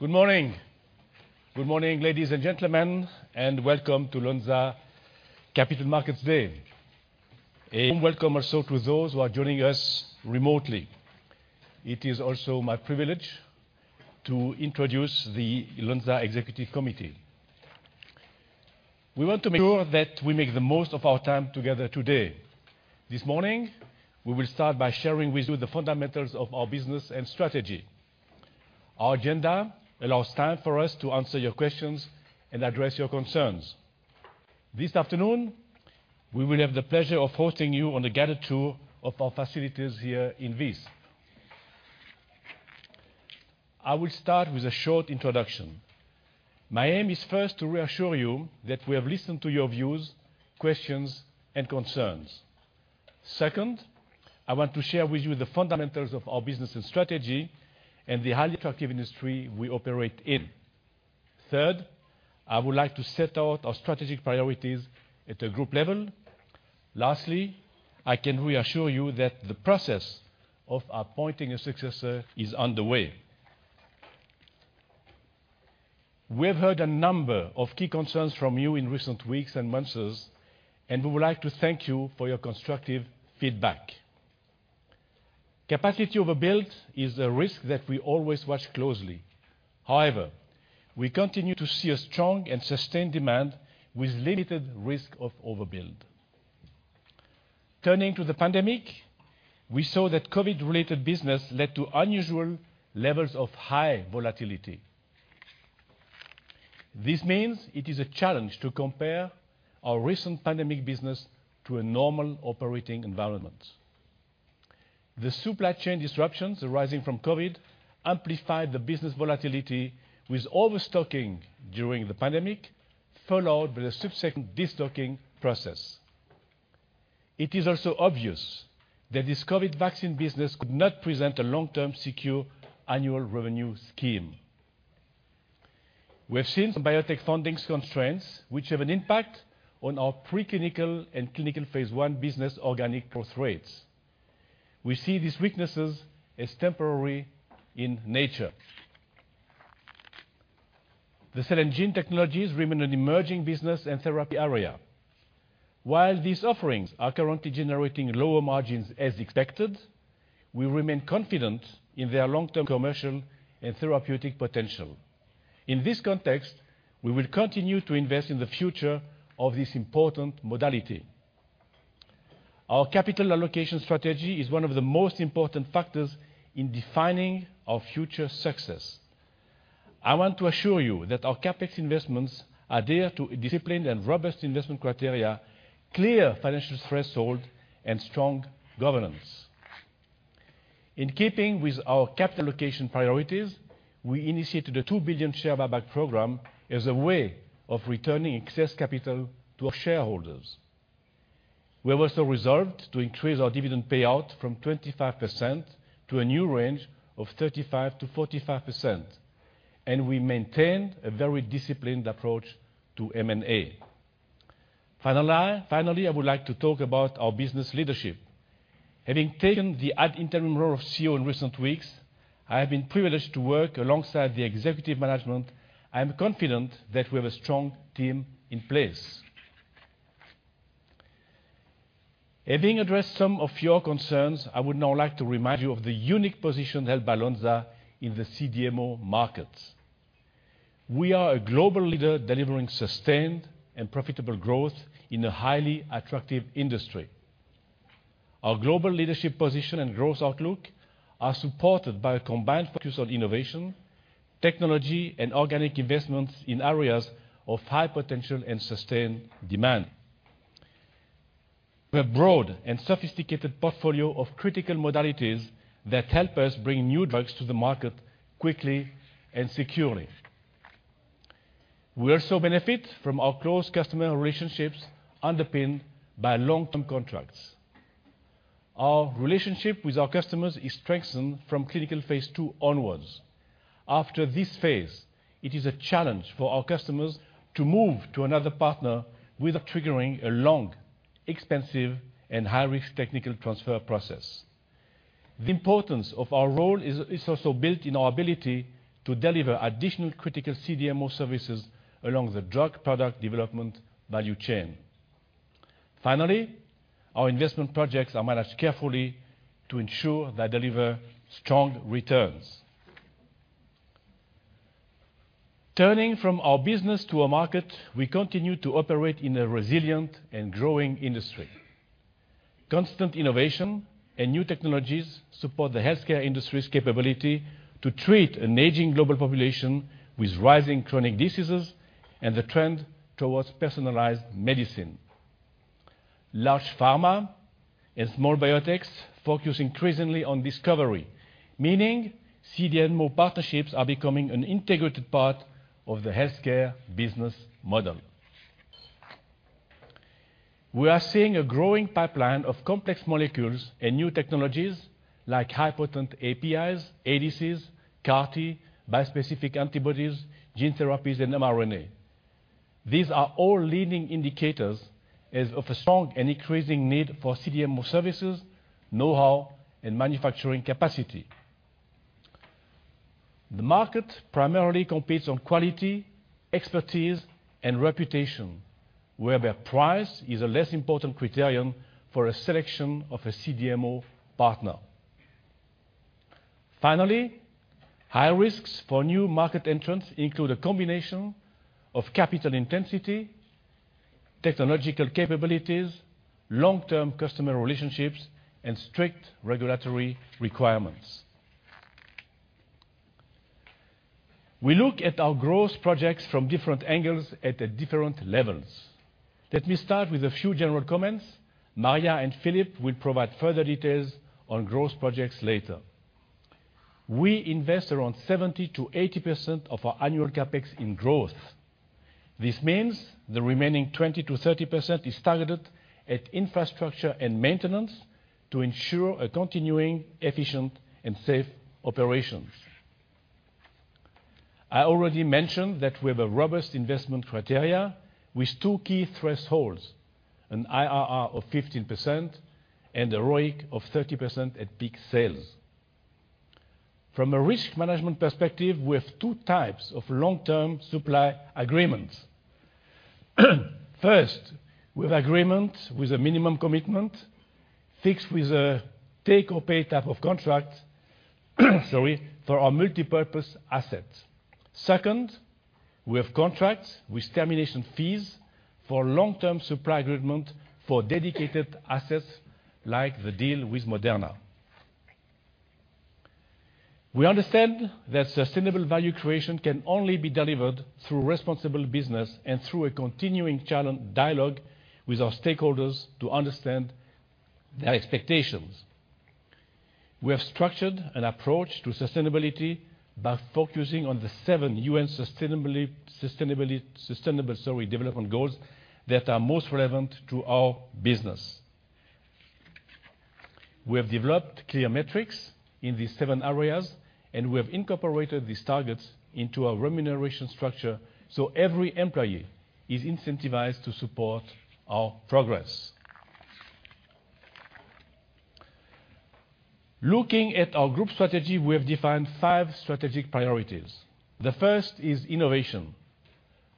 Good morning! Good morning, ladies and gentlemen, and welcome to Lonza Capital Markets Day. A warm welcome also to those who are joining us remotely. It is also my privilege to introduce the Lonza Executive Committee. We want to make sure that we make the most of our time together today. This morning, we will start by sharing with you the fundamentals of our business and strategy. Our agenda allows time for us to answer your questions and address your concerns. This afternoon, we will have the pleasure of hosting you on a guided tour of our facilities here in Visp. I will start with a short introduction. My aim is first to reassure you that we have listened to your views, questions, and concerns. Second, I want to share with you the fundamentals of our business and strategy and the highly attractive industry we operate in. Third, I would like to set out our strategic priorities at a group level. Lastly, I can reassure you that the process of appointing a successor is underway. We have heard a number of key concerns from you in recent weeks and months, and we would like to thank you for your constructive feedback. Capacity overbuild is a risk that we always watch closely. However, we continue to see a strong and sustained demand with limited risk of overbuild. Turning to the pandemic, we saw that COVID-related business led to unusual levels of high volatility. This means it is a challenge to compare our recent pandemic business to a normal operating environment. The supply chain disruptions arising from COVID amplified the business volatility with overstocking during the pandemic, followed by the subsequent destocking process. It is also obvious that this COVID vaccine business could not present a long-term, secure annual revenue scheme. We have seen some biotech funding constraints, which have an impact on our pre-clinical and clinical Phase I business organic growth rates. We see these weaknesses as temporary in nature. The cell and gene technologies remain an emerging business and therapy area. While these offerings are currently generating lower margins as expected, we remain confident in their long-term commercial and therapeutic potential. In this context, we will continue to invest in the future of this important modality. Our capital allocation strategy is one of the most important factors in defining our future success. I want to assure you that our CapEx investments adhere to a disciplined and robust investment criteria, clear financial threshold, and strong governance. In keeping with our capital allocation priorities, we initiated a 2 billion share buyback program as a way of returning excess capital to our shareholders. We are also resolved to increase our dividend payout from 25% to a new range of 35%-45%, and we maintain a very disciplined approach to M&A. Finally, I would like to talk about our business leadership. Having taken the ad interim role of CEO in recent weeks, I have been privileged to work alongside the executive management. I am confident that we have a strong team in place. Having addressed some of your concerns, I would now like to remind you of the unique position held by Lonza in the CDMO markets. We are a global leader delivering sustained and profitable growth in a highly attractive industry. Our global leadership position and growth outlook are supported by a combined focus on innovation, technology, and organic investments in areas of high potential and sustained demand. We have a broad and sophisticated portfolio of critical modalities that help us bring new drugs to the market quickly and securely. We also benefit from our close customer relationships, underpinned by long-term contracts. Our relationship with our customers is strengthened from clinical Phase II onwards. After this phase, it is a challenge for our customers to move to another partner without triggering a long, expensive, and high-risk technical transfer process. The importance of our role is also built in our ability to deliver additional critical CDMO services along the drug product development value chain. Finally, our investment projects are managed carefully to ensure they deliver strong returns. Turning from our business to our market, we continue to operate in a resilient and growing industry. Constant innovation and new technologies support the healthcare industry's capability to treat an aging global population with rising chronic diseases and the trend towards personalized medicine. Large pharma and small biotechs focus increasingly on discovery, meaning CDMO partnerships are becoming an integrated part of the healthcare business model. We are seeing a growing pipeline of complex molecules and new technologies like highly potent APIs, ADCs, CAR-T, bispecific antibodies, gene therapies, and mRNA. These are all leading indicators of a strong and increasing need for CDMO services, know-how, and manufacturing capacity. The market primarily competes on quality, expertise, and reputation, whereby price is a less important criterion for a selection of a CDMO partner. Finally, high risks for new market entrants include a combination of capital intensity, technological capabilities, long-term customer relationships, and strict regulatory requirements. We look at our growth projects from different angles at the different levels. Let me start with a few general comments. Maria and Philippe will provide further details on growth projects later. We invest around 70%-80% of our annual CapEx in growth. This means the remaining 20%-30% is targeted at infrastructure and maintenance to ensure a continuing efficient and safe operations. I already mentioned that we have a robust investment criteria with two key thresholds: an IRR of 15% and a ROIC of 30% at peak sales. From a risk management perspective, we have two types of long-term supply agreements. First, we have agreement with a minimum commitment, fixed with a take-or-pay type of contract, sorry, for our multipurpose assets. Second, we have contracts with termination fees for long-term supply agreement for dedicated assets, like the deal with Moderna. We understand that sustainable value creation can only be delivered through responsible business and through a continuing challenging dialogue with our stakeholders to understand their expectations. We have structured an approach to sustainability by focusing on the seven UN sustainability development goals that are most relevant to our business. We have developed clear metrics in these seven areas, and we have incorporated these targets into our remuneration structure, so every employee is incentivized to support our progress. Looking at our group strategy, we have defined five strategic priorities. The first is innovation.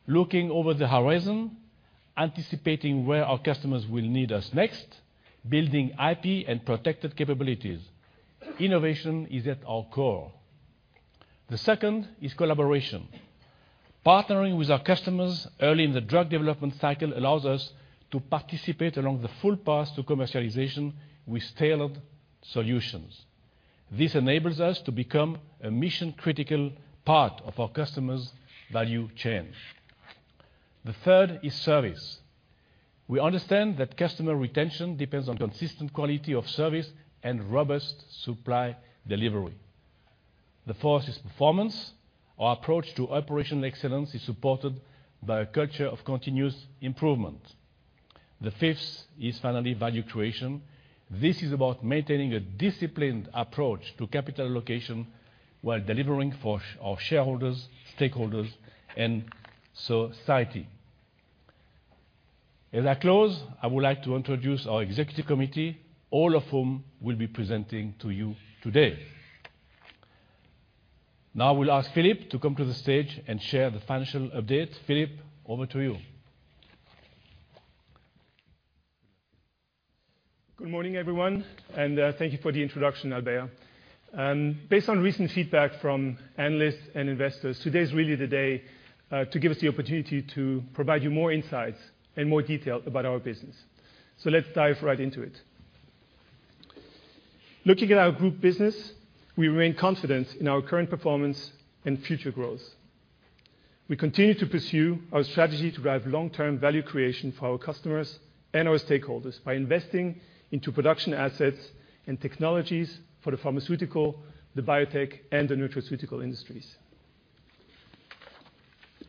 Looking over the horizon, anticipating where our customers will need us next, building IP and protected capabilities, innovation is at our core. The second is collaboration. Partnering with our customers early in the drug development cycle allows us to participate along the full path to commercialization with tailored solutions. This enables us to become a mission-critical part of our customer's value chain. The third is service. We understand that customer retention depends on consistent quality of service and robust supply delivery. The fourth is performance. Our approach to operational excellence is supported by a culture of continuous improvement. The fifth is, finally, value creation. This is about maintaining a disciplined approach to capital allocation while delivering for our shareholders, stakeholders, and society. As I close, I would like to introduce our executive committee, all of whom will be presenting to you today. Now I will ask Philippe to come to the stage and share the financial update. Philippe, over to you. Good morning, everyone, and thank you for the introduction, Albert. Based on recent feedback from analysts and investors, today is really the day to give us the opportunity to provide you more insights and more detail about our business. So let's dive right into it. Looking at our group business, we remain confident in our current performance and future growth. We continue to pursue our strategy to drive long-term value creation for our customers and our stakeholders by investing into production assets and technologies for the pharmaceutical, the biotech, and the nutraceutical industries.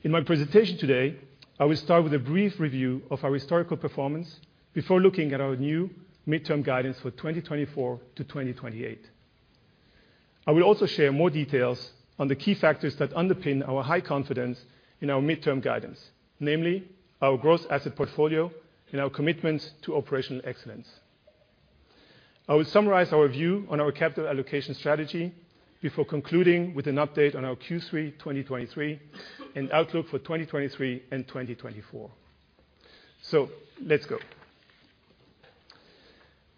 In my presentation today, I will start with a brief review of our historical performance before looking at our new midterm guidance for 2024-2028. I will also share more details on the key factors that underpin our high confidence in our midterm guidance, namely our growth asset portfolio and our commitment to operational excellence. I will summarize our view on our capital allocation strategy before concluding with an update on our Q3 2023 and outlook for 2023 and 2024. So let's go.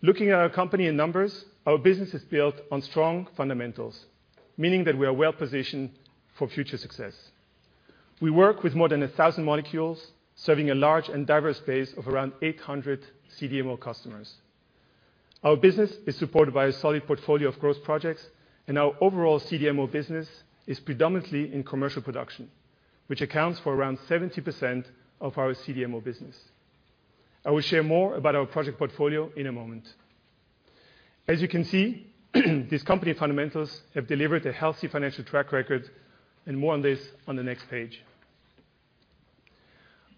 Looking at our company in numbers, our business is built on strong fundamentals, meaning that we are well positioned for future success. We work with more than 1,000 molecules, serving a large and diverse base of around 800 CDMO customers. Our business is supported by a solid portfolio of growth projects, and our overall CDMO business is predominantly in commercial production, which accounts for around 70% of our CDMO business. I will share more about our project portfolio in a moment. As you can see, these company fundamentals have delivered a healthy financial track record, and more on this on the next page.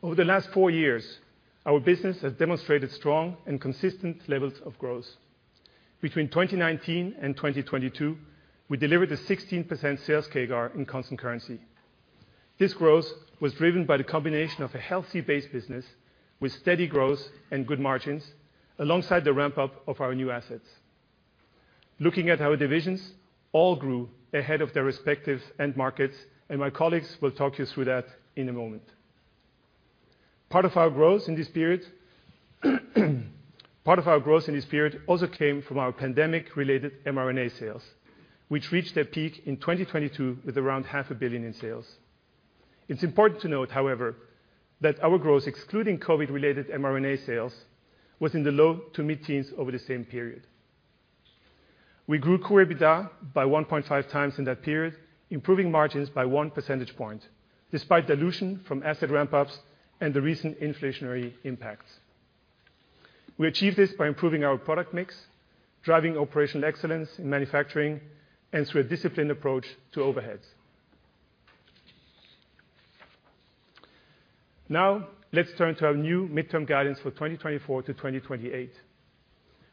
Over the last four years, our business has demonstrated strong and consistent levels of growth. Between 2019 and 2022, we delivered a 16% sales CAGR in constant currency. This growth was driven by the combination of a healthy base business with steady growth and good margins, alongside the ramp-up of our new assets. Looking at our divisions, all grew ahead of their respective end markets, and my colleagues will talk you through that in a moment. Part of our growth in this period also came from our pandemic-related mRNA sales, which reached their peak in 2022 with around 500 million in sales. It's important to note, however, that our growth, excluding COVID-related mRNA sales, was in the low to mid-teens over the same period. We grew core EBITDA by 1.5x in that period, improving margins by 1 percentage point, despite dilution from asset ramp-ups and the recent inflationary impacts. We achieved this by improving our product mix, driving operational excellence in manufacturing, and through a disciplined approach to overheads. Now, let's turn to our new midterm guidance for 2024-2028.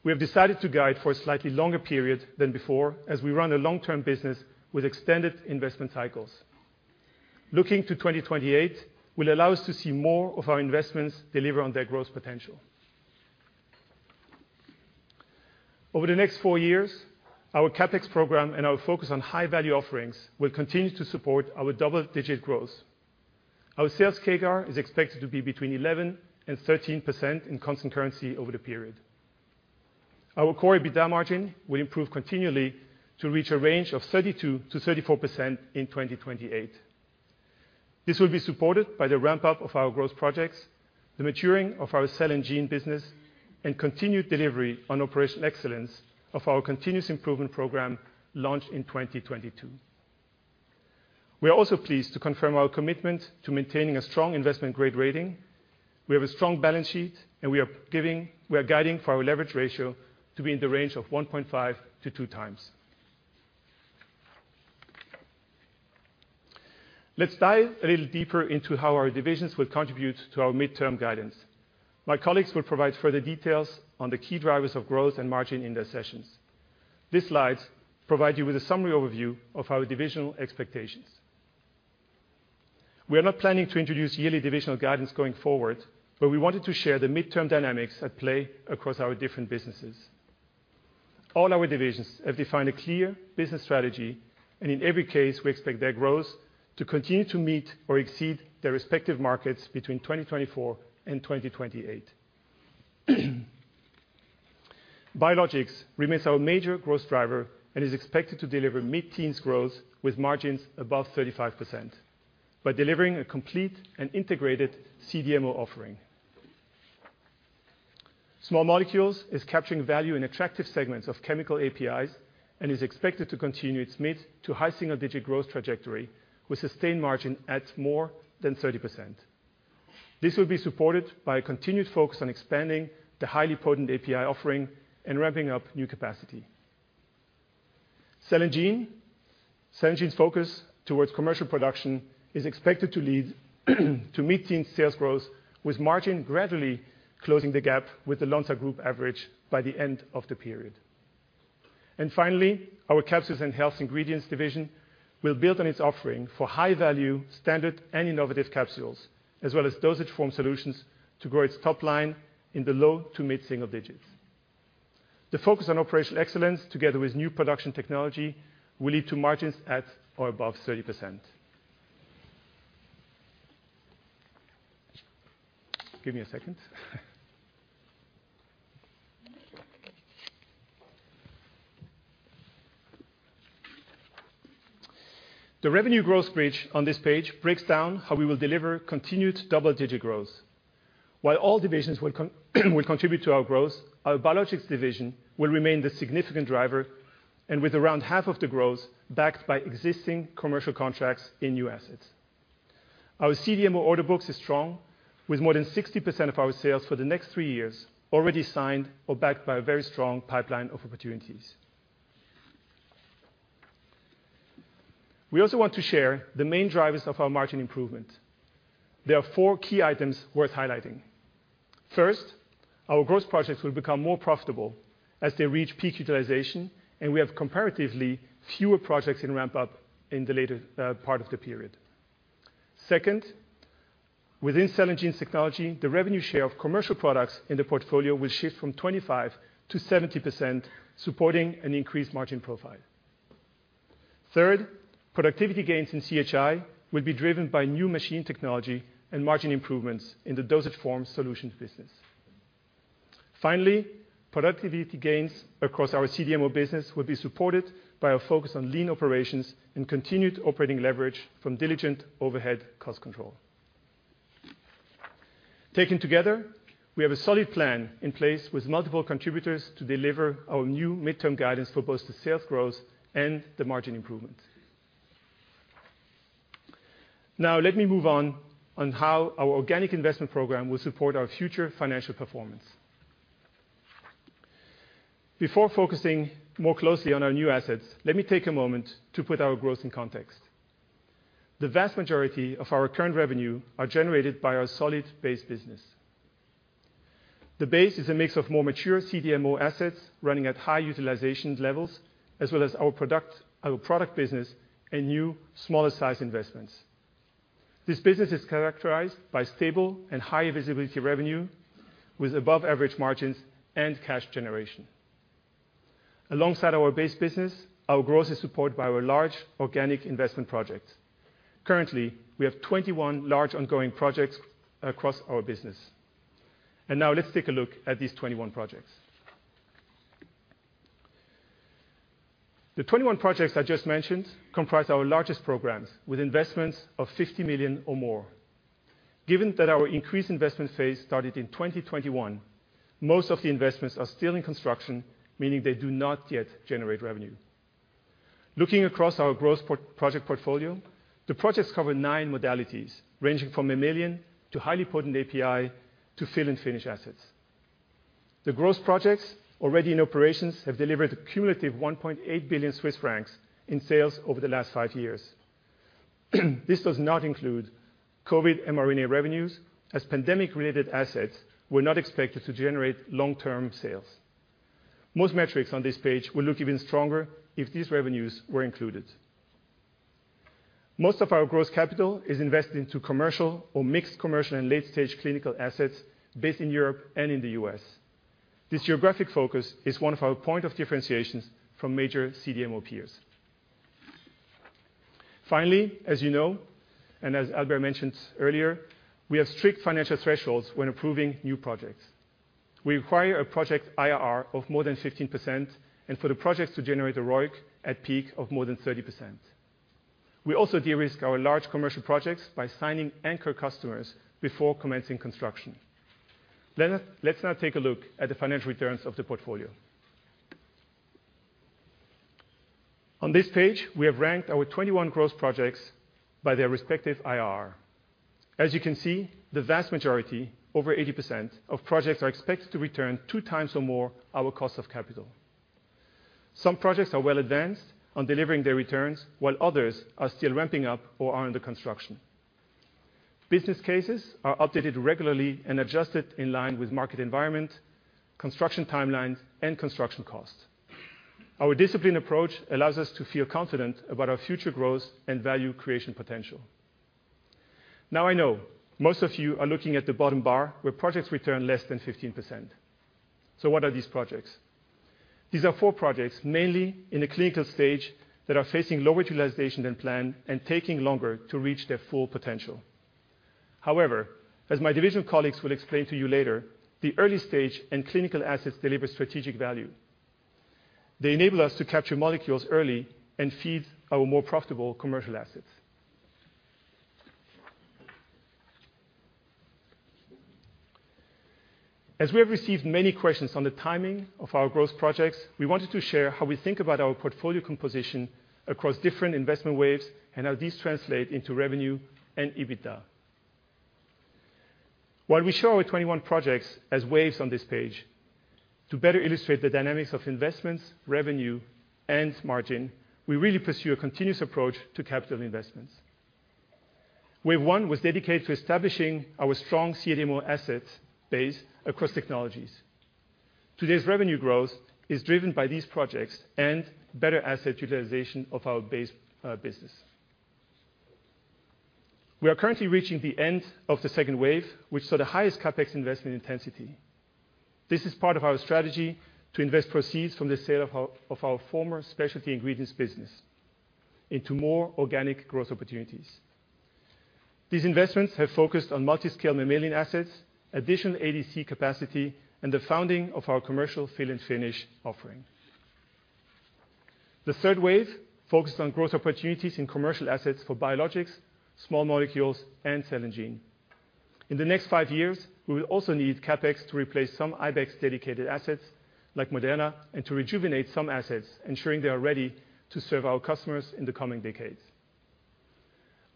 We have decided to guide for a slightly longer period than before as we run a long-term business with extended investment cycles. Looking to 2028 will allow us to see more of our investments deliver on their growth potential. Over the next four years, our CapEx program and our focus on high-value offerings will continue to support our double-digit growth. Our sales CAGR is expected to be between 11% and 13% in constant currency over the period. Our core EBITDA margin will improve continually to reach a range of 32%-34% in 2028. This will be supported by the ramp-up of our growth projects, the maturing of our cell and gene business, and continued delivery on operational excellence of our continuous improvement program launched in 2022. We are also pleased to confirm our commitment to maintaining a strong investment-grade rating. We have a strong balance sheet, and we are guiding for our leverage ratio to be in the range of 1.5x-2x. Let's dive a little deeper into how our divisions will contribute to our midterm guidance. My colleagues will provide further details on the key drivers of growth and margin in their sessions. These slides provide you with a summary overview of our divisional expectations. We are not planning to introduce yearly divisional guidance going forward, but we wanted to share the midterm dynamics at play across our different businesses. All our divisions have defined a clear business strategy, and in every case, we expect their growth to continue to meet or exceed their respective markets between 2024 and 2028. Biologics remains our major growth driver and is expected to deliver mid-teens growth with margins above 35%, by delivering a complete and integrated CDMO offering. Small Molecules is capturing value in attractive segments of chemical APIs and is expected to continue its mid to high single-digit growth trajectory, with sustained margin at more than 30%. This will be supported by a continued focus on expanding the highly potent API offering and ramping up new capacity. Cell and gene. Cell and Gene's focus towards commercial production is expected to lead to mid-teen sales growth, with margin gradually closing the gap with the Lonza Group average by the end of the period. And finally, our Capsules and Health Ingredients Division will build on its offering for high-value, standard, and innovative capsules, as well as Dosage Form Solutions to grow its top line in the low to mid single digits. The focus on operational excellence together with new production technology, will lead to margins at or above 30%. Give me a second. The revenue growth page on this page breaks down how we will deliver continued double-digit growth. While all divisions will contribute to our growth, our Biologics Division will remain the significant driver, and with around half of the growth backed by existing commercial contracts in new assets. Our CDMO order books is strong, with more than 60% of our sales for the next three years already signed or backed by a very strong pipeline of opportunities. We also want to share the main drivers of our margin improvement. There are four key items worth highlighting. First, our growth projects will become more profitable as they reach peak utilization, and we have comparatively fewer projects in ramp-up in the later part of the period. Second, within cell and gene technology, the revenue share of commercial products in the portfolio will shift from 25%-70%, supporting an increased margin profile. Third, productivity gains in CHI will be driven by new machine technology and margin improvements in the dosage form solutions business. Finally, productivity gains across our CDMO business will be supported by our focus on lean operations and continued operating leverage from diligent overhead cost control. Taken together, we have a solid plan in place with multiple contributors to deliver our new midterm guidance for both the sales growth and the margin improvement. Now, let me move on on how our organic investment program will support our future financial performance. Before focusing more closely on our new assets, let me take a moment to put our growth in context. The vast majority of our current revenue are generated by our solid base business. The base is a mix of more mature CDMO assets running at high utilization levels, as well as our product, our product business and new smaller size investments. This business is characterized by stable and high visibility revenue with above average margins and cash generation. Alongside our base business, our growth is supported by our large organic investment projects. Currently, we have 21 large ongoing projects across our business. Now let's take a look at these 21 projects. The 21 projects I just mentioned comprise our largest programs, with investments of 50 million or more. Given that our increased investment phase started in 2021, most of the investments are still in construction, meaning they do not yet generate revenue. Looking across our growth project portfolio, the projects cover nine modalities, ranging from small molecule to highly potent API to fill and finish assets. The growth projects already in operations have delivered a cumulative 1.8 billion Swiss francs in sales over the last five years. This does not include COVID mRNA revenues, as pandemic-related assets were not expected to generate long-term sales. Most metrics on this page will look even stronger if these revenues were included. Most of our growth capital is invested into commercial or mixed commercial and late-stage clinical assets based in Europe and in the U.S. This geographic focus is one of our point of differentiations from major CDMO peers. Finally, as you know, and as Albert mentioned earlier, we have strict financial thresholds when approving new projects. We require a project IRR of more than 15%, and for the projects to generate a ROIC at peak of more than 30%. We also de-risk our large commercial projects by signing anchor customers before commencing construction. Let's now take a look at the financial returns of the portfolio. On this page, we have ranked our 21 growth projects by their respective IRR. As you can see, the vast majority, over 80%, of projects are expected to return 2x or more our cost of capital. Some projects are well advanced on delivering their returns, while others are still ramping up or are under construction. Business cases are updated regularly and adjusted in line with market environment, construction timelines, and construction costs. Our disciplined approach allows us to feel confident about our future growth and value creation potential. Now I know most of you are looking at the bottom bar, where projects return less than 15%. So what are these projects? These are four projects, mainly in the clinical stage, that are facing lower utilization than planned and taking longer to reach their full potential. However, as my division colleagues will explain to you later, the early stage and clinical assets deliver strategic value. They enable us to capture molecules early and feed our more profitable commercial assets. As we have received many questions on the timing of our growth projects, we wanted to share how we think about our portfolio composition across different investment waves and how these translate into revenue and EBITDA. While we show our 21 projects as waves on this page, to better illustrate the dynamics of investments, revenue, and margin, we really pursue a continuous approach to capital investments. Wave one was dedicated to establishing our strong CDMO asset base across technologies. Today's revenue growth is driven by these projects and better asset utilization of our base business. We are currently reaching the end of the second wave, which saw the highest CapEx investment intensity. This is part of our strategy to invest proceeds from the sale of our former specialty ingredients business into more organic growth opportunities. These investments have focused on multi-scale mammalian assets, additional ADC capacity, and the founding of our commercial fill and finish offering. The third wave focused on growth opportunities in commercial assets for biologics, small molecules, and cell and gene. In the next five years, we will also need CapEx to replace some Ibex-dedicated assets, like Moderna, and to rejuvenate some assets, ensuring they are ready to serve our customers in the coming decades.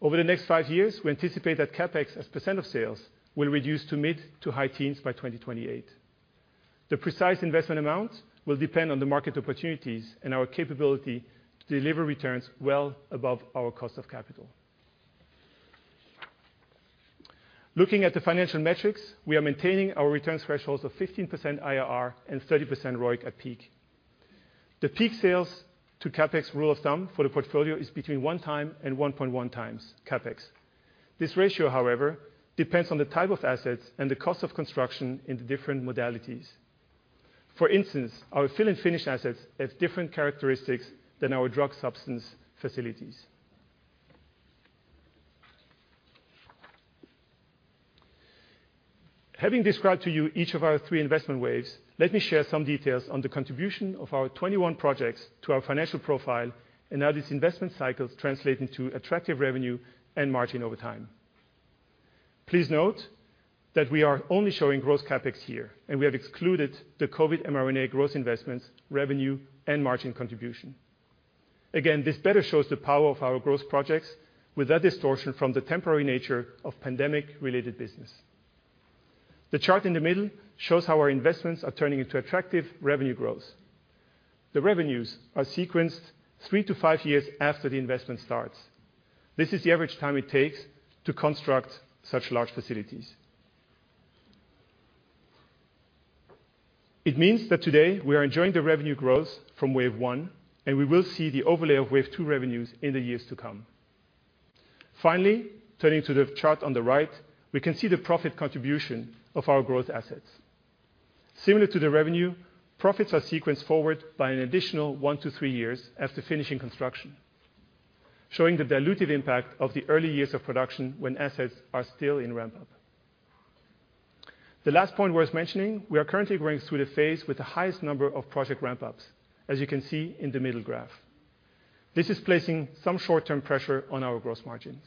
Over the next five years, we anticipate that CapEx as % of sales will reduce to mid- to high-teens by 2028. The precise investment amount will depend on the market opportunities and our capability to deliver returns well above our cost of capital. Looking at the financial metrics, we are maintaining our returns thresholds of 15% IRR and 30% ROIC at peak. The peak sales to CapEx rule of thumb for the portfolio is between 1x and 1.1x CapEx. This ratio, however, depends on the type of assets and the cost of construction in the different modalities. For instance, our fill and finish assets have different characteristics than our drug substance facilities. Having described to you each of our three investment waves, let me share some details on the contribution of our 21 projects to our financial profile and how these investment cycles translate into attractive revenue and margin over time. Please note that we are only showing growth CapEx here, and we have excluded the COVID mRNA growth investments, revenue, and margin contribution. Again, this better shows the power of our growth projects without distortion from the temporary nature of pandemic-related business. The chart in the middle shows how our investments are turning into attractive revenue growth. The revenues are sequenced three to five years after the investment starts. This is the average time it takes to construct such large facilities. It means that today we are enjoying the revenue growth from wave one, and we will see the overlay of wave two revenues in the years to come. Finally, turning to the chart on the right, we can see the profit contribution of our growth assets. Similar to the revenue, profits are sequenced forward by an additional one to three years after finishing construction, showing the dilutive impact of the early years of production when assets are still in ramp-up. The last point worth mentioning, we are currently going through the phase with the highest number of project ramp-ups, as you can see in the middle graph. This is placing some short-term pressure on our gross margins.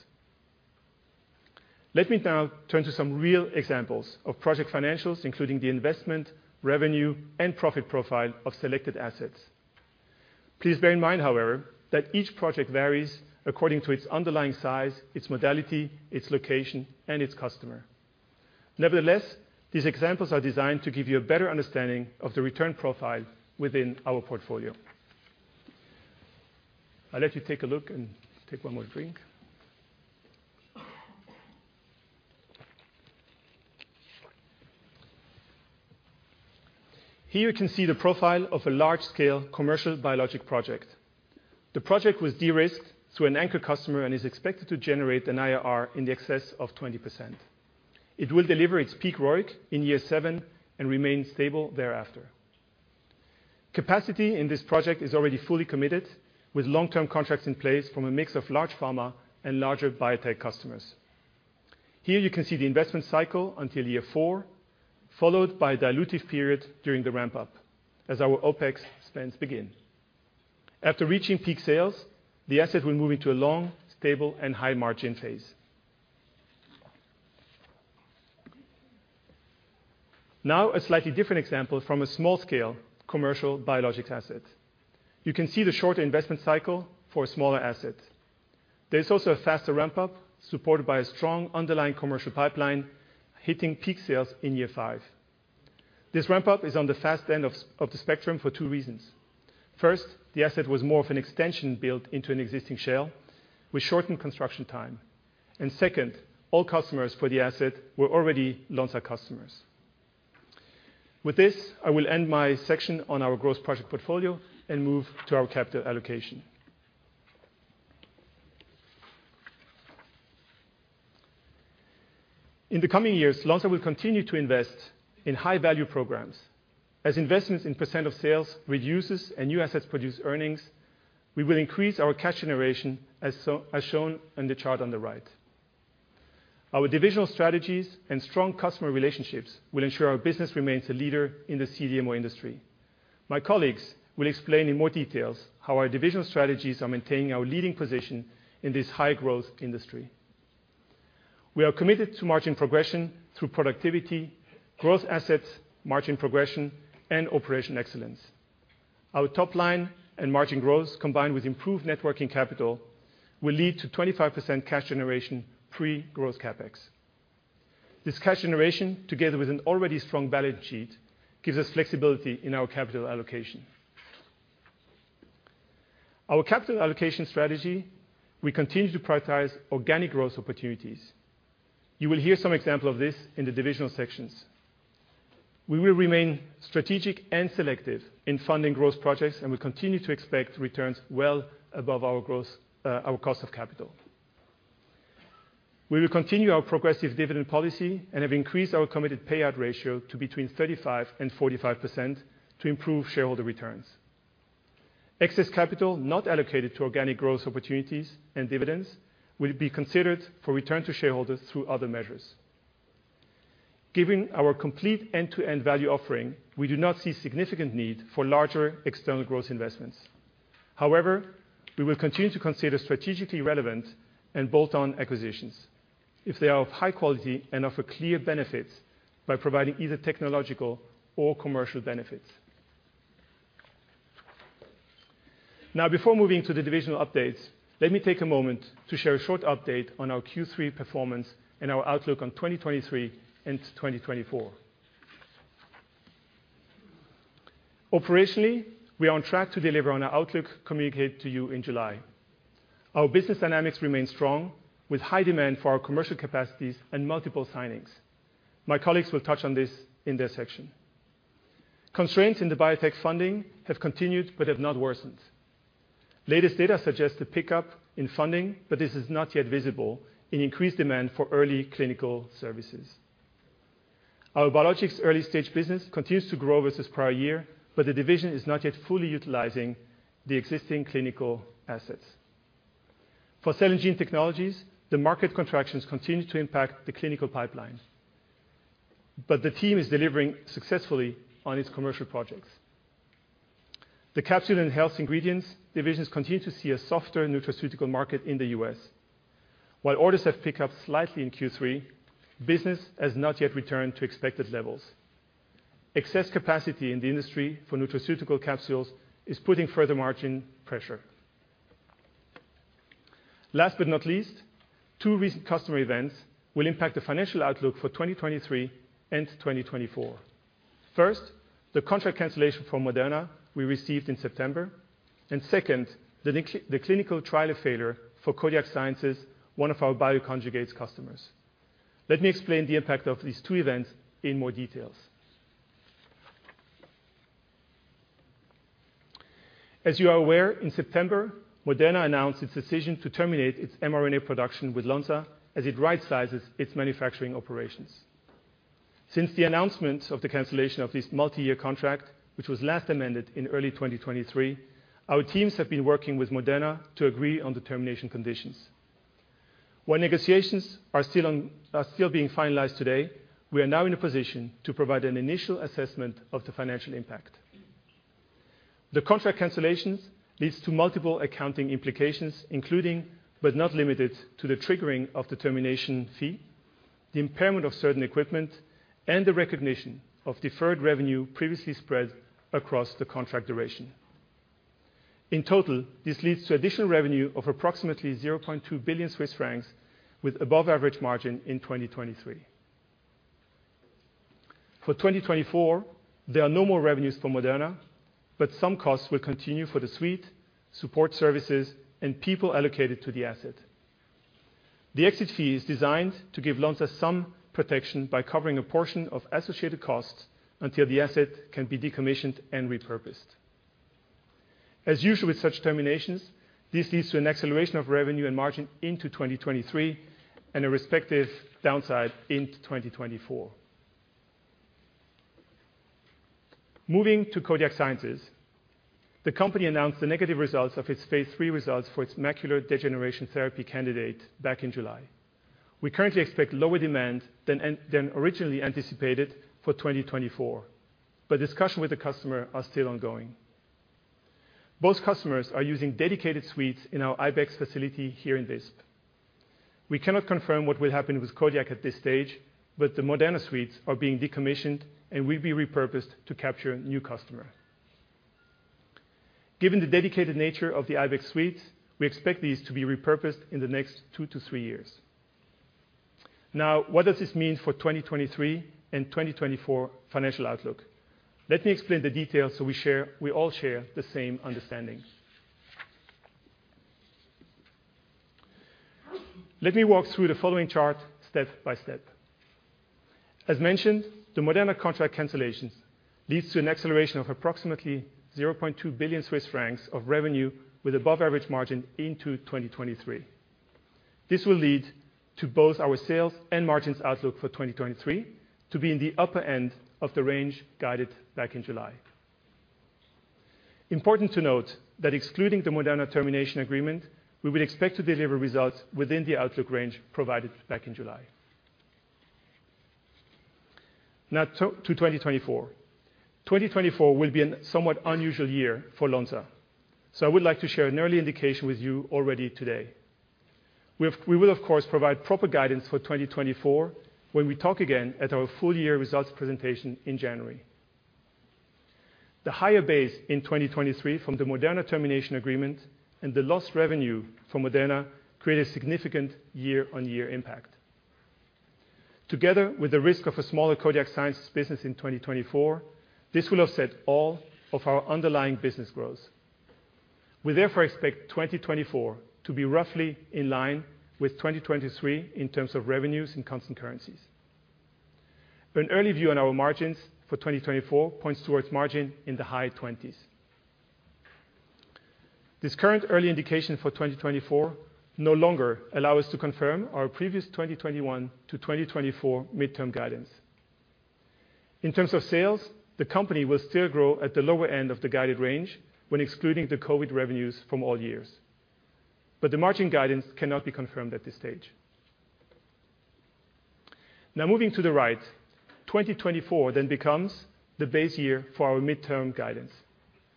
Let me now turn to some real examples of project financials, including the investment, revenue, and profit profile of selected assets. Please bear in mind, however, that each project varies according to its underlying size, its modality, its location, and its customer. Nevertheless, these examples are designed to give you a better understanding of the return profile within our portfolio. I'll let you take a look and take one more drink. Here you can see the profile of a large-scale commercial biologic project. The project was de-risked through an anchor customer and is expected to generate an IRR in excess of 20%. It will deliver its peak ROIC in year seven and remain stable thereafter. Capacity in this project is already fully committed, with long-term contracts in place from a mix of large pharma and larger biotech customers. Here you can see the investment cycle until year four, followed by a dilutive period during the ramp-up as our OpEx spends begin. After reaching peak sales, the asset will move into a long, stable, and high-margin phase. Now, a slightly different example from a small-scale commercial biologics asset. You can see the shorter investment cycle for a smaller asset. There is also a faster ramp-up, supported by a strong underlying commercial pipeline, hitting peak sales in year five. This ramp-up is on the fast end of the spectrum for two reasons. First, the asset was more of an extension built into an existing shell, which shortened construction time. Second, all customers for the asset were already Lonza customers. With this, I will end my section on our growth project portfolio and move to our capital allocation. In the coming years, Lonza will continue to invest in high-value programs. As investments in percent of sales reduces and new assets produce earnings, we will increase our cash generation, as shown on the chart on the right. Our divisional strategies and strong customer relationships will ensure our business remains a leader in the CDMO industry. My colleagues will explain in more detail how our divisional strategies are maintaining our leading position in this high-growth industry. We are committed to margin progression through productivity, growth assets, margin progression, and operational excellence. Our top line and margin growth, combined with improved net working capital, will lead to 25% cash generation, pre-growth CapEx. This cash generation, together with an already strong balance sheet, gives us flexibility in our capital allocation. Our capital allocation strategy, we continue to prioritize organic growth opportunities. You will hear some example of this in the divisional sections. We will remain strategic and selective in funding growth projects, and we continue to expect returns well above our growth, our cost of capital. We will continue our progressive dividend policy and have increased our committed payout ratio to between 35% and 45% to improve shareholder returns. Excess capital not allocated to organic growth opportunities and dividends will be considered for return to shareholders through other measures. Given our complete end-to-end value offering, we do not see significant need for larger external growth investments. However, we will continue to consider strategically relevant and bolt-on acquisitions if they are of high quality and offer clear benefits by providing either technological or commercial benefits. Now, before moving to the divisional updates, let me take a moment to share a short update on our Q3 performance and our outlook on 2023 and 2024. Operationally, we are on track to deliver on our outlook communicated to you in July. Our business dynamics remain strong, with high demand for our commercial capacities and multiple signings. My colleagues will touch on this in their section. Constraints in the biotech funding have continued but have not worsened. Latest data suggests a pickup in funding, but this is not yet visible in increased demand for early clinical services. Our biologics early-stage business continues to grow versus prior year, but the division is not yet fully utilizing the existing clinical assets. For cell and gene technologies, the market contractions continue to impact the clinical pipeline, but the team is delivering successfully on its commercial projects. The Capsules and Health Ingredients divisions continue to see a softer nutraceutical market in the U.S. While orders have picked up slightly in Q3, business has not yet returned to expected levels. Excess capacity in the industry for nutraceutical capsules is putting further margin pressure. Last but not least, two recent customer events will impact the financial outlook for 2023 and 2024. First, the contract cancellation from Moderna we received in September, and second, the clinical trial failure for Codiak Sciences, one of our bioconjugates customers. Let me explain the impact of these two events in more details. As you are aware, in September, Moderna announced its decision to terminate its mRNA production with Lonza, as it right-sizes its manufacturing operations. Since the announcement of the cancellation of this multi-year contract, which was last amended in early 2023, our teams have been working with Moderna to agree on the termination conditions. While negotiations are still on, are still being finalized today, we are now in a position to provide an initial assessment of the financial impact. The contract cancellations leads to multiple accounting implications, including, but not limited to, the triggering of the termination fee, the impairment of certain equipment, and the recognition of deferred revenue previously spread across the contract duration. In total, this leads to additional revenue of approximately 0.2 billion Swiss francs, with above-average margin in 2023. For 2024, there are no more revenues for Moderna, but some costs will continue for the suite, support services, and people allocated to the asset. The exit fee is designed to give Lonza some protection by covering a portion of associated costs until the asset can be decommissioned and repurposed. As usual with such terminations, this leads to an acceleration of revenue and margin into 2023 and a respective downside into 2024. Moving to Codiak Sciences, the company announced the negative results of its Phase III results for its macular degeneration therapy candidate back in July. We currently expect lower demand than than originally anticipated for 2024, but discussions with the customer are still ongoing. Both customers are using dedicated suites in our Ibex facility here in Visp. We cannot confirm what will happen with Codiak at this stage, but the Moderna suites are being decommissioned and will be repurposed to capture a new customer. Given the dedicated nature of the Ibex suites, we expect these to be repurposed in the next two to three years. Now, what does this mean for 2023 and 2024 financial outlook? Let me explain the details so we share, we all share the same understanding. Let me walk through the following chart step by step. As mentioned, the Moderna contract cancellations leads to an acceleration of approximately 0.2 billion Swiss francs of revenue with above-average margin into 2023. This will lead to both our sales and margins outlook for 2023 to be in the upper end of the range guided back in July. Important to note that excluding the Moderna termination agreement, we will expect to deliver results within the outlook range provided back in July. Now to 2024. 2024 will be a somewhat unusual year for Lonza, so I would like to share an early indication with you already today. We will, of course, provide proper guidance for 2024 when we talk again at our full-year results presentation in January. The higher base in 2023 from the Moderna termination agreement and the lost revenue from Moderna create a significant year-on-year impact. Together with the risk of a smaller Codiak Sciences business in 2024, this will offset all of our underlying business growth. We therefore expect 2024 to be roughly in line with 2023 in terms of revenues and constant currencies. An early view on our margins for 2024 points towards margin in the high 20s. This current early indication for 2024 no longer allow us to confirm our previous 2021 to 2024 mid-term guidance. In terms of sales, the company will still grow at the lower end of the guided range when excluding the COVID revenues from all years, but the margin guidance cannot be confirmed at this stage. Now, moving to the right, 2024 then becomes the base year for our midterm guidance,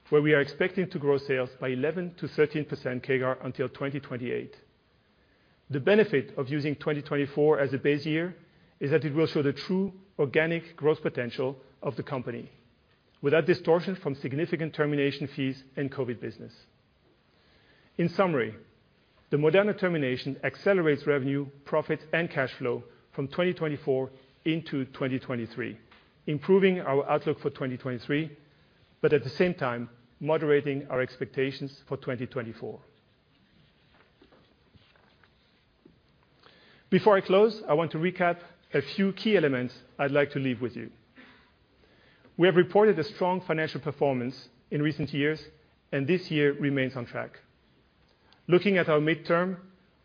where we are expecting to grow sales by 11%-13% CAGR until 2028. The benefit of using 2024 as a base year is that it will show the true organic growth potential of the company without distortion from significant termination fees and COVID business. In summary, the Moderna termination accelerates revenue, profit, and cash flow from 2024 into 2023, improving our outlook for 2023, but at the same time, moderating our expectations for 2024. Before I close, I want to recap a few key elements I'd like to leave with you. We have reported a strong financial performance in recent years, and this year remains on track. Looking at our midterm,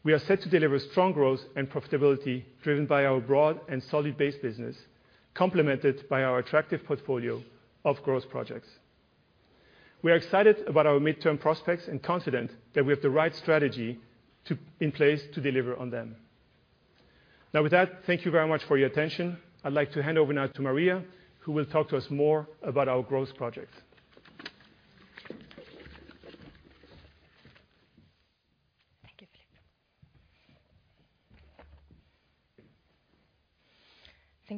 we are set to deliver strong growth and profitability, driven by our broad and solid base business, complemented by our attractive portfolio of growth projects. We are excited about our midterm prospects and confident that we have the right strategy to in place to deliver on them. Now, with that, thank you very much for your attention. I'd like to hand over now to Maria, who will talk to us more about our growth projects.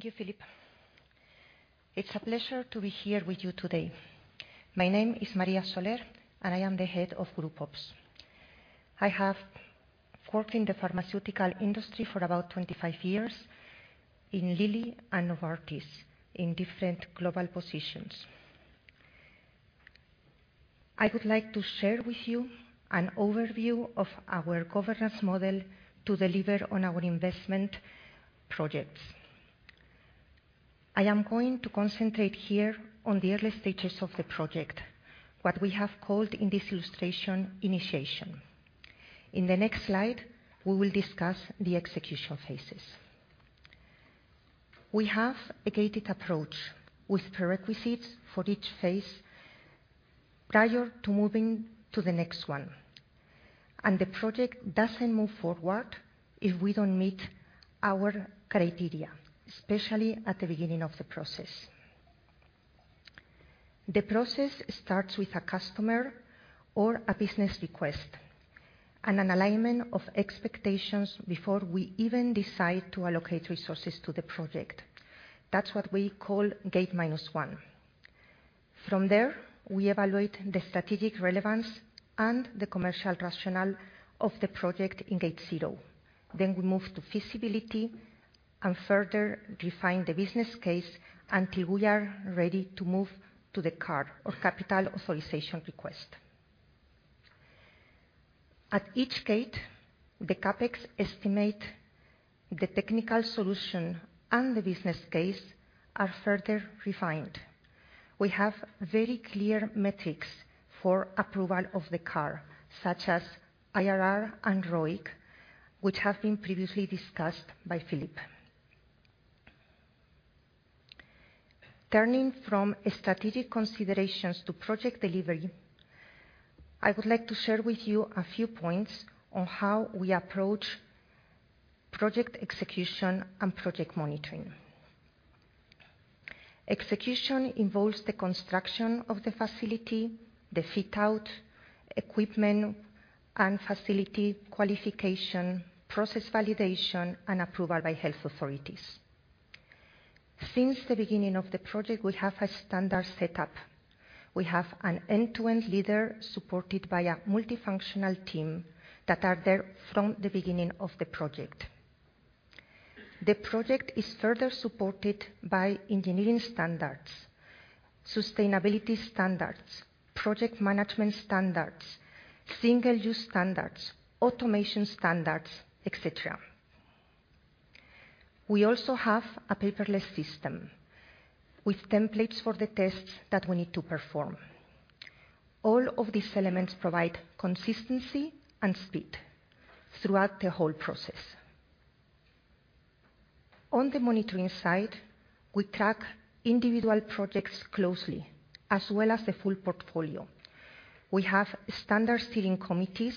Thank you, Philippe. It's a pleasure to be here with you today. My name is Maria Soler, and I am the head of Group Ops. I have worked in the pharmaceutical industry for about 25 years in Lilly and Novartis in different global positions. I would like to share with you an overview of our governance model to deliver on our investment projects. I am going to concentrate here on the early stages of the project, what we have called in this illustration, initiation. In the next slide, we will discuss the execution phases. We have a gated approach with prerequisites for each phase prior to moving to the next one, and the project doesn't move forward if we don't meet our criteria, especially at the beginning of the process. The process starts with a customer or a business request and an alignment of expectations before we even decide to allocate resources to the project. That's what we call Gate Minus One. From there, we evaluate the strategic relevance and the commercial rationale of the project in Gate Zero. Then we move to feasibility and further refine the business case until we are ready to move to the CAR or Capital Authorization Request. At each gate, the CapEx estimate, the technical solution, and the business case are further refined. We have very clear metrics for approval of the CAR, such as IRR and ROIC, which have been previously discussed by Philippe. Turning from strategic considerations to project delivery, I would like to share with you a few points on how we approach project execution and project monitoring. Execution involves the construction of the facility, the fit-out, equipment and facility qualification, process validation, and approval by health authorities. Since the beginning of the project, we have a standard setup. We have an end-to-end leader supported by a multifunctional team that are there from the beginning of the project. The project is further supported by engineering standards, sustainability standards, project management standards, single-use standards, automation standards, et cetera. We also have a paperless system with templates for the tests that we need to perform. All of these elements provide consistency and speed throughout the whole process. On the monitoring side, we track individual projects closely, as well as the full portfolio. We have standard steering committees,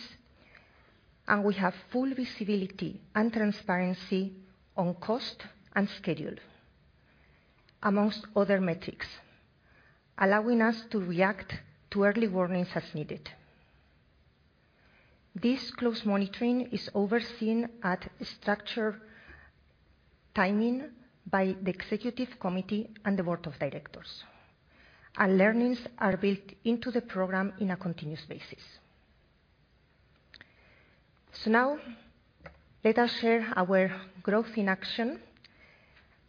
and we have full visibility and transparency on cost and schedule, amongst other metrics, allowing us to react to early warnings as needed. This close monitoring is overseen at structure timing by the executive committee and the board of directors, and learnings are built into the program on a continuous basis. So now, let us share our growth in action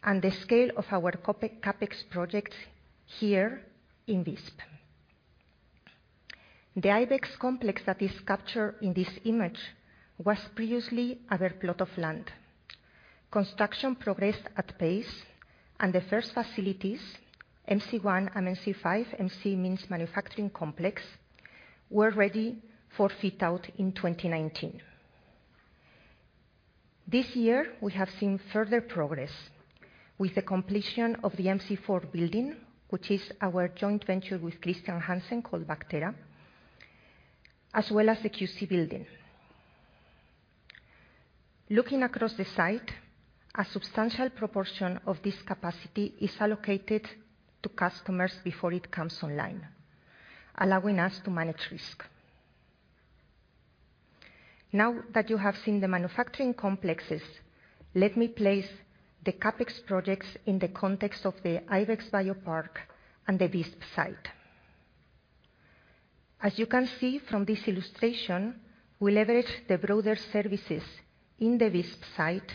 and the scale of our CapEx projects here in Visp. The Ibex complex that is captured in this image was previously a bare plot of land. Construction progressed at pace and the first facilities, MC 1 and MC 5, MC means manufacturing complex, were ready for fit-out in 2019. This year, we have seen further progress with the completion of the MC 4 building, which is our joint venture with Chr. Hansen, called Bacthera, as well as the QC building. Looking across the site, a substantial proportion of this capacity is allocated to customers before it comes online, allowing us to manage risk. Now that you have seen the manufacturing complexes, let me place the CapEx projects in the context of the Ibex Biopark and the Visp site. As you can see from this illustration, we leverage the broader services in the Visp site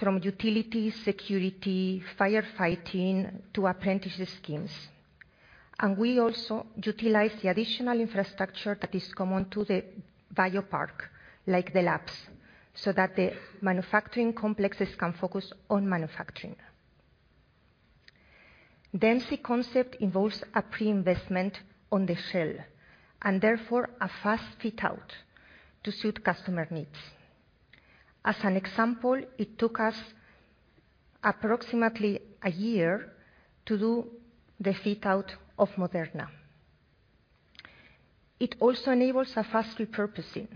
from utility, security, firefighting, to apprenticeship schemes. We also utilize the additional infrastructure that is common to the Biopark, like the labs, so that the manufacturing complexes can focus on manufacturing. The MC concept involves a pre-investment on the shell and therefore a fast fit-out to suit customer needs. As an example, it took us approximately a year to do the fit-out of Moderna. It also enables a fast repurposing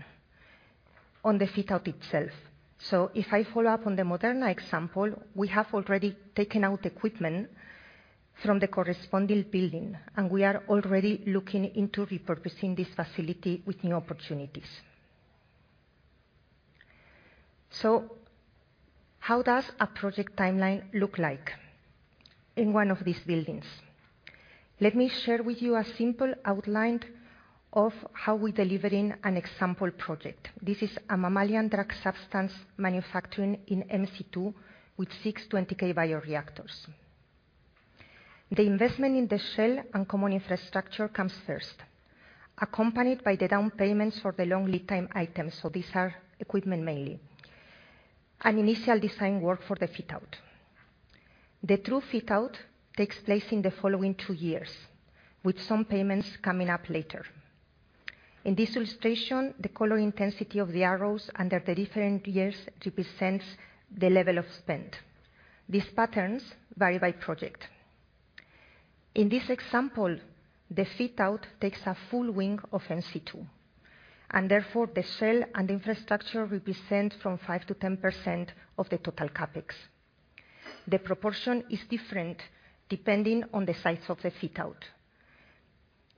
on the fit-out itself. So if I follow up on the Moderna example, we have already taken out equipment from the corresponding building, and we are already looking into repurposing this facility with new opportunities... So how does a project timeline look like in one of these buildings? Let me share with you a simple outline of how we delivering an example project. This is a mammalian drug substance manufacturing in MC 2, with six 20K bioreactors. The investment in the shell and common infrastructure comes first, accompanied by the down payments for the long lead time items, so these are equipment mainly, and initial design work for the fit-out. The true fit-out takes place in the following two years, with some payments coming up later. In this illustration, the color intensity of the arrows under the different years represents the level of spend. These patterns vary by project. In this example, the fit-out takes a full wing of MC 2, and therefore, the shell and infrastructure represent from 5%-10% of the total CapEx. The proportion is different depending on the size of the fit-out.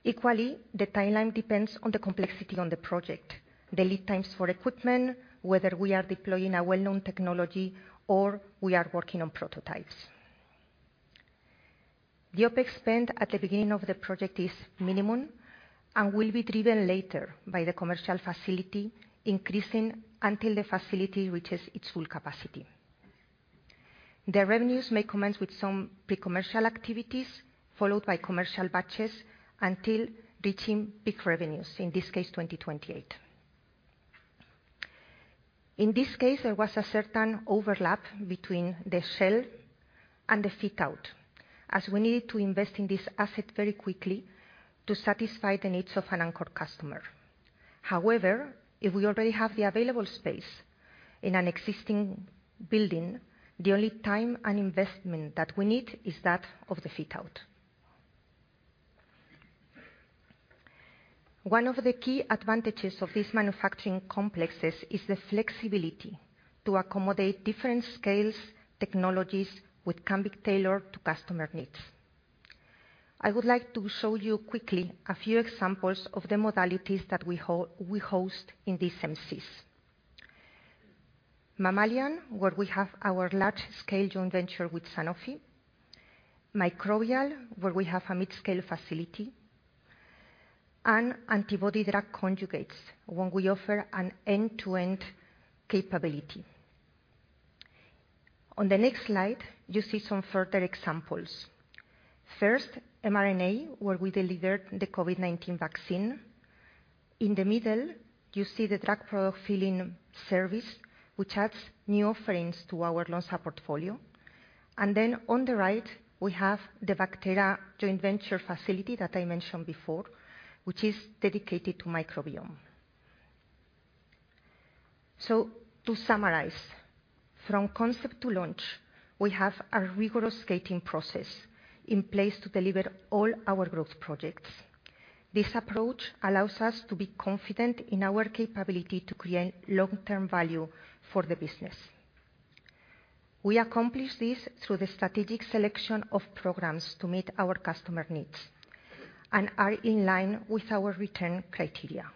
Equally, the timeline depends on the complexity on the project, the lead times for equipment, whether we are deploying a well-known technology or we are working on prototypes. The OpEx spend at the beginning of the project is minimum and will be driven later by the commercial facility, increasing until the facility reaches its full capacity. The revenues may commence with some pre-commercial activities, followed by commercial batches until reaching peak revenues, in this case, 2028. In this case, there was a certain overlap between the shell and the fit-out, as we needed to invest in this asset very quickly to satisfy the needs of an anchor customer. However, if we already have the available space in an existing building, the only time and investment that we need is that of the fit-out. One of the key advantages of these manufacturing complexes is the flexibility to accommodate different scales, technologies, which can be tailored to customer needs. I would like to show you quickly a few examples of the modalities that we host in these MCs. Mammalian, where we have our large-scale joint venture with Sanofi. Microbial, where we have a mid-scale facility. And antibody-drug conjugates, when we offer an end-to-end capability. On the next slide, you see some further examples. First, mRNA, where we delivered the COVID-19 vaccine. In the middle, you see the drug product filling service, which adds new offerings to our Lonza portfolio. And then on the right, we have the Bacthera joint venture facility that I mentioned before, which is dedicated to microbiome. So to summarize, from concept to launch, we have a rigorous gating process in place to deliver all our growth projects. This approach allows us to be confident in our capability to create long-term value for the business. We accomplish this through the strategic selection of programs to meet our customer needs and are in line with our return criteria.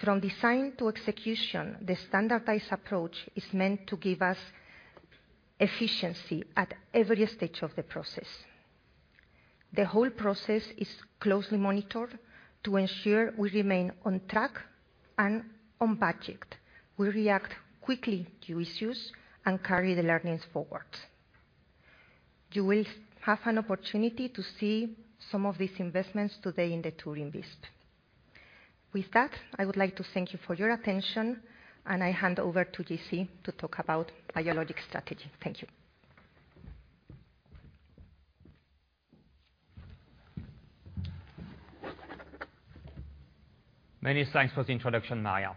From design to execution, the standardized approach is meant to give us efficiency at every stage of the process. The whole process is closely monitored to ensure we remain on track and on budget. We react quickly to issues and carry the learnings forward. You will have an opportunity to see some of these investments today in the touring Visp. With that, I would like to thank you for your attention, and I hand over to JC to talk about Biologics strategy. Thank you. Many thanks for the introduction, Maria.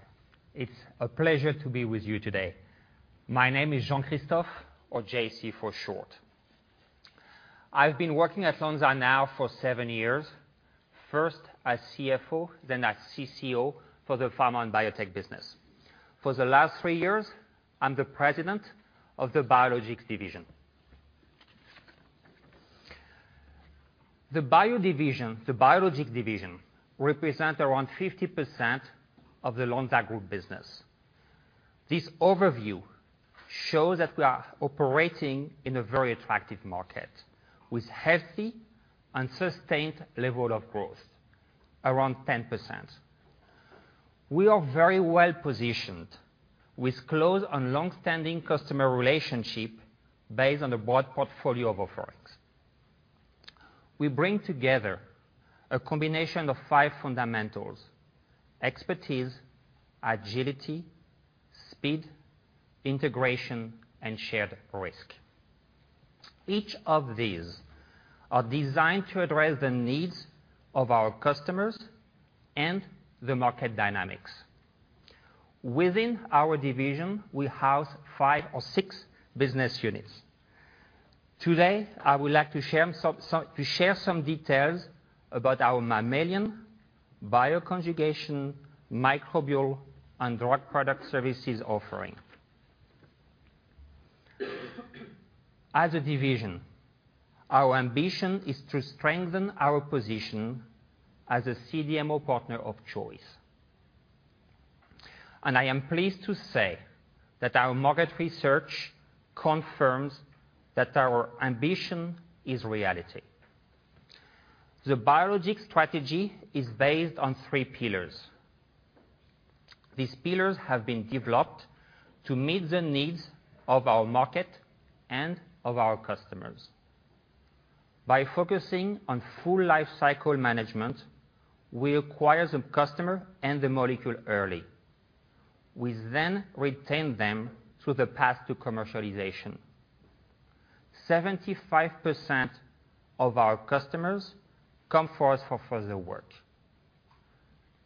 It's a pleasure to be with you today. My name is Jean-Christophe or JC for short. I've been working at Lonza now for seven years, first as CFO, then as CCO for the pharma and biotech business. For the last three years, I'm the President of the Biologics Division. The Bio division, the Biologics Division, represent around 50% of the Lonza Group business. This overview shows that we are operating in a very attractive market, with healthy and sustained level of growth, around 10%. We are very well-positioned, with close and long-standing customer relationship based on a broad portfolio of offerings. We bring together a combination of five fundamentals: expertise, agility, speed, integration, and shared risk. Each of these are designed to address the needs of our customers and the market dynamics. Within our division, we house five or six business units. Today, I would like to share some details about our mammalian, bioconjugation, microbial, and drug product services offering. As a division, our ambition is to strengthen our position as a CDMO partner of choice. I am pleased to say that our market research confirms that our ambition is reality. The biologic strategy is based on three pillars. These pillars have been developed to meet the needs of our market and of our customers. By focusing on full life cycle management, we acquire the customer and the molecule early. We then retain them through the path to commercialization. 75% of our customers come to us for further work.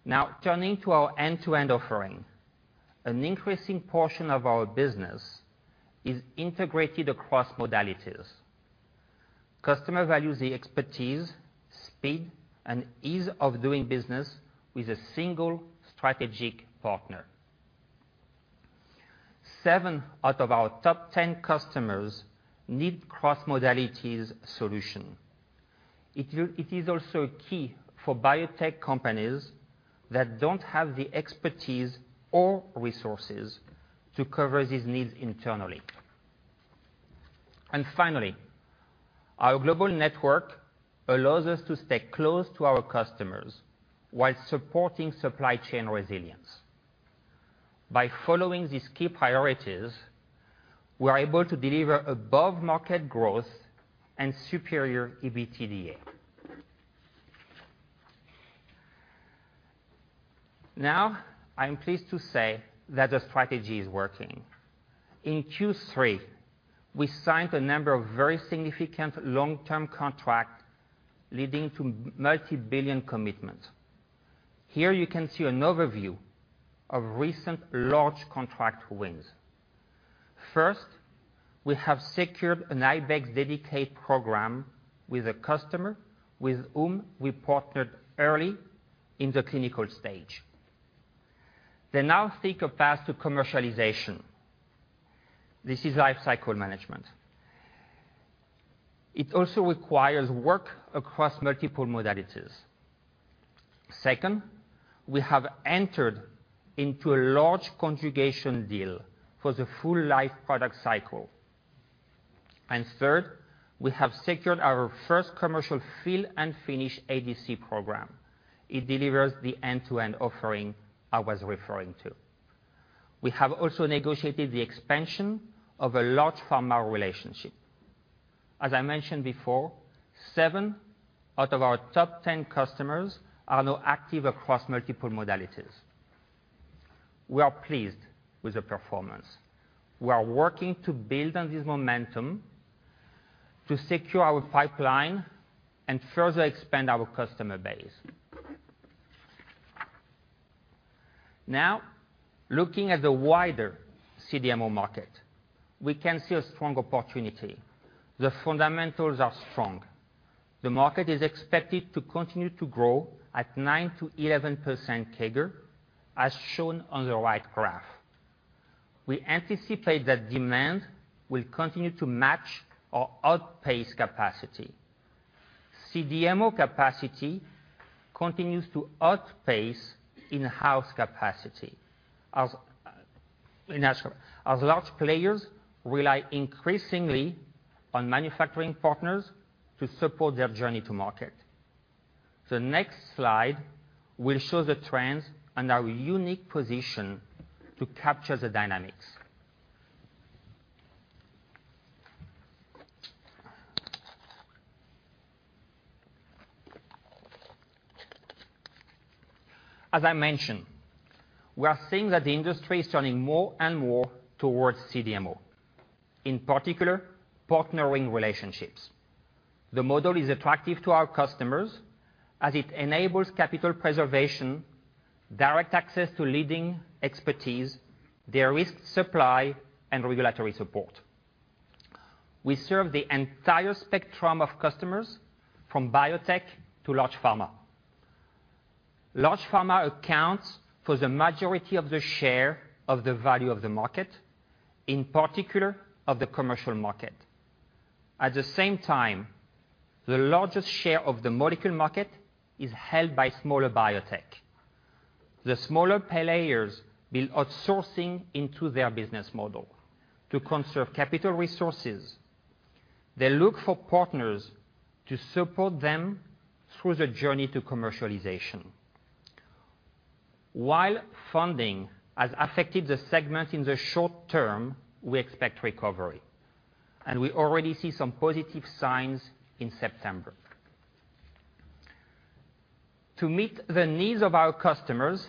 Now, turning to our end-to-end offering, an increasing portion of our business is integrated across modalities. Customer values the expertise, speed, and ease of doing business with a single strategic partner. Seven out of our top ten customers need cross-modalities solution. It is also key for biotech companies that don't have the expertise or resources to cover these needs internally. And finally, our global network allows us to stay close to our customers while supporting supply chain resilience. By following these key priorities, we are able to deliver above-market growth and superior EBITDA. Now, I'm pleased to say that the strategy is working. In Q3, we signed a number of very significant long-term contract, leading to multi-billion commitments. Here you can see an overview of recent large contract wins. First, we have secured an Ibex dedicated program with a customer with whom we partnered early in the clinical stage. They now seek a path to commercialization. This is life cycle management. It also requires work across multiple modalities. Second, we have entered into a large conjugation deal for the full life product cycle. And third, we have secured our first commercial fill and finish ADC program. It delivers the end-to-end offering I was referring to. We have also negotiated the expansion of a large pharma relationship. As I mentioned before, seven out of our top 10 customers are now active across multiple modalities. We are pleased with the performance. We are working to build on this momentum to secure our pipeline and further expand our customer base. Now, looking at the wider CDMO market, we can see a strong opportunity. The fundamentals are strong. The market is expected to continue to grow at 9%-11% CAGR, as shown on the right graph. We anticipate that demand will continue to match or outpace capacity. CDMO capacity continues to outpace in-house capacity, as, in actual. As large players rely increasingly on manufacturing partners to support their journey to market, the next slide will show the trends and our unique position to capture the dynamics. As I mentioned, we are seeing that the industry is turning more and more towards CDMO, in particular, partnering relationships. The model is attractive to our customers as it enables capital preservation, direct access to leading expertise, de-risk supply, and regulatory support. We serve the entire spectrum of customers, from biotech to large pharma. Large pharma accounts for the majority of the share of the value of the market, in particular of the commercial market. At the same time, the largest share of the molecule market is held by smaller biotech. The smaller players build outsourcing into their business model. To conserve capital resources, they look for partners to support them through the journey to commercialization. While funding has affected the segment in the short term, we expect recovery, and we already see some positive signs in September. To meet the needs of our customers,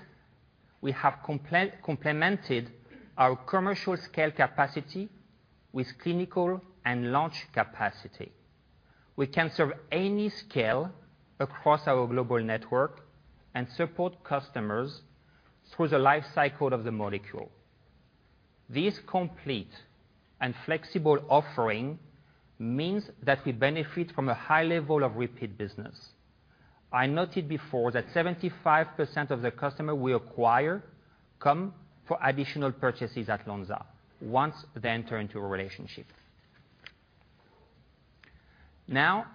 we have complemented our commercial scale capacity with clinical and launch capacity. We can serve any scale across our global network and support customers through the life cycle of the molecule. This complete and flexible offering means that we benefit from a high level of repeat business. I noted before that 75% of the customer we acquire come for additional purchases at Lonza once they enter into a relationship. Now,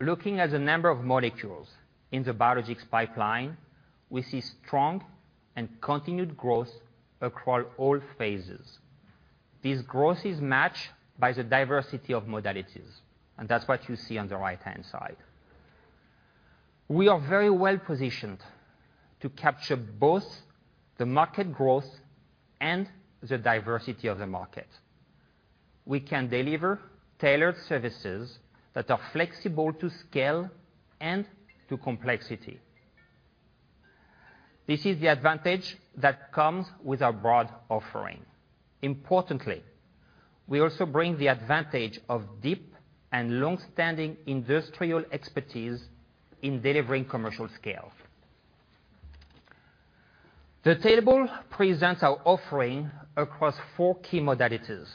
looking at the number of molecules in the biologics pipeline, we see strong and continued growth across all phases. This growth is matched by the diversity of modalities, and that's what you see on the right-hand side. We are very well positioned to capture both the market growth and the diversity of the market. We can deliver tailored services that are flexible to scale and to complexity. This is the advantage that comes with our broad offering. Importantly, we also bring the advantage of deep and long-standing industrial expertise in delivering commercial scale. The table presents our offering across four key modalities.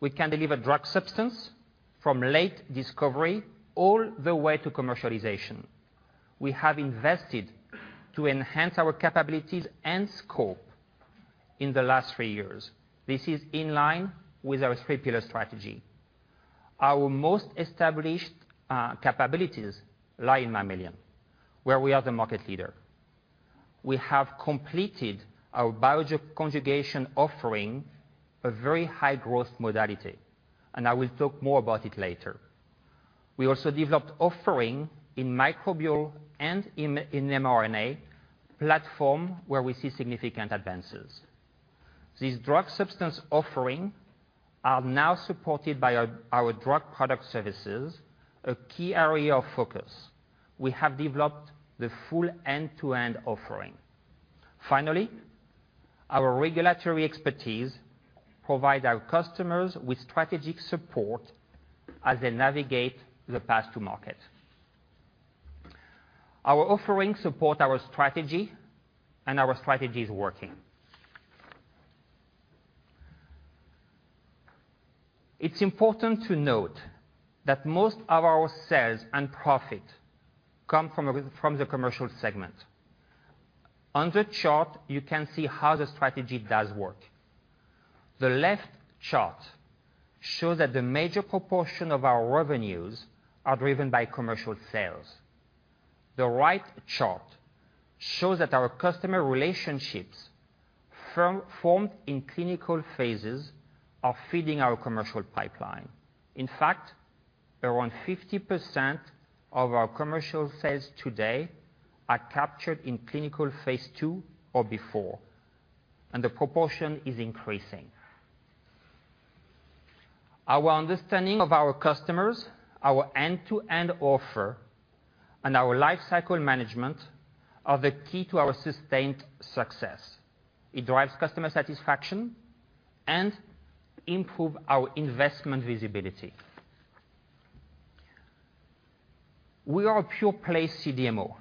We can deliver drug substance from late discovery all the way to commercialization. We have invested to enhance our capabilities and scope in the last three years. This is in line with our three-pillar strategy. Our most established capabilities lie in mammalian, where we are the market leader. We have completed our bioconjugation offering, a very high-growth modality, and I will talk more about it later. We also developed offering in microbial and in mRNA platform, where we see significant advances. These drug substance offering are now supported by our drug product services, a key area of focus. We have developed the full end-to-end offering. Finally, our regulatory expertise provide our customers with strategic support as they navigate the path to market. Our offerings support our strategy, and our strategy is working. It's important to note that most of our sales and profit come from the commercial segment. On the chart, you can see how the strategy does work. The left chart shows that the major proportion of our revenues are driven by commercial sales. The right chart shows that our customer relationships formed in clinical phases are feeding our commercial pipeline. In fact, around 50% of our commercial sales today are captured in clinical Phase II or before, and the proportion is increasing. Our understanding of our customers, our end-to-end offer, and our life cycle management are the key to our sustained success. It drives customer satisfaction and improve our investment visibility. We are a pure-play CDMO.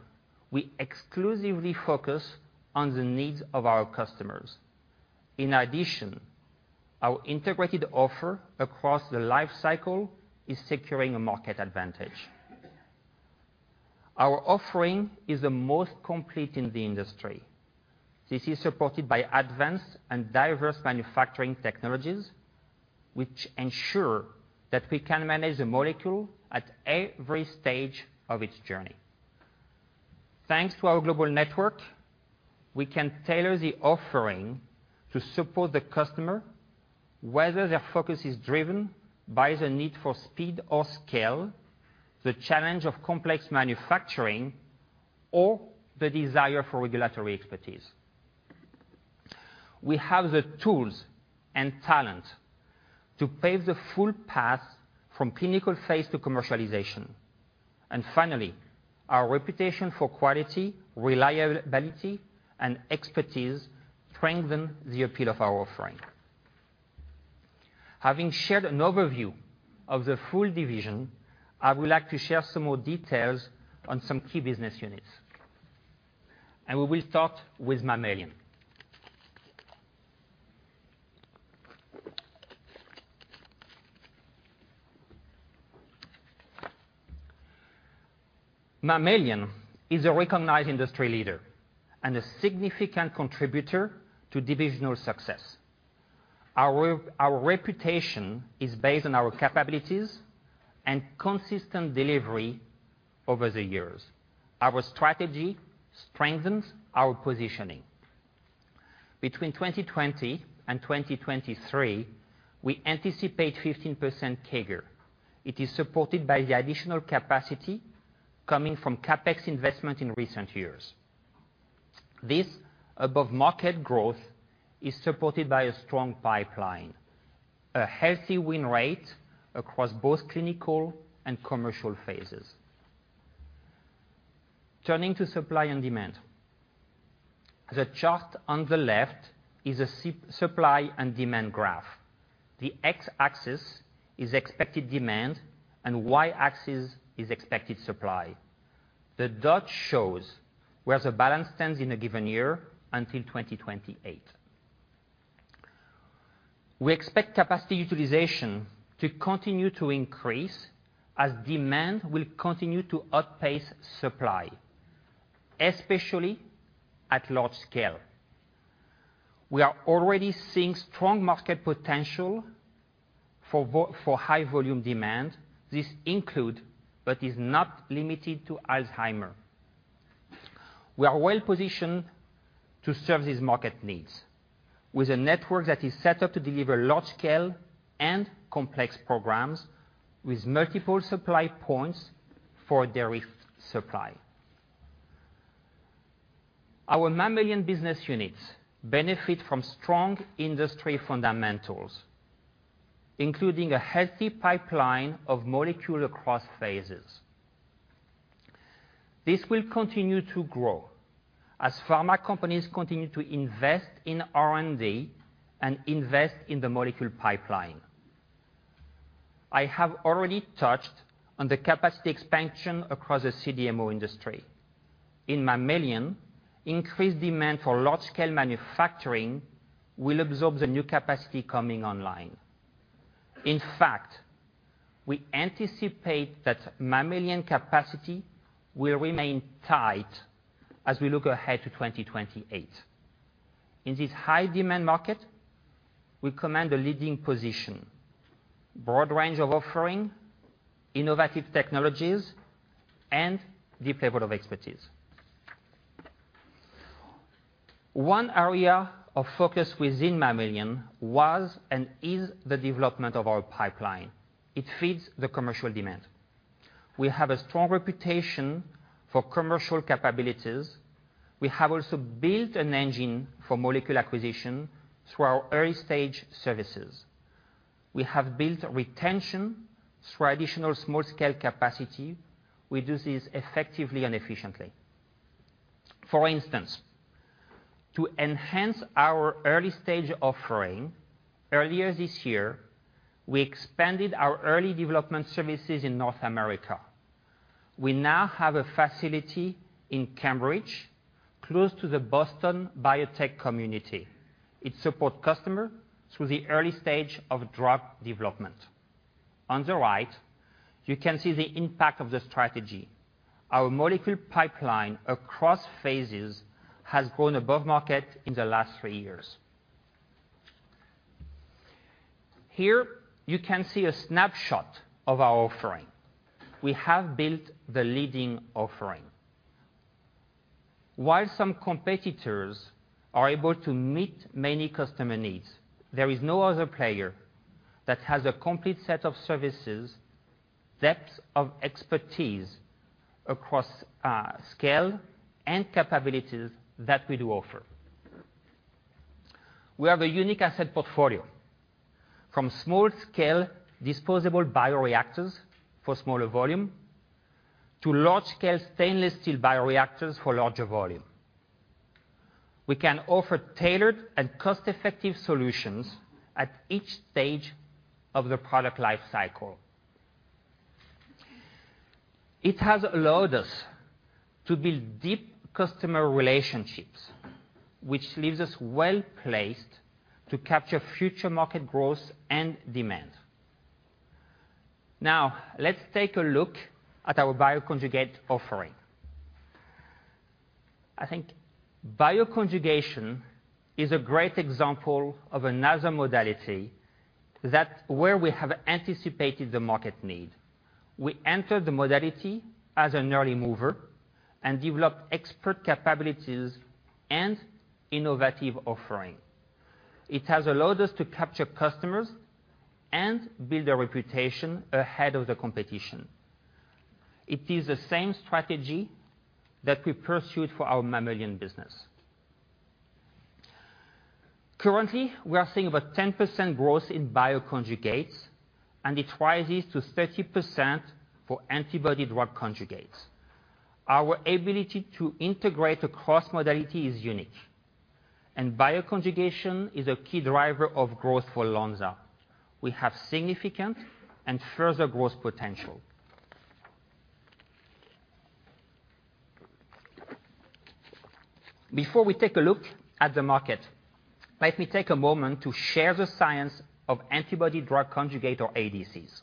We exclusively focus on the needs of our customers. In addition, our integrated offer across the life cycle is securing a market advantage. Our offering is the most complete in the industry. This is supported by advanced and diverse manufacturing technologies, which ensure that we can manage the molecule at every stage of its journey. Thanks to our global network, we can tailor the offering to support the customer, whether their focus is driven by the need for speed or scale, the challenge of complex manufacturing, or the desire for regulatory expertise. We have the tools and talent to pave the full path from clinical phase to commercialization. Finally, our reputation for quality, reliability, and expertise strengthen the appeal of our offering. Having shared an overview of the full division, I would like to share some more details on some key business units. We will start with Mammalian. Mammalian is a recognized industry leader and a significant contributor to divisional success. Our reputation is based on our capabilities and consistent delivery over the years. Our strategy strengthens our positioning. Between 2020 and 2023, we anticipate 15% CAGR. It is supported by the additional capacity coming from CapEx investment in recent years. This above-market growth is supported by a strong pipeline, a healthy win rate across both clinical and commercial phases. Turning to supply and demand. The chart on the left is a supply and demand graph. The x-axis is expected demand, and y-axis is expected supply. The dot shows where the balance stands in a given year until 2028. We expect capacity utilization to continue to increase as demand will continue to outpace supply, especially at large scale. We are already seeing strong market potential for high volume demand. This includes, but is not limited to, Alzheimer. We are well-positioned to serve these market needs, with a network that is set up to deliver large scale and complex programs with multiple supply points for derived supply. Our mammalian business units benefit from strong industry fundamentals, including a healthy pipeline of molecules across phases. This will continue to grow as pharma companies continue to invest in R&D and invest in the molecule pipeline. I have already touched on the capacity expansion across the CDMO industry. In mammalian, increased demand for large-scale manufacturing will absorb the new capacity coming online. In fact, we anticipate that mammalian capacity will remain tight as we look ahead to 2028. In this high-demand market, we command a leading position, broad range of offering, innovative technologies, and deep level of expertise. One area of focus within mammalian was and is the development of our pipeline. It feeds the commercial demand. We have a strong reputation for commercial capabilities. We have also built an engine for molecule acquisition through our early-stage services. We have built retention through additional small-scale capacity. We do this effectively and efficiently. For instance, to enhance our early-stage offering, earlier this year, we expanded our early development services in North America. We now have a facility in Cambridge, close to the Boston biotech community. It supports customers through the early stage of drug development. On the right, you can see the impact of the strategy. Our molecule pipeline across phases has grown above market in the last three years. Here, you can see a snapshot of our offering. We have built the leading offering. While some competitors are able to meet many customer needs, there is no other player that has a complete set of services, depth of expertise across scale and capabilities that we do offer. We have a unique asset portfolio, from small-scale disposable bioreactors for smaller volume, to large-scale stainless steel bioreactors for larger volume. We can offer tailored and cost-effective solutions at each stage of the product life cycle. It has allowed us to build deep customer relationships, which leaves us well-placed to capture future market growth and demand. Now, let's take a look at our bioconjugate offering. I think bioconjugation is a great example of another modality that where we have anticipated the market need. We entered the modality as an early mover and developed expert capabilities and innovative offering. It has allowed us to capture customers and build a reputation ahead of the competition. It is the same strategy that we pursued for our mammalian business. Currently, we are seeing about 10% growth in bioconjugates, and it rises to 30% for antibody-drug conjugates. Our ability to integrate across modality is unique, and bioconjugation is a key driver of growth for Lonza. We have significant and further growth potential. Before we take a look at the market, let me take a moment to share the science of antibody-drug conjugate, or ADCs.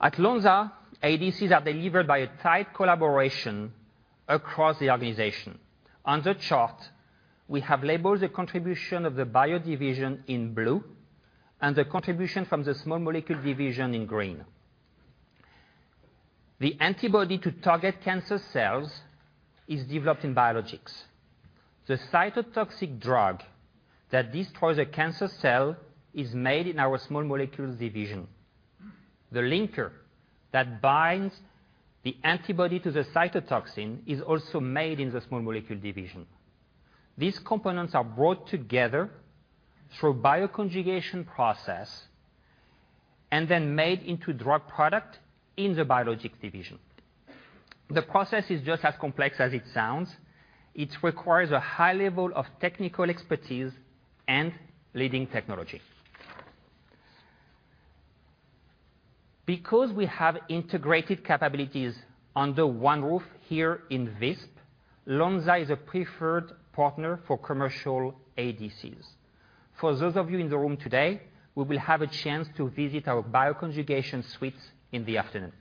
At Lonza, ADCs are delivered by a tight collaboration across the organization. On the chart, we have labeled the contribution of the Bio division in blue and the contribution from the Small Molecules division in green. The antibody to target cancer cells is developed in Biologics. The cytotoxic drug that destroys a cancer cell is made in our Small Molecules division. The linker that binds the antibody to the cytotoxin is also made in the Small Molecules division. These components are brought together through bioconjugation process and then made into drug product in the Biologics division. The process is just as complex as it sounds. It requires a high level of technical expertise and leading technology. Because we have integrated capabilities under one roof here in Visp, Lonza is a preferred partner for commercial ADCs. For those of you in the room today, we will have a chance to visit our bioconjugation suites in the afternoon.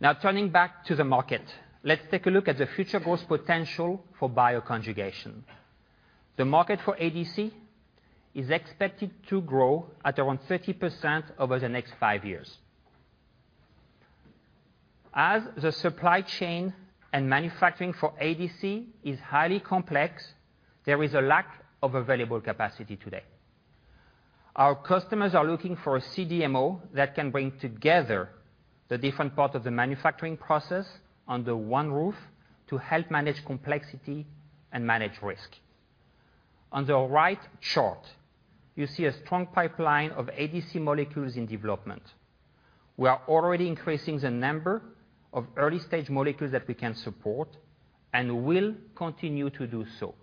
Now, turning back to the market, let's take a look at the future growth potential for bioconjugation. The market for ADC is expected to grow at around 30% over the next five years. As the supply chain and manufacturing for ADC is highly complex, there is a lack of available capacity today. Our customers are looking for a CDMO that can bring together the different parts of the manufacturing process under one roof to help manage complexity and manage risk. On the right chart, you see a strong pipeline of ADC molecules in development. We are already increasing the number of early-stage molecules that we can support, and we'll continue to do so.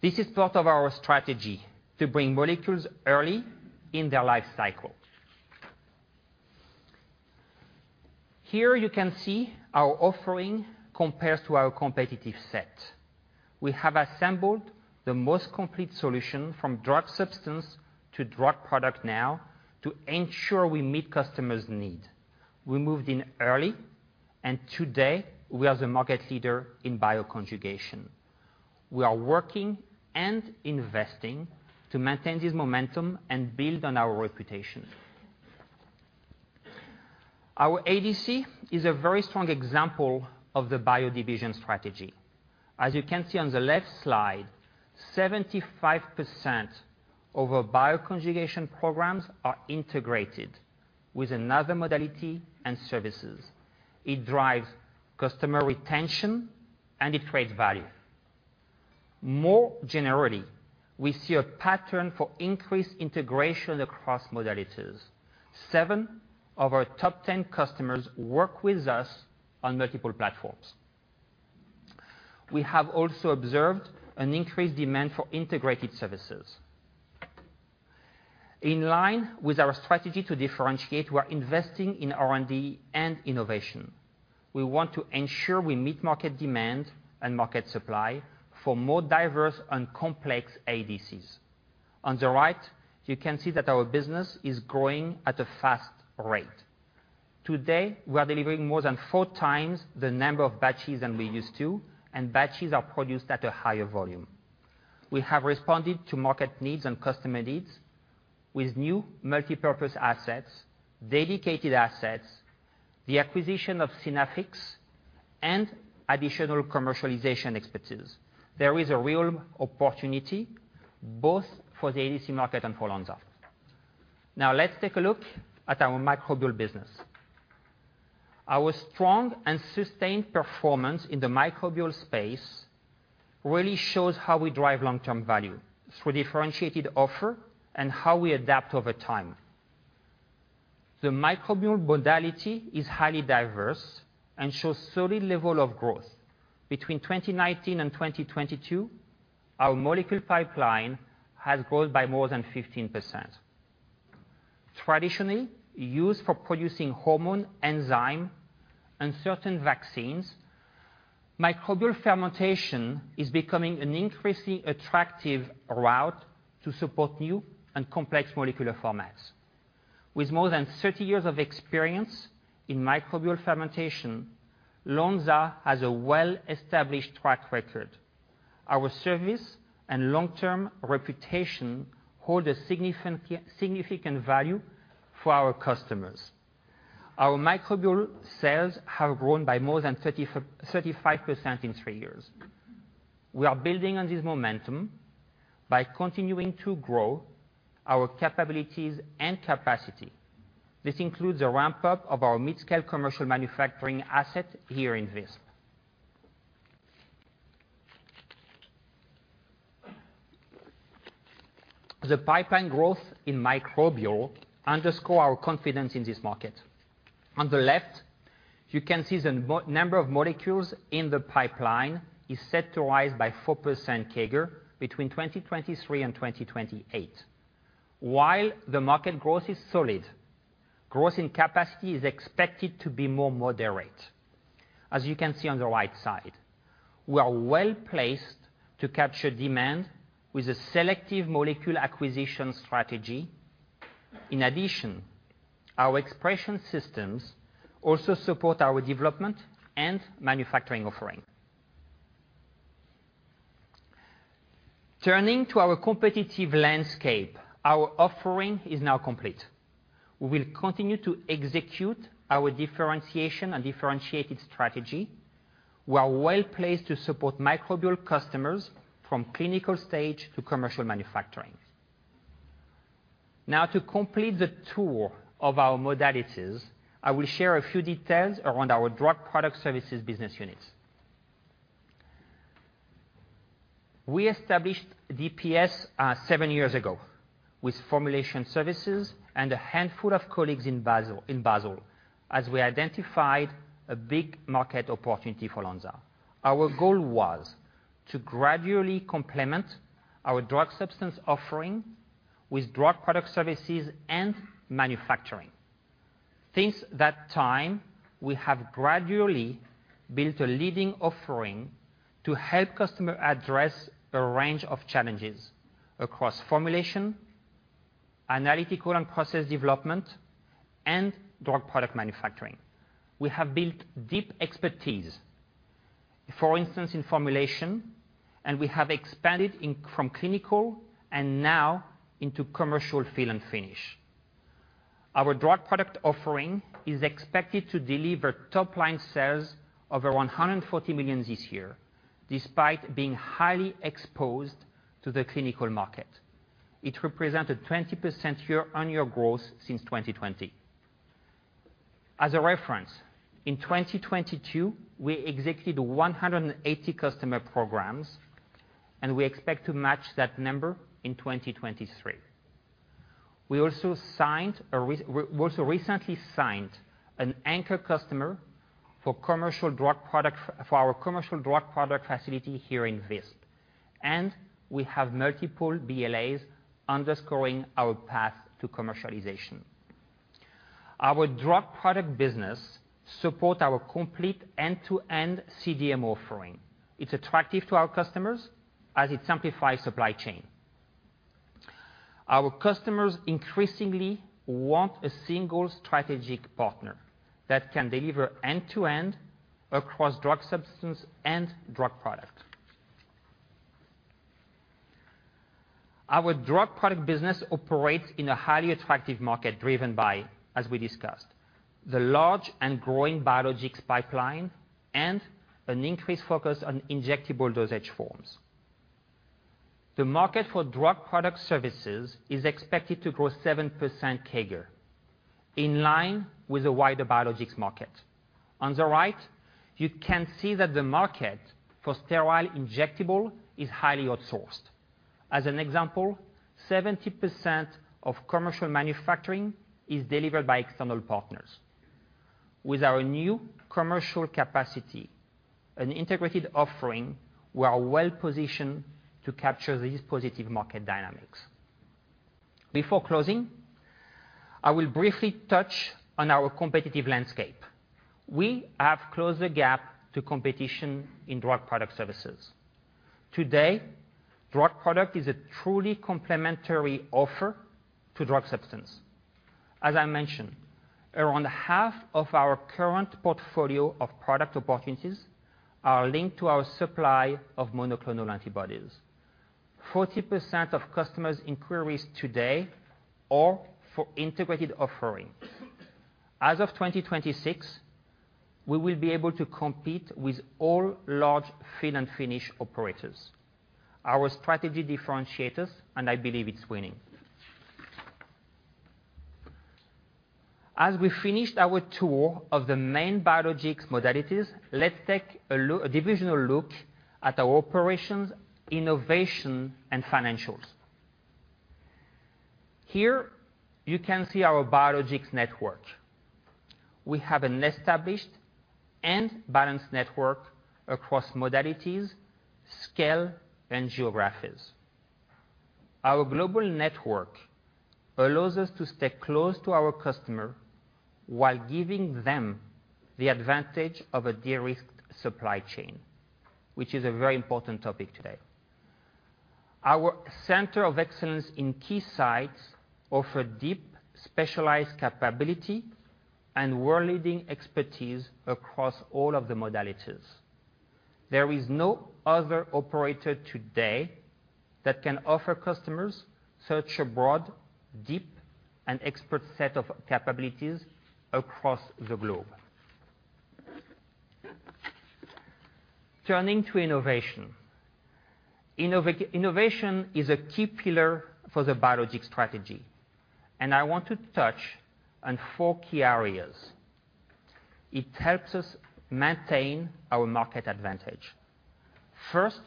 This is part of our strategy to bring molecules early in their life cycle. Here you can see our offering compares to our competitive set. We have assembled the most complete solution from drug substance to drug product now, to ensure we meet customers' need. We moved in early, and today we are the market leader in bioconjugation. We are working and investing to maintain this momentum and build on our reputation. Our ADC is a very strong example of the Bio division strategy. As you can see on the left slide, 75% of our bioconjugation programs are integrated with another modality and services. It drives customer retention, and it creates value. More generally, we see a pattern for increased integration across modalities. Seven of our top 10 customers work with us on multiple platforms. We have also observed an increased demand for integrated services. In line with our strategy to differentiate, we're investing in R&D and innovation. We want to ensure we meet market demand and market supply for more diverse and complex ADCs. On the right, you can see that our business is growing at a fast rate. Today, we are delivering more than 4x the number of batches than we used to, and batches are produced at a higher volume. We have responded to market needs and customer needs with new multipurpose assets, dedicated assets, the acquisition of Synaffix, and additional commercialization expertise. There is a real opportunity both for the ADC market and for Lonza. Now, let's take a look at our microbial business. Our strong and sustained performance in the microbial space really shows how we drive long-term value through differentiated offer and how we adapt over time. The microbial modality is highly diverse and shows solid level of growth. Between 2019 and 2022, our molecule pipeline has grown by more than 15%. Traditionally, used for producing hormone, enzyme, and certain vaccines, microbial fermentation is becoming an increasingly attractive route to support new and complex molecular formats. With more than 30 years of experience in microbial fermentation, Lonza has a well-established track record. Our service and long-term reputation hold a significant, significant value for our customers. Our microbial sales have grown by more than 35% in three years. We are building on this momentum by continuing to grow our capabilities and capacity. This includes a ramp-up of our mid-scale commercial manufacturing asset here in Visp. The pipeline growth in microbial underscores our confidence in this market. On the left, you can see the number of molecules in the pipeline is set to rise by 4% CAGR between 2023 and 2028. While the market growth is solid, growth in capacity is expected to be more moderate, as you can see on the right side. We are well-placed to capture demand with a selective molecule acquisition strategy. In addition, our expression systems also support our development and manufacturing offering. Turning to our competitive landscape, our offering is now complete. We will continue to execute our differentiation and differentiated strategy. We are well-placed to support microbial customers from clinical stage to commercial manufacturing. Now, to complete the tour of our modalities, I will share a few details around our Drug Product Services business units. We established DPS seven years ago with formulation services and a handful of colleagues in Basel, in Basel, as we identified a big market opportunity for Lonza. Our goal was to gradually complement our drug substance offering with drug product services and manufacturing. Since that time, we have gradually built a leading offering to help customer address a range of challenges across formulation, analytical and process development, and drug product manufacturing. We have built deep expertise, for instance, in formulation, and we have expanded in from clinical and now into commercial fill and finish. Our drug product offering is expected to deliver top line sales over 140 million this year, despite being highly exposed to the clinical market. It represented 20% year-on-year growth since 2020. As a reference, in 2022, we executed 180 customer programs, and we expect to match that number in 2023. We also recently signed an anchor customer for commercial drug product, for our commercial drug product facility here in Visp, and we have multiple BLAs underscoring our path to commercialization. Our drug product business support our complete end-to-end CDMO offering. It's attractive to our customers as it simplifies supply chain. Our customers increasingly want a single strategic partner that can deliver end-to-end across drug substance and drug product. Our drug product business operates in a highly attractive market, driven by, as we discussed, the large and growing biologics pipeline and an increased focus on injectable dosage forms. The market for drug product services is expected to grow 7% CAGR, in line with the wider biologics market. On the right, you can see that the market for sterile injectable is highly outsourced. As an example, 70% of commercial manufacturing is delivered by external partners. With our new commercial capacity and integrated offering, we are well positioned to capture these positive market dynamics. Before closing, I will briefly touch on our competitive landscape. We have closed the gap to competition in drug product services. Today, drug product is a truly complementary offer to drug substance. As I mentioned, around half of our current portfolio of product opportunities are linked to our supply of monoclonal antibodies. 40% of customers' inquiries today are for integrated offering. As of 2026, we will be able to compete with all large fill and finish operators. Our strategy differentiates us, and I believe it's winning. As we finish our tour of the main biologics modalities, let's take a look, a divisional look at our operations, innovation, and financials. Here you can see our biologics network. We have an established and balanced network across modalities, scale, and geographies. Our global network allows us to stay close to our customer while giving them the advantage of a de-risked supply chain, which is a very important topic today. Our center of excellence in key sites offer deep, specialized capability and world-leading expertise across all of the modalities. There is no other operator today that can offer customers such a broad, deep, and expert set of capabilities across the globe. Turning to innovation. Innovation is a key pillar for the Biologics strategy, and I want to touch on four key areas. It helps us maintain our market advantage. First,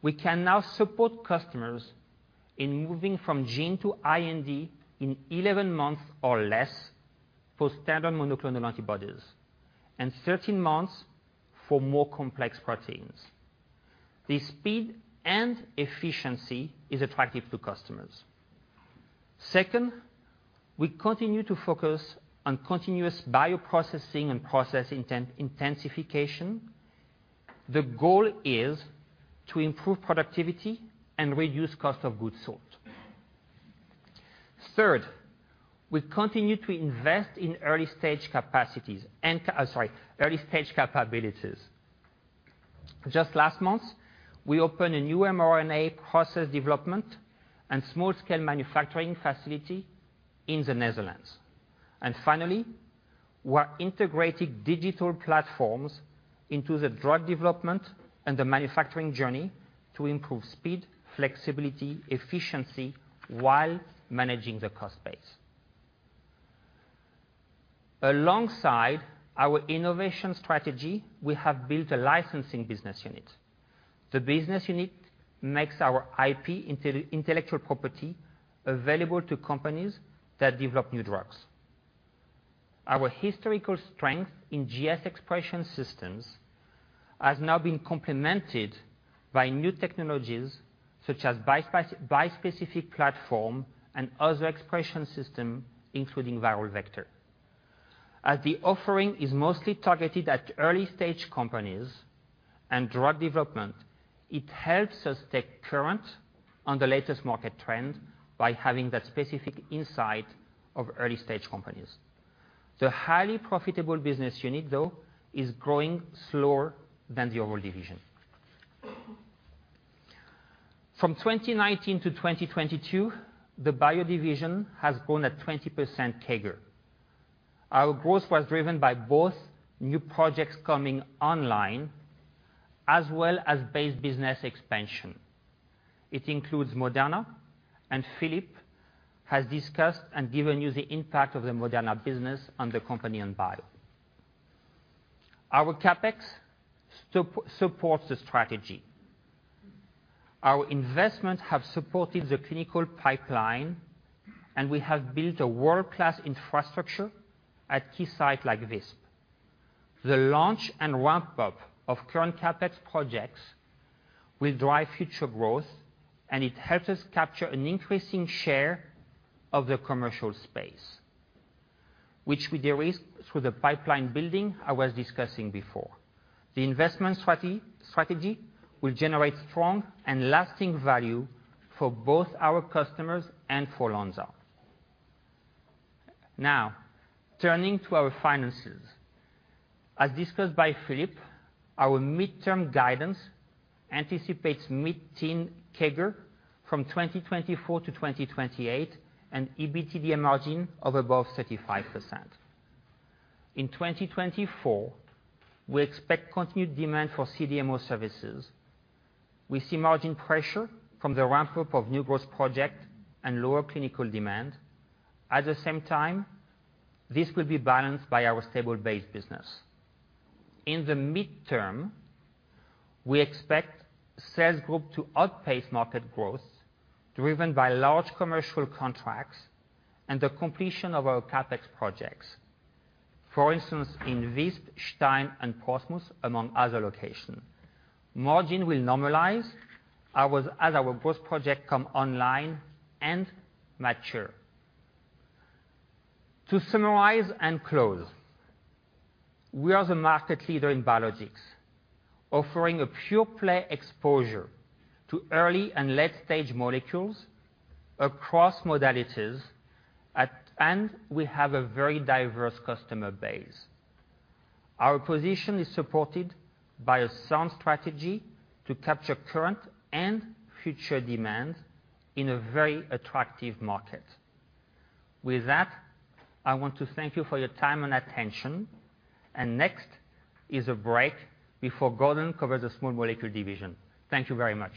we can now support customers in moving from gene to IND in 11 months or less for standard monoclonal antibodies, and 13 months for more complex proteins. The speed and efficiency is attractive to customers. Second, we continue to focus on continuous bioprocessing and process intensification. The goal is to improve productivity and reduce cost of goods sold. Third, we continue to invest in early-stage capacities and... I'm sorry, early-stage capabilities. Just last month, we opened a new mRNA process development and small-scale manufacturing facility in the Netherlands. Finally, we're integrating digital platforms into the drug development and the manufacturing journey to improve speed, flexibility, efficiency, while managing the cost base. Alongside our innovation strategy, we have built a licensing business unit. The business unit makes our IP, intellectual property, available to companies that develop new drugs. Our historical strength in GS expression systems has now been complemented by new technologies such as bispecific platform and other expression system, including viral vector. As the offering is mostly targeted at early-stage companies and drug development, it helps us stay current on the latest market trend by having that specific insight of early-stage companies. The highly profitable business unit, though, is growing slower than the overall division. From 2019 to 2022, the Bio division has grown at 20% CAGR. Our growth was driven by both new projects coming online as well as base business expansion. It includes Moderna, and Philippe has discussed and given you the impact of the Moderna business on the company and Bio. Our CapEx supports the strategy. Our investments have supported the clinical pipeline, and we have built a world-class infrastructure at key site like this. The launch and ramp-up of current CapEx projects will drive future growth, and it helps us capture an increasing share of the commercial space, which we de-risk through the pipeline building I was discussing before. The investment strategy will generate strong and lasting value for both our customers and for Lonza. Now, turning to our finances. As discussed by Philippe, our midterm guidance anticipates mid-teens CAGR from 2024 to 2028, and EBITDA margin of above 35%. In 2024, we expect continued demand for CDMO services. We see margin pressure from the ramp-up of new growth project and lower clinical demand. At the same time, this will be balanced by our stable base business. In the midterm, we expect sales growth to outpace market growth, driven by large commercial contracts and the completion of our CapEx projects. For instance, in Visp, Stein, and Portsmouth, among other locations. Margin will normalize as our growth projects come online and mature. To summarize and close, we are the market leader in biologics, offering a pure play exposure to early and late-stage molecules across modalities, at... And we have a very diverse customer base. Our position is supported by a sound strategy to capture current and future demand in a very attractive market. With that, I want to thank you for your time and attention, and next is a break before Gordon covers the Small Molecule division. Thank you very much.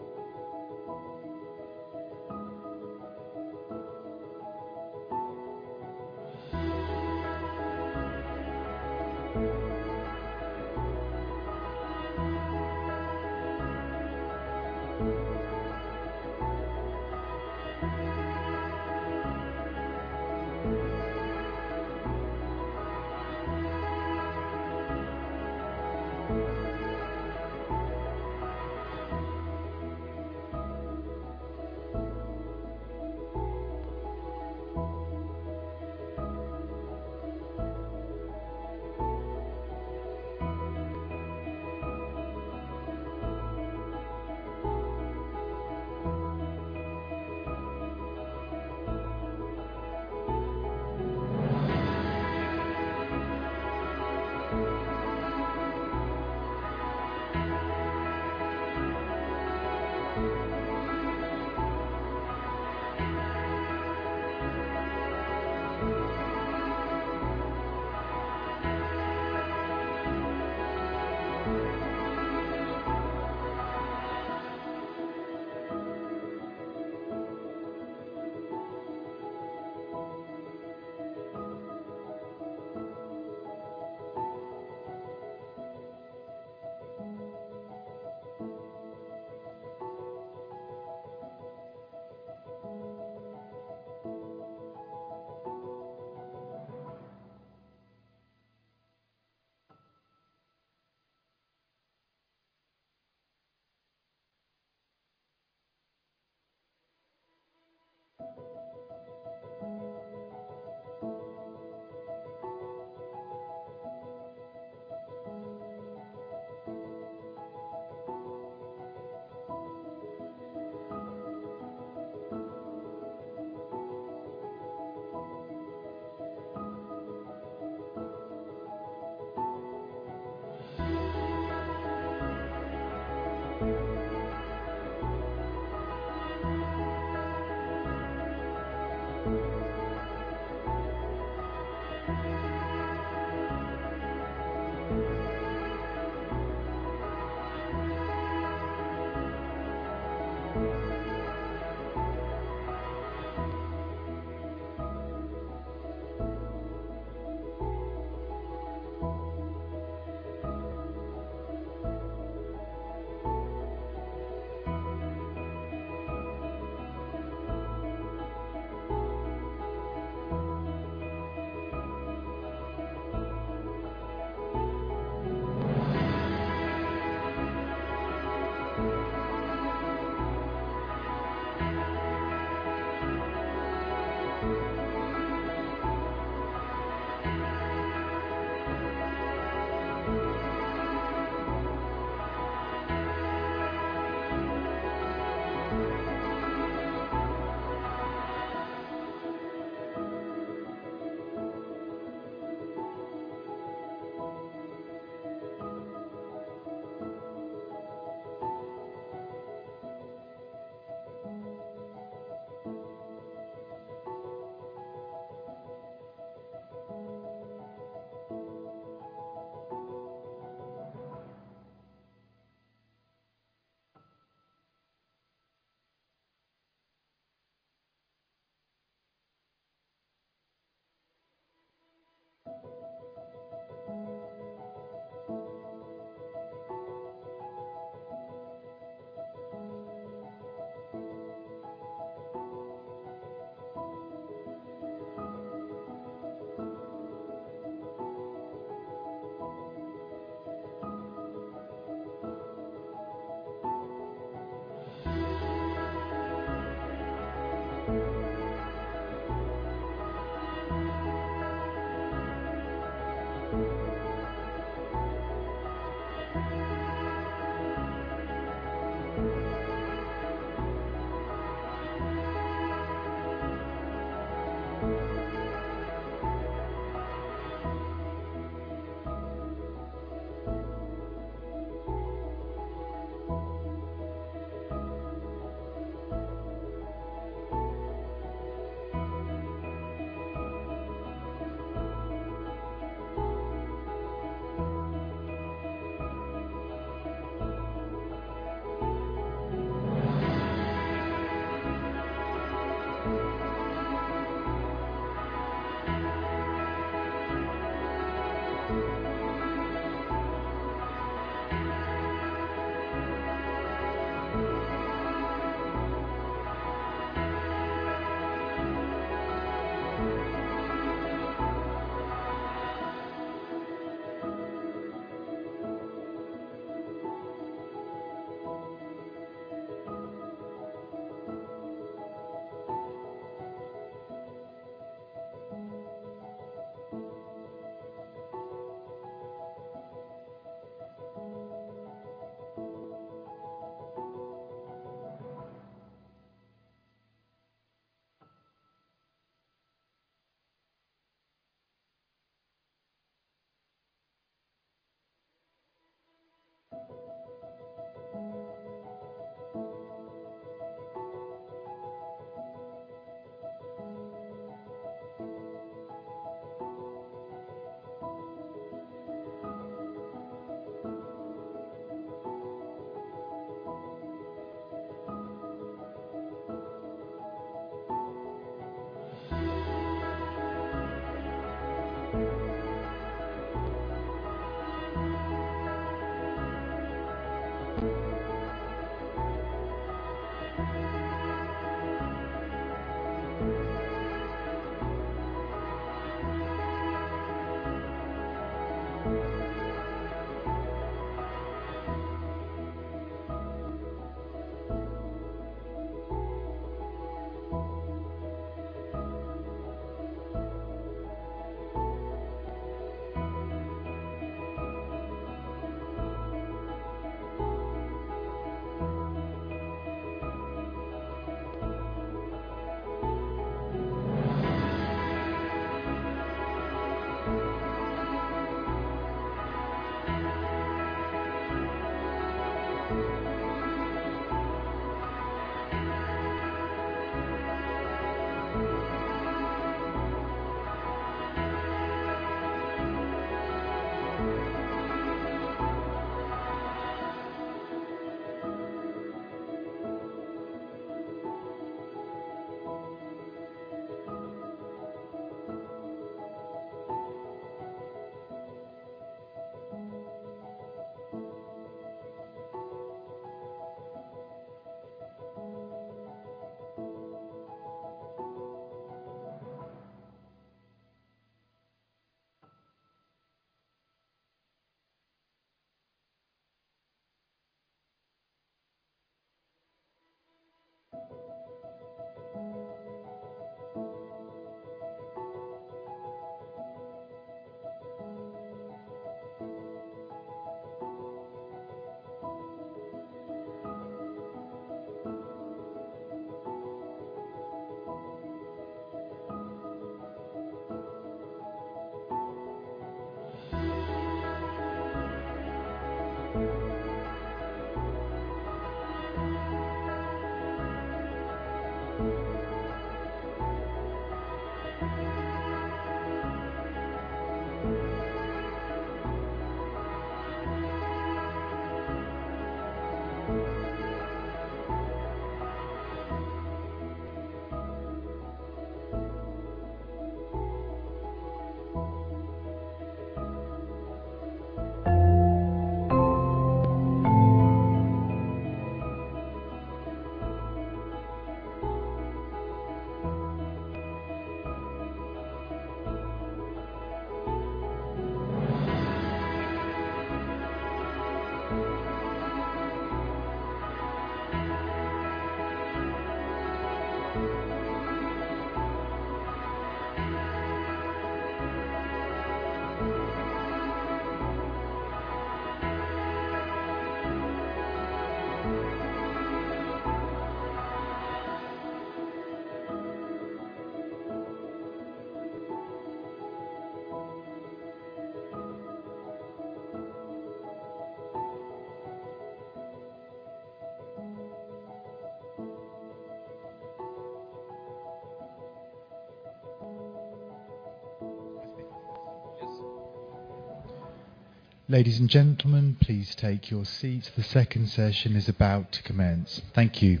Ladies and gentlemen, please take your seats. The second session is about to commence. Thank you!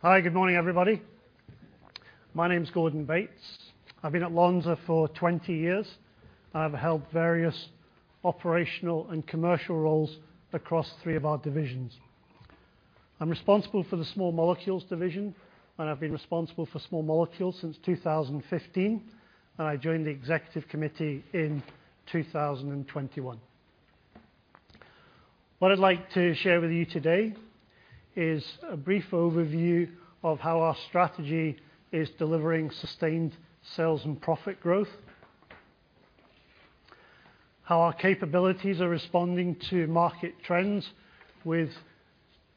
Hi, good morning, everybody. My name is Gordon Bates. I've been at Lonza for 20 years. I've held various operational and commercial roles across three of our divisions. I'm responsible for the Small Molecules division, and I've been responsible for Small Molecules since 2015, and I joined the Executive Committee in 2021. What I'd like to share with you today is a brief overview of how our strategy is delivering sustained sales and profit growth, how our capabilities are responding to market trends with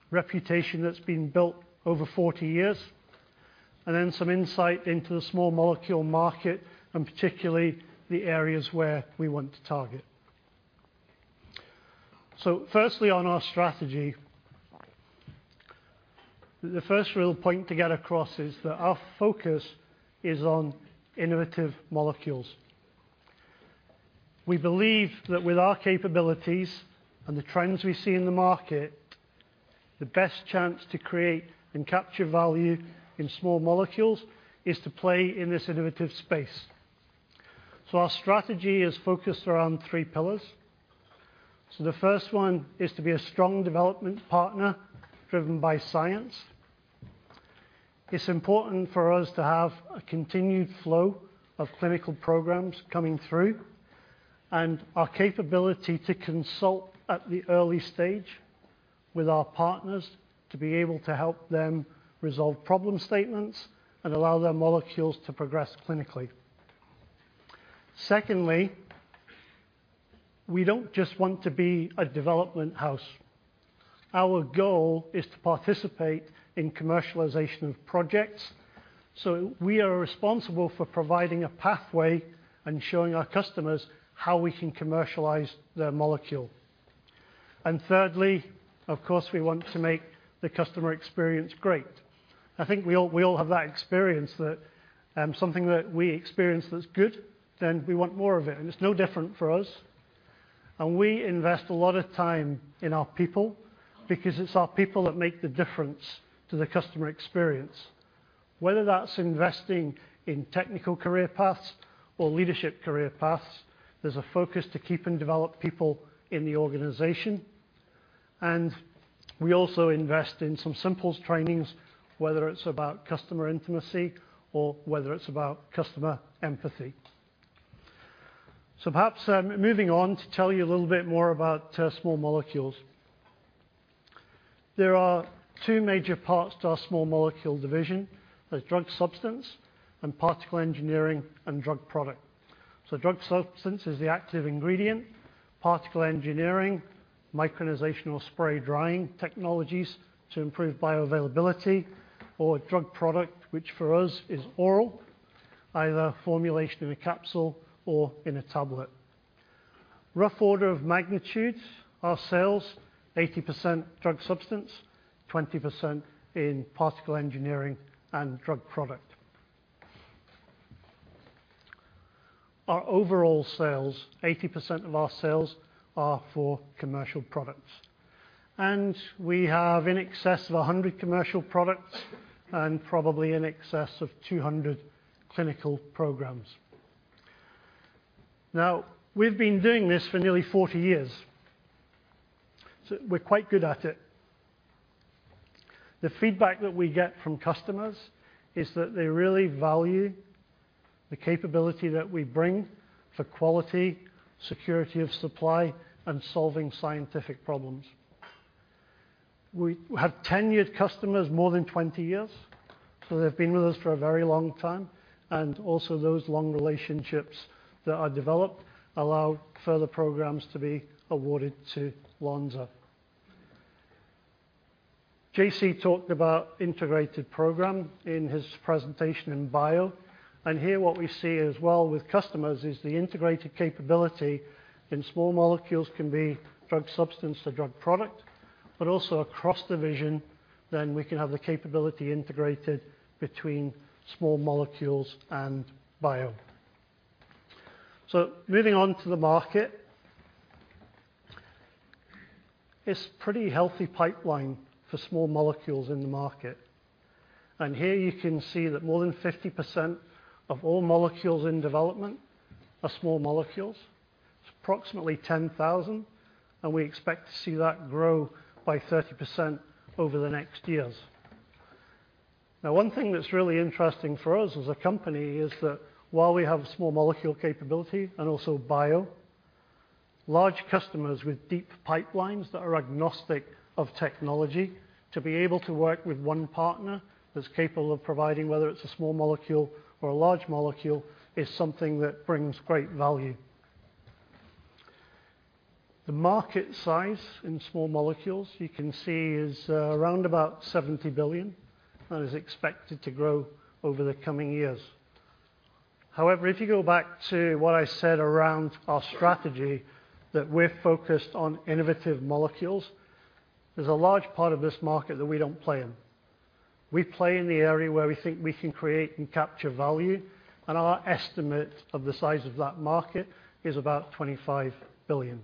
reputation that's been built over 40 years, and then some insight into the small molecule market, and particularly the areas where we want to target. So firstly, on our strategy, the first real point to get across is that our focus is on innovative molecules. We believe that with our capabilities and the trends we see in the market, the best chance to create and capture value in Small Molecules is to play in this innovative space. Our strategy is focused around three pillars. The first one is to be a strong development partner, driven by science. It's important for us to have a continued flow of clinical programs coming through... and our capability to consult at the early stage with our partners, to be able to help them resolve problem statements and allow their molecules to progress clinically. Secondly, we don't just want to be a development house. Our goal is to participate in commercialization of projects, so we are responsible for providing a pathway and showing our customers how we can commercialize their molecule. And thirdly, of course, we want to make the customer experience great. I think we all, we all have that experience that something that we experience that's good, then we want more of it, and it's no different for us. And we invest a lot of time in our people, because it's our people that make the difference to the customer experience. Whether that's investing in technical career paths or leadership career paths, there's a focus to keep and develop people in the organization. And we also invest in some simple trainings, whether it's about customer intimacy or whether it's about customer empathy. So perhaps, moving on to tell you a little bit more about Small Molecules. There are two major parts to our Small Molecules division: there's drug substance and particle engineering and drug product. So drug substance is the active ingredient; particle engineering, micronization or spray drying technologies to improve bioavailability; or drug product, which for us is oral, either formulation in a capsule or in a tablet. Rough order of magnitude, our sales, 80% drug substance, 20% in particle engineering and drug product. Our overall sales, 80% of our sales are for commercial products. And we have in excess of 100 commercial products and probably in excess of 200 clinical programs. Now, we've been doing this for nearly 40 years, so we're quite good at it. The feedback that we get from customers is that they really value the capability that we bring for quality, security of supply, and solving scientific problems. We have tenured customers more than 20 years, so they've been with us for a very long time. Also, those long relationships that are developed allow further programs to be awarded to Lonza. JC talked about integrated program in his presentation in bio, and here, what we see as well with customers is the integrated capability in Small Molecules can be drug substance to drug product, but also across division, then we can have the capability integrated between Small Molecules and Bio. Moving on to the market. It's pretty healthy pipeline for Small Molecules in the market. And here, you can see that more than 50% of all molecules in development are Small Molecules. It's approximately 10,000, and we expect to see that grow by 30% over the next years. Now, one thing that's really interesting for us as a company is that while we have small molecule capability and also bio, large customers with deep pipelines that are agnostic of technology, to be able to work with one partner that's capable of providing, whether it's a small molecule or a large molecule, is something that brings great value. The market size in Small Molecules, you can see, is around about $70 billion and is expected to grow over the coming years. However, if you go back to what I said around our strategy, that we're focused on innovative molecules, there's a large part of this market that we don't play in. We play in the area where we think we can create and capture value, and our estimate of the size of that market is about $25 billion.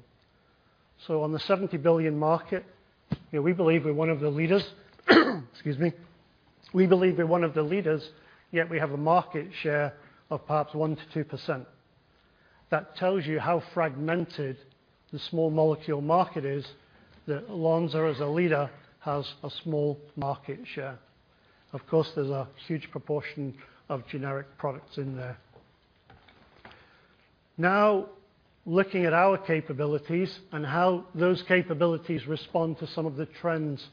So on the 70 billion market, we believe we're one of the leaders. Excuse me. We believe we're one of the leaders, yet we have a market share of perhaps 1%-2%. That tells you how fragmented the small molecule market is that Lonza, as a leader, has a small market share. Of course, there's a huge proportion of generic products in there. Now, looking at our capabilities and how those capabilities respond to some of the trends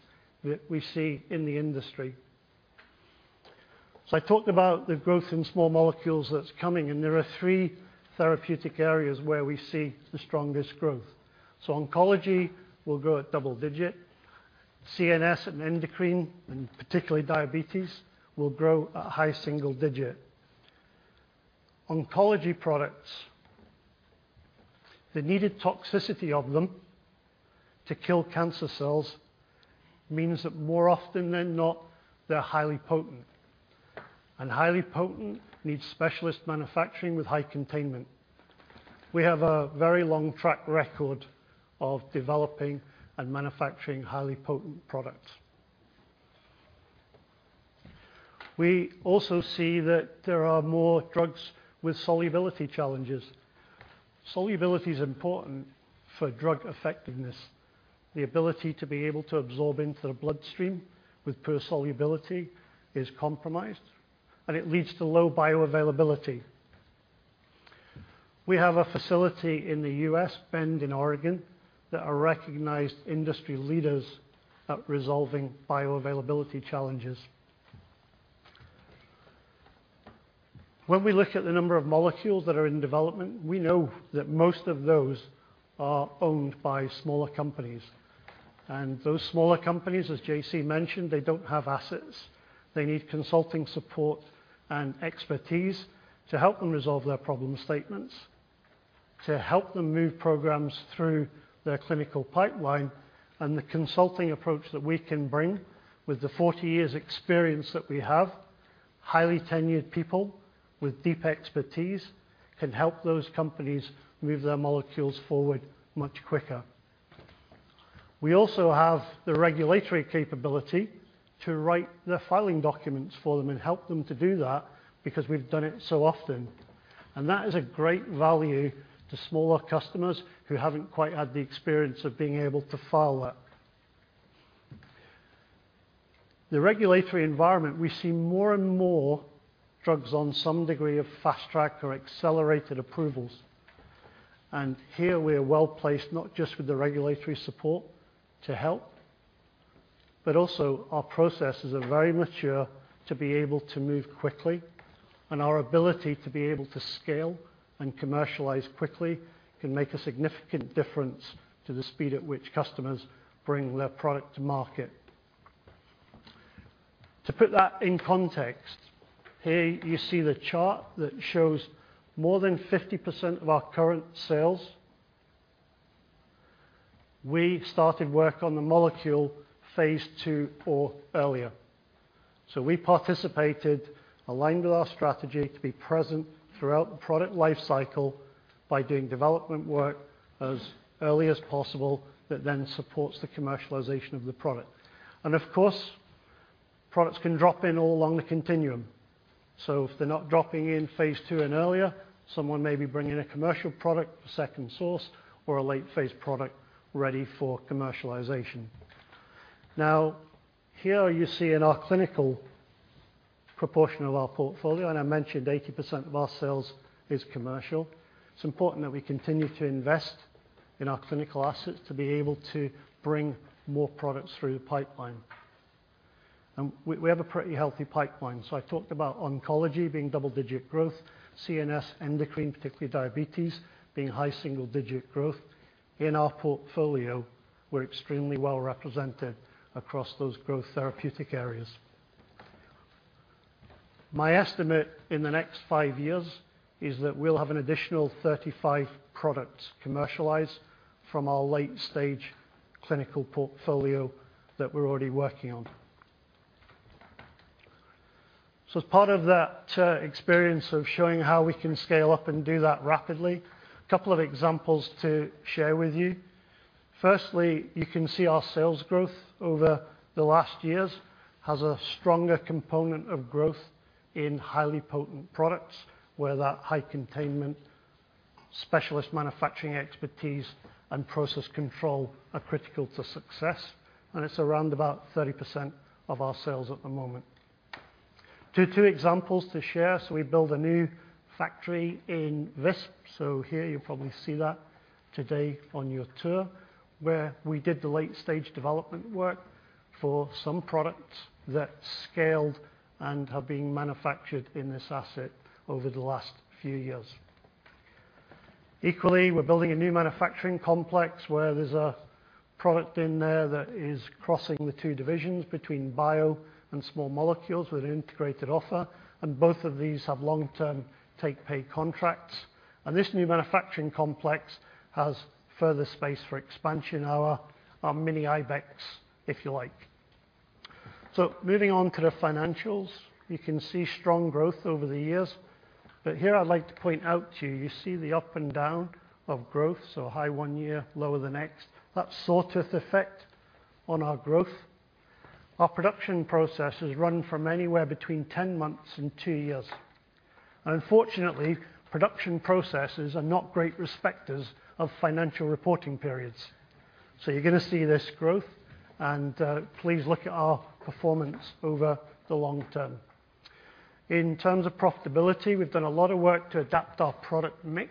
that we see in the industry. So I talked about the growth in Small Molecules that's coming, and there are three therapeutic areas where we see the strongest growth. So oncology will grow at double-digit. CNS and endocrine, and particularly diabetes, will grow at high single-digit. Oncology products, the needed toxicity of them to kill cancer cells means that more often than not, they're highly potent, and highly potent needs specialist manufacturing with high containment. We have a very long track record of developing and manufacturing highly potent products. We also see that there are more drugs with solubility challenges. Solubility is important for drug effectiveness.... the ability to be able to absorb into the bloodstream with poor solubility is compromised, and it leads to low bioavailability. We have a facility in the U.S., Bend, Oregon, that are recognized industry leaders at resolving bioavailability challenges. When we look at the number of molecules that are in development, we know that most of those are owned by smaller companies. Those smaller companies, as JC mentioned, they don't have assets. They need consulting support and expertise to help them resolve their problem statements, to help them move programs through their clinical pipeline. The consulting approach that we can bring with the 40 years experience that we have, highly tenured people with deep expertise, can help those companies move their molecules forward much quicker. We also have the regulatory capability to write the filing documents for them and help them to do that because we've done it so often, and that is a great value to smaller customers who haven't quite had the experience of being able to file that. The regulatory environment, we see more and more drugs on some degree of fast-track or accelerated approvals. Here we are well-placed, not just with the regulatory support to help, but also our processes are very mature to be able to move quickly, and our ability to be able to scale and commercialize quickly can make a significant difference to the speed at which customers bring their product to market. To put that in context, here you see the chart that shows more than 50% of our current sales. We started work on the molecule Phase II or earlier. So we participated, aligned with our strategy to be present throughout the product life cycle by doing development work as early as possible that then supports the commercialization of the product. Of course, products can drop in all along the continuum. So if they're not dropping in Phase II and earlier, someone may be bringing a commercial product, a second source, or a late-phase product ready for commercialization. Now, here you see in our clinical proportion of our portfolio, and I mentioned 80% of our sales is commercial. It's important that we continue to invest in our clinical assets to be able to bring more products through the pipeline. And we, we have a pretty healthy pipeline. So I talked about oncology being double-digit growth, CNS, endocrine, particularly diabetes, being high single-digit growth. In our portfolio, we're extremely well represented across those growth therapeutic areas. My estimate in the next five years is that we'll have an additional 35 products commercialized from our late-stage clinical portfolio that we're already working on. So as part of that experience of showing how we can scale up and do that rapidly, a couple of examples to share with you. Firstly, you can see our sales growth over the last years has a stronger component of growth in highly potent products, where that high containment, specialist manufacturing expertise, and process control are critical to success, and it's around about 30% of our sales at the moment. Two examples to share. So we built a new factory in Visp, so here you'll probably see that today on your tour, where we did the late-stage development work for some products that scaled and have been manufactured in this asset over the last few years. Equally, we're building a new manufacturing complex, where there's a product in there that is crossing the two divisions between bio and Small Molecules with an integrated offer, and both of these have long-term take-or-pay contracts. This new manufacturing complex has further space for expansion, our mini Ibex, if you like. So moving on to the financials. You can see strong growth over the years, but here I'd like to point out to you, you see the up and down of growth, so high one year, lower the next. That sawtooth effect on our growth. Our production processes run from anywhere between 10 months and two years. Unfortunately, production processes are not great respecters of financial reporting periods. So you're gonna see this growth, and please look at our performance over the long term. In terms of profitability, we've done a lot of work to adapt our product mix,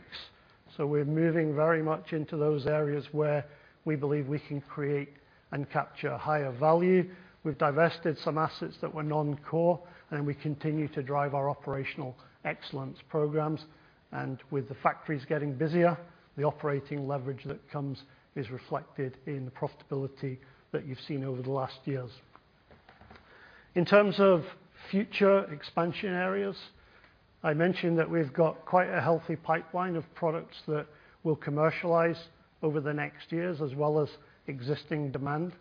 so we're moving very much into those areas where we believe we can create and capture higher value. We've divested some assets that were non-core, and we continue to drive our operational excellence programs. With the factories getting busier, the operating leverage that comes is reflected in the profitability that you've seen over the last years. In terms of future expansion areas, I mentioned that we've got quite a healthy pipeline of products that we'll commercialize over the next years, as well as existing demand.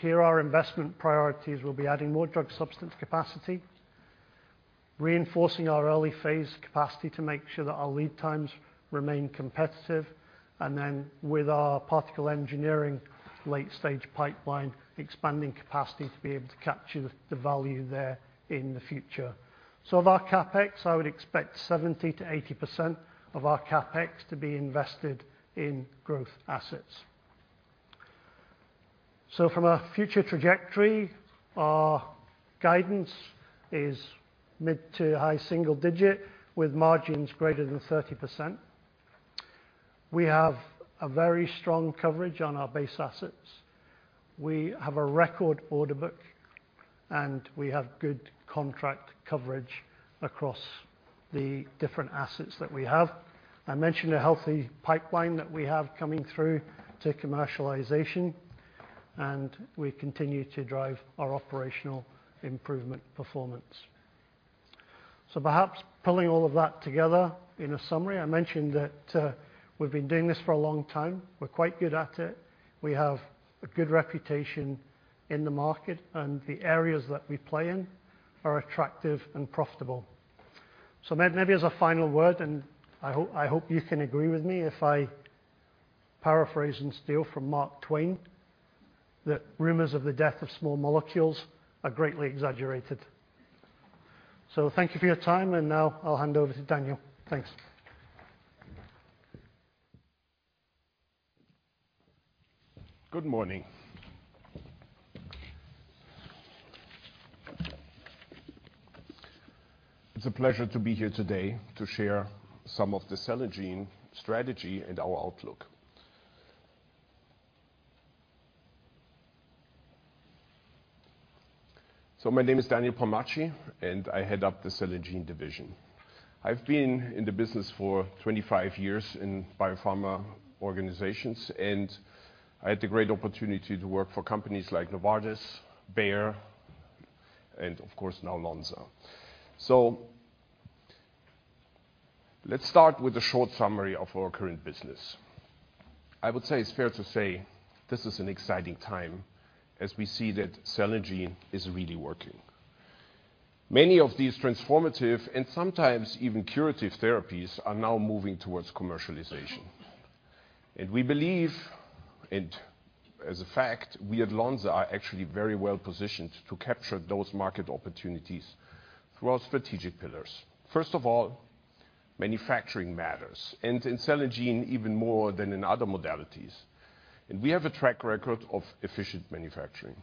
Here, our investment priorities will be adding more drug substance capacity, reinforcing our early phase capacity to make sure that our lead times remain competitive, and then with our particle engineering late-stage pipeline, expanding capacity to be able to capture the value there in the future. So of our CapEx, I would expect 70%-80% of our CapEx to be invested in growth assets. So from a future trajectory, our guidance is mid- to high-single-digit, with margins greater than 30%. We have a very strong coverage on our base assets. We have a record order book, and we have good contract coverage across the different assets that we have. I mentioned a healthy pipeline that we have coming through to commercialization, and we continue to drive our operational improvement performance. So perhaps pulling all of that together in a summary, I mentioned that, we've been doing this for a long time. We're quite good at it. We have a good reputation in the market, and the areas that we play in are attractive and profitable. So maybe as a final word, and I hope, I hope you can agree with me if I paraphrase and steal from Mark Twain, that rumors of the death of Small Molecules are greatly exaggerated. So thank you for your time, and now I'll hand over to Daniel. Thanks. Good morning. It's a pleasure to be here today to share some of the cell and gene strategy and our outlook. My name is Daniel Palmacci, and I head up the Cell and Gene division. I've been in the business for 25 years in biopharma organizations, and I had the great opportunity to work for companies like Novartis, Bayer, and of course, now Lonza. Let's start with a short summary of our current business. I would say it's fair to say this is an exciting time as we see that cell and gene is really working. Many of these transformative and sometimes even curative therapies are now moving towards commercialization, and we believe, and as a fact, we at Lonza are actually very well positioned to capture those market opportunities through our strategic pillars. First of all, manufacturing matters, and in Cell and Gene, even more than in other modalities, and we have a track record of efficient manufacturing.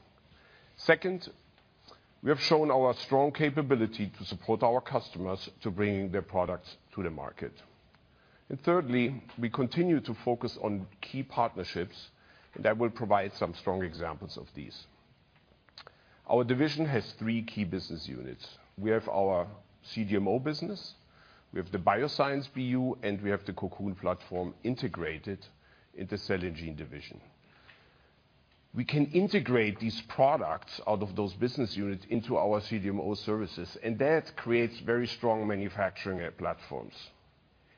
Second, we have shown our strong capability to support our customers to bringing their products to the market. And thirdly, we continue to focus on key partnerships, and I will provide some strong examples of these. Our division has three key business units. We have our CDMO business, we have the Bioscience BU, and we have the Cocoon platform integrated into Cell and Gene division. We can integrate these products out of those business units into our CDMO services, and that creates very strong manufacturing platforms.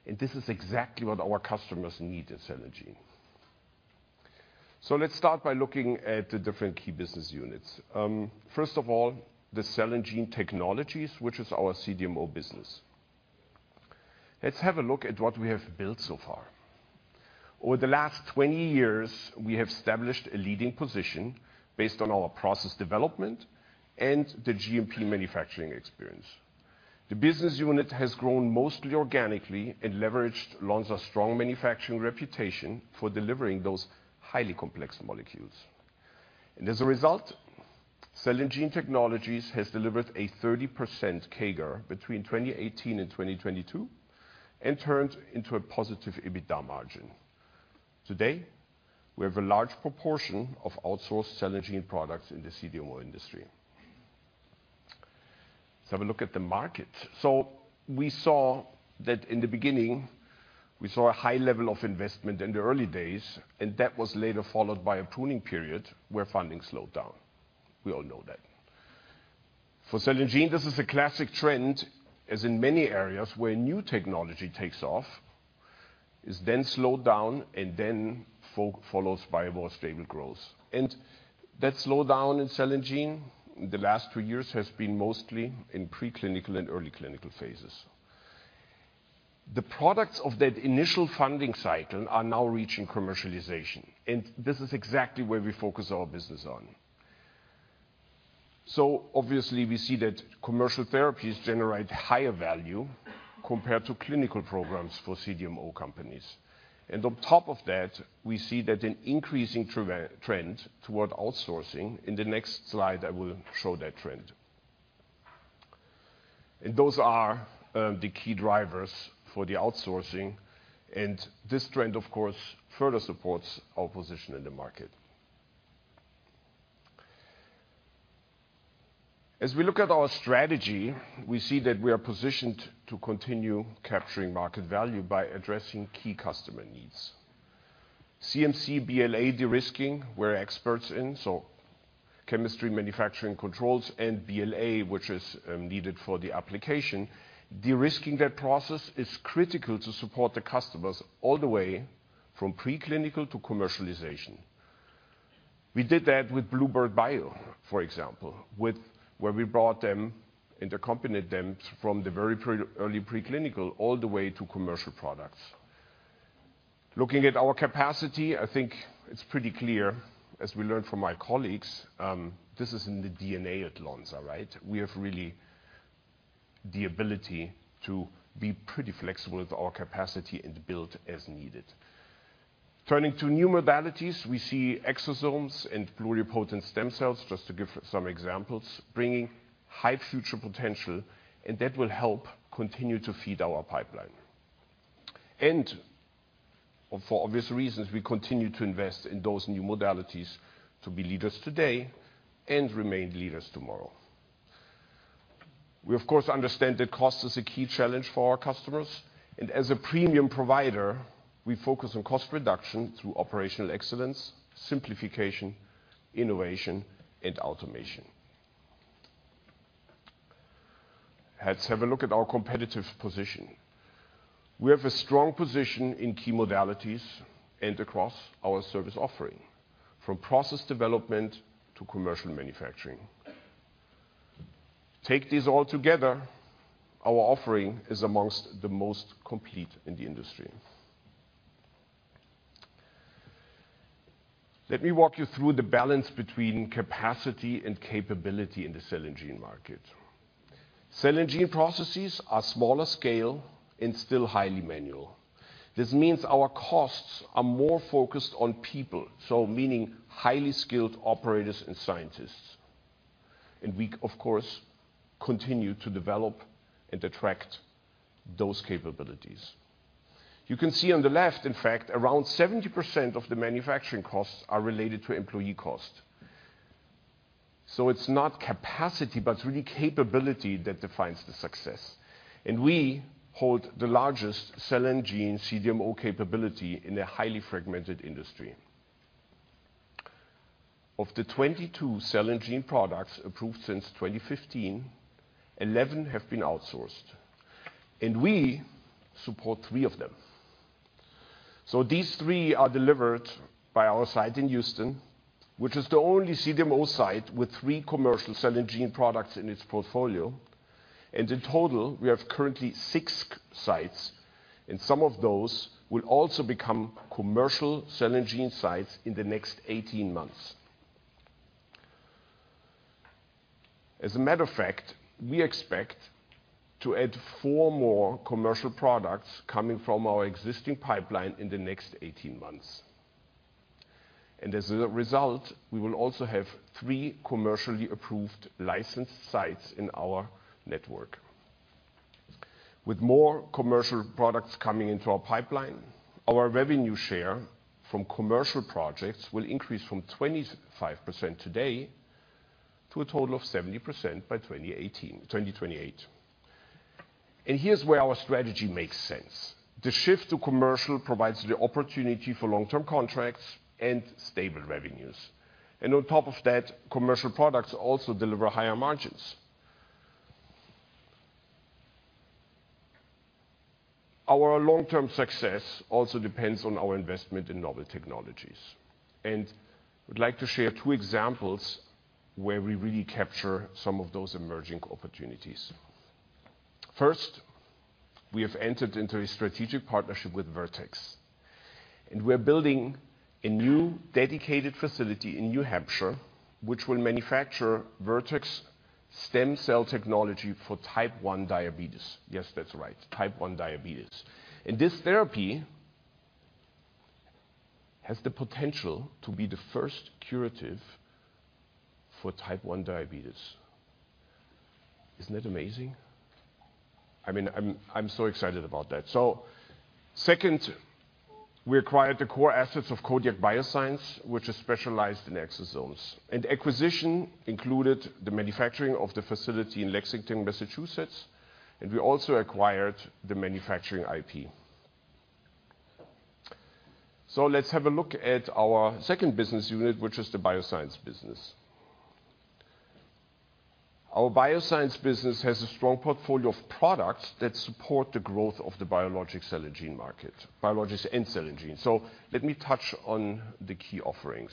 And this is exactly what our customers need at Cell and Gene. So let's start by looking at the different key business units. First of all, the Cell and Gene technologies, which is our CDMO business. Let's have a look at what we have built so far. Over the last 20 years, we have established a leading position based on our process development and the GMP manufacturing experience. The business unit has grown mostly organically and leveraged Lonza's strong manufacturing reputation for delivering those highly complex molecules. And as a result, Cell and Gene Technologies has delivered a 30% CAGR between 2018 and 2022 and turned into a positive EBITDA margin. Today, we have a large proportion of outsourced Cell and Gene products in the CDMO industry. Let's have a look at the market. So we saw that in the beginning, we saw a high level of investment in the early days, and that was later followed by a pruning period where funding slowed down. We all know that. For Cell and Gene, this is a classic trend, as in many areas where new technology takes off, is then slowed down and then follows by more stable growth. That slowdown in Cell and Gene in the last two years has been mostly in preclinical and early clinical phases. The products of that initial funding cycle are now reaching commercialization, and this is exactly where we focus our business on. So obviously, we see that commercial therapies generate higher value compared to clinical programs for CDMO companies. And on top of that, we see that an increasing trend toward outsourcing. In the next slide, I will show that trend. And those are the key drivers for the outsourcing, and this trend, of course, further supports our position in the market. As we look at our strategy, we see that we are positioned to continue capturing market value by addressing key customer needs. CMC BLA de-risking, we're experts in, so chemistry, manufacturing, controls and BLA, which is needed for the application. De-risking that process is critical to support the customers all the way from preclinical to commercialization. We did that with Bluebird Bio, for example, with where we brought them and accompanied them from the very early preclinical all the way to commercial products. Looking at our capacity, I think it's pretty clear, as we learned from my colleagues, this is in the DNA at Lonza, right? We have the ability to be pretty flexible with our capacity and build as needed. Turning to new modalities, we see exosomes and pluripotent stem cells, just to give some examples, bringing high future potential, and that will help continue to feed our pipeline. For obvious reasons, we continue to invest in those new modalities to be leaders today and remain leaders tomorrow. We, of course, understand that cost is a key challenge for our customers, and as a premium provider, we focus on cost reduction through operational excellence, simplification, innovation, and automation. Let's have a look at our competitive position. We have a strong position in key modalities and across our service offering, from process development to commercial manufacturing. Take these all together, our offering is among the most complete in the industry. Let me walk you through the balance between capacity and capability in the cell and gene market. Cell and gene processes are smaller scale and still highly manual. This means our costs are more focused on people, so meaning highly skilled operators and scientists, and we, of course, continue to develop and attract those capabilities. You can see on the left, in fact, around 70% of the manufacturing costs are related to employee cost. So it's not capacity, but it's really capability that defines the success, and we hold the largest cell and gene CDMO capability in a highly fragmented industry. Of the 22 cell and gene products approved since 2015, 11 have been outsourced, and we support three of them. So these three are delivered by our site in Houston, which is the only CDMO site with three commercial cell and gene products in its portfolio. And in total, we have currently six sites, and some of those will also become commercial cell and gene sites in the next eighteen months. As a matter of fact, we expect to add four more commercial products coming from our existing pipeline in the next 18 months. As a result, we will also have three commercially approved licensed sites in our network. With more commercial products coming into our pipeline, our revenue share from commercial projects will increase from 25% today to a total of 70% by 2018 - 2028. Here's where our strategy makes sense. The shift to commercial provides the opportunity for long-term contracts and stable revenues, and on top of that, commercial products also deliver higher margins. Our long-term success also depends on our investment in novel technologies, and I'd like to share two examples where we really capture some of those emerging opportunities. First, we have entered into a strategic partnership with Vertex, and we're building a new dedicated facility in New Hampshire, which will manufacture Vertex stem cell technology for Type 1 diabetes. Yes, that's right, Type 1 diabetes. And this therapy has the potential to be the first curative for Type 1 diabetes. Isn't that amazing? I mean, I'm so excited about that. So second, we acquired the core assets of Codiak BioSciences, which is specialized in exosomes. And acquisition included the manufacturing of the facility in Lexington, Massachusetts, and we also acquired the manufacturing IP. So let's have a look at our second business unit, which is the bioscience business. Our bioscience business has a strong portfolio of products that support the growth of the biologic cell and gene market, biologics and cell and gene. So let me touch on the key offerings.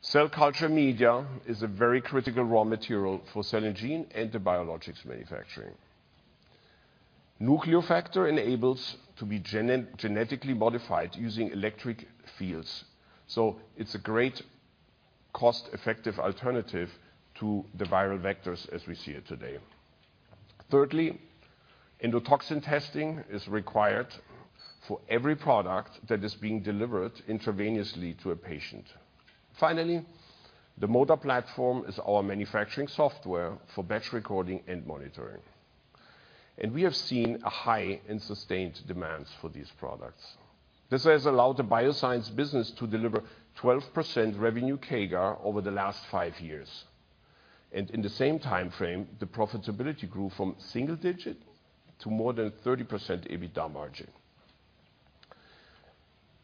Cell culture media is a very critical raw material for cell and gene and the biologics manufacturing. Nucleofector enables to be genetically modified using electric fields, so it's a great cost-effective alternative to the viral vectors as we see it today. Thirdly, endotoxin testing is required for every product that is being delivered intravenously to a patient. Finally, the MODA platform is our manufacturing software for batch recording and monitoring. And we have seen a high and sustained demands for these products. This has allowed the bioscience business to deliver 12% revenue CAGR over the last five years. And in the same time frame, the profitability grew from single digit to more than 30% EBITDA margin.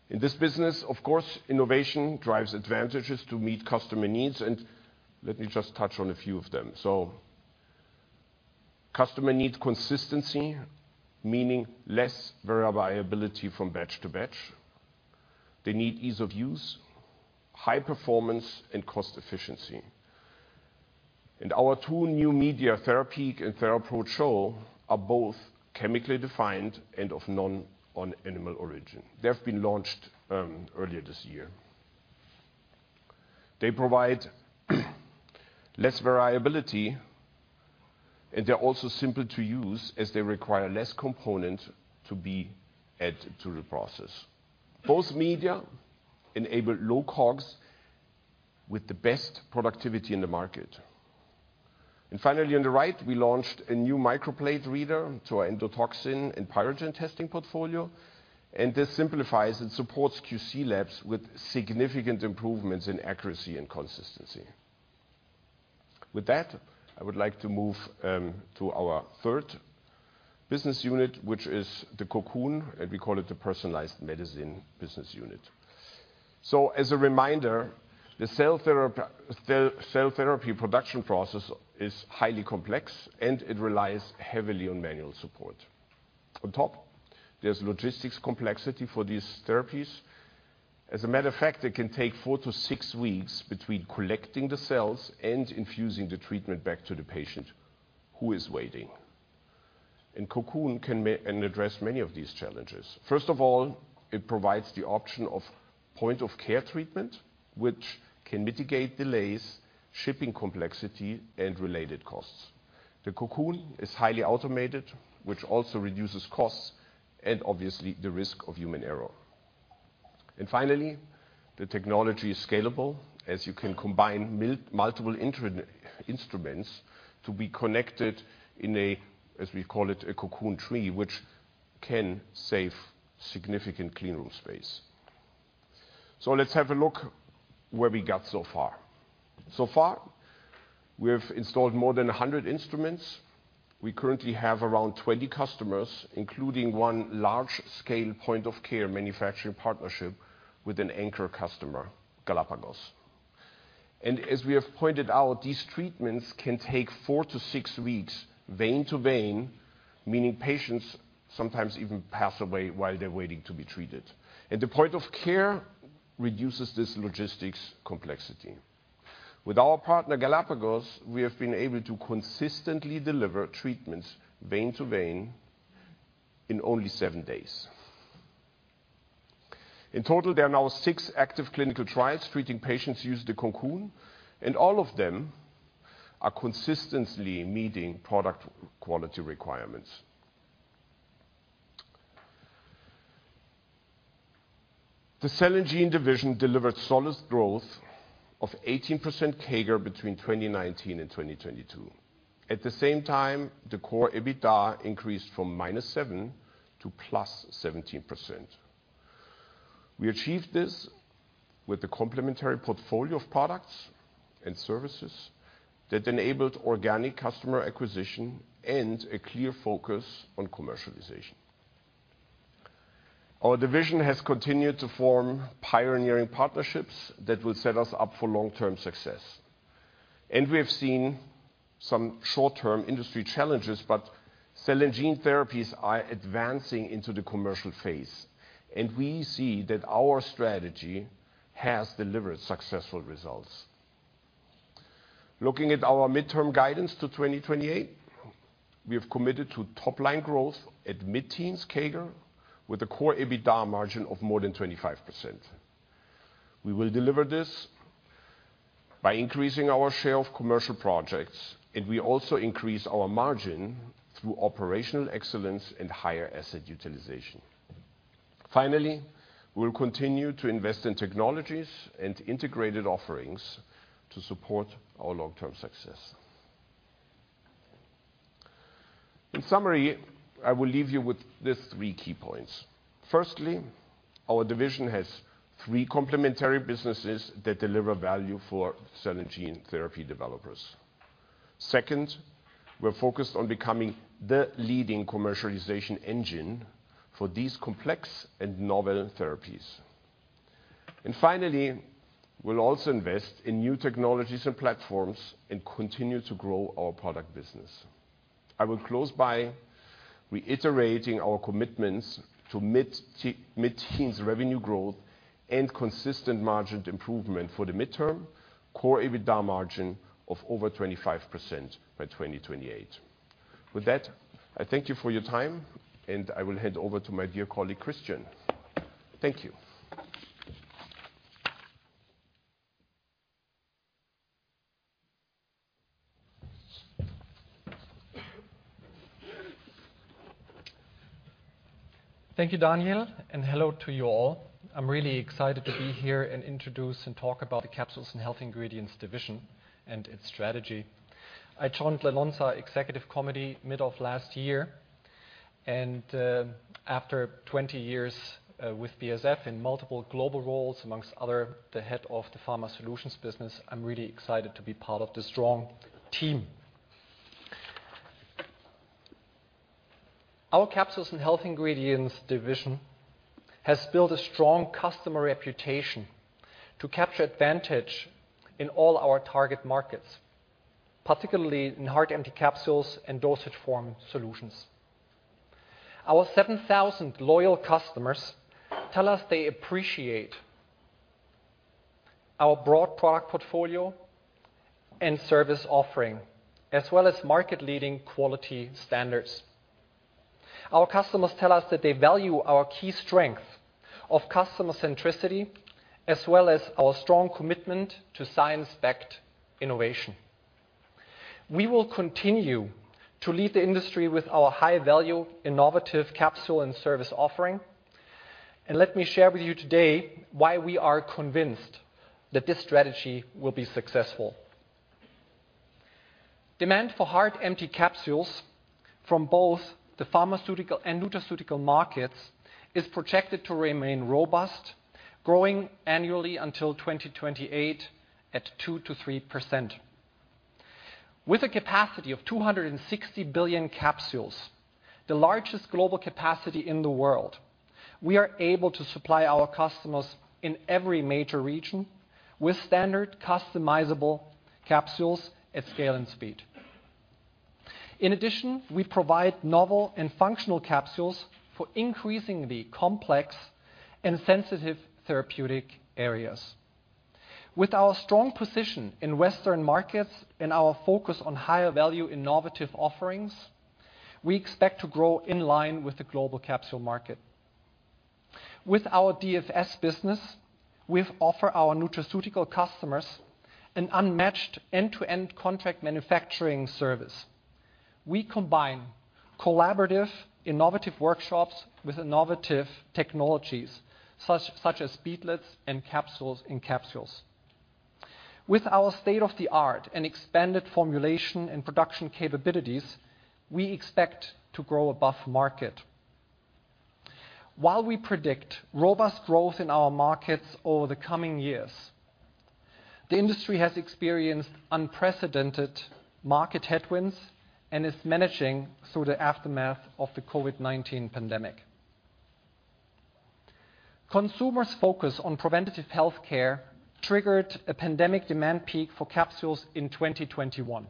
In this business, of course, innovation drives advantages to meet customer needs, and let me just touch on a few of them. Customer needs consistency, meaning less variability from batch to batch. They need ease of use, high performance, and cost efficiency. Our two new media, TheraPEAK and TheraPro CHO, are both chemically defined and of non-animal origin. They have been launched earlier this year. They provide less variability, and they're also simple to use as they require less component to be added to the process. Both media enable low COGS with the best productivity in the market. Finally, on the right, we launched a new microplate reader to our endotoxin and pyrogen testing portfolio, and this simplifies and supports QC labs with significant improvements in accuracy and consistency. With that, I would like to move to our third business unit, which is the Cocoon, and we call it the personalized medicine business unit. So as a reminder, the cell therapy production process is highly complex, and it relies heavily on manual support. On top, there's logistics complexity for these therapies. As a matter of fact, it can take four to six weeks between collecting the cells and infusing the treatment back to the patient who is waiting. And Cocoon can address many of these challenges. First of all, it provides the option of point-of-care treatment, which can mitigate delays, shipping complexity, and related costs. The Cocoon is highly automated, which also reduces costs and obviously the risk of human error. And finally, the technology is scalable, as you can combine multiple instruments to be connected in a, as we call it, a Cocoon tree, which can save significant clean room space. So let's have a look where we got so far. So far, we have installed more than 100 instruments. We currently have around 20 customers, including one large-scale point-of-care manufacturing partnership with an anchor customer, Galapagos. As we have pointed out, these treatments can take four to six weeks, vein to vein, meaning patients sometimes even pass away while they're waiting to be treated, and the point of care reduces this logistics complexity. With our partner, Galapagos, we have been able to consistently deliver treatments, vein to vein, in only seven days. In total, there are now six active clinical trials treating patients using the Cocoon, and all of them are consistently meeting product quality requirements. The Cell & Gene division delivered solid growth of 18% CAGR between 2019 and 2022. At the same time, the core EBITDA increased from -7% to +17%. We achieved this with a complementary portfolio of products and services that enabled organic customer acquisition and a clear focus on commercialization. Our division has continued to form pioneering partnerships that will set us up for long-term success, and we have seen some short-term industry challenges, but cell and gene therapies are advancing into the commercial phase, and we see that our strategy has delivered successful results. Looking at our midterm guidance to 2028, we have committed to top-line growth at mid-teens CAGR with a core EBITDA margin of more than 25%. We will deliver this by increasing our share of commercial projects, and we also increase our margin through operational excellence and higher asset utilization. Finally, we'll continue to invest in technologies and integrated offerings to support our long-term success. In summary, I will leave you with these three key points: firstly, our division has three complementary businesses that deliver value for cell and gene therapy developers. Second, we're focused on becoming the leading commercialization engine for these complex and novel therapies. And finally, we'll also invest in new technologies and platforms and continue to grow our product business. I will close by reiterating our commitments to mid-teens revenue growth and consistent margin improvement for the midterm, core EBITDA margin of over 25% by 2028. With that, I thank you for your time, and I will hand over to my dear colleague, Christian. Thank you. Thank you, Daniel, and hello to you all. I'm really excited to be here and introduce and talk about the Capsules and Health Ingredients division and its strategy. I joined Lonza Executive Committee mid of last year, and, after 20 years, with BASF in multiple global roles, amongst other, the head of the Pharma Solutions business, I'm really excited to be part of this strong team. Our Capsules and Health Ingredients division has built a strong customer reputation to capture advantage in all our target markets, particularly in hard empty capsules and dosage form solutions. Our 7,000 loyal customers tell us they appreciate our broad product portfolio and service offering, as well as market-leading quality standards.... Our customers tell us that they value our key strength of customer centricity, as well as our strong commitment to science-backed innovation. We will continue to lead the industry with our high-value, innovative capsule and service offering. Let me share with you today why we are convinced that this strategy will be successful. Demand for hard empty capsules from both the pharmaceutical and nutraceutical markets is projected to remain robust, growing annually until 2028 at 2%-3%. With a capacity of 260 billion capsules, the largest global capacity in the world, we are able to supply our customers in every major region with standard customizable capsules at scale and speed. In addition, we provide novel and functional capsules for increasingly complex and sensitive therapeutic areas. With our strong position in Western markets and our focus on higher value innovative offerings, we expect to grow in line with the global capsule market. With our DFS business, we offer our nutraceutical customers an unmatched end-to-end contract manufacturing service. We combine collaborative, innovative workshops with innovative technologies, such as beadlets and capsules in capsules. With our state-of-the-art and expanded formulation and production capabilities, we expect to grow above market. While we predict robust growth in our markets over the coming years, the industry has experienced unprecedented market headwinds and is managing through the aftermath of the COVID-19 pandemic. Consumers' focus on preventative healthcare triggered a pandemic demand peak for capsules in 2021.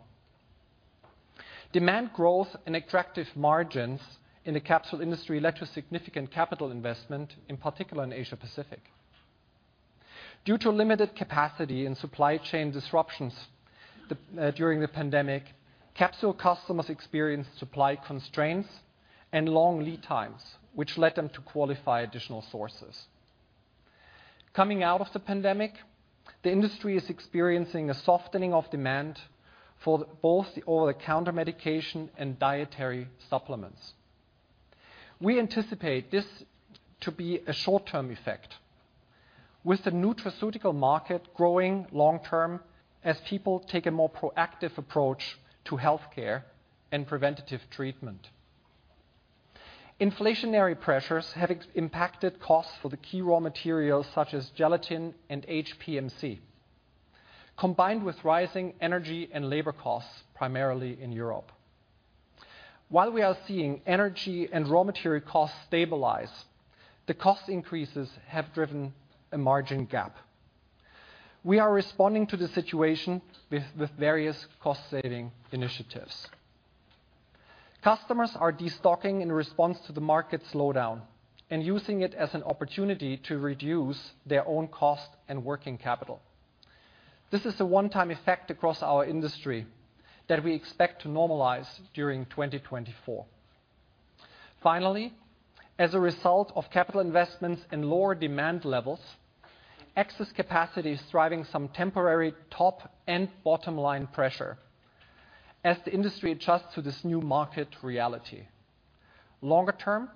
Demand growth and attractive margins in the capsule industry led to significant capital investment, in particular in Asia Pacific. Due to limited capacity and supply chain disruptions during the pandemic, capsule customers experienced supply constraints and long lead times, which led them to qualify additional sources. Coming out of the pandemic, the industry is experiencing a softening of demand for both the over-the-counter medication and dietary supplements. We anticipate this to be a short-term effect, with the nutraceutical market growing long term as people take a more proactive approach to healthcare and preventative treatment. Inflationary pressures have impacted costs for the key raw materials, such as gelatin and HPMC, combined with rising energy and labor costs, primarily in Europe. While we are seeing energy and raw material costs stabilize, the cost increases have driven a margin gap. We are responding to the situation with various cost-saving initiatives. Customers are destocking in response to the market slowdown and using it as an opportunity to reduce their own cost and working capital. This is a one-time effect across our industry that we expect to normalize during 2024. Finally, as a result of capital investments and lower demand levels, excess capacity is driving some temporary top and bottom-line pressure as the industry adjusts to this new market reality. Longer term,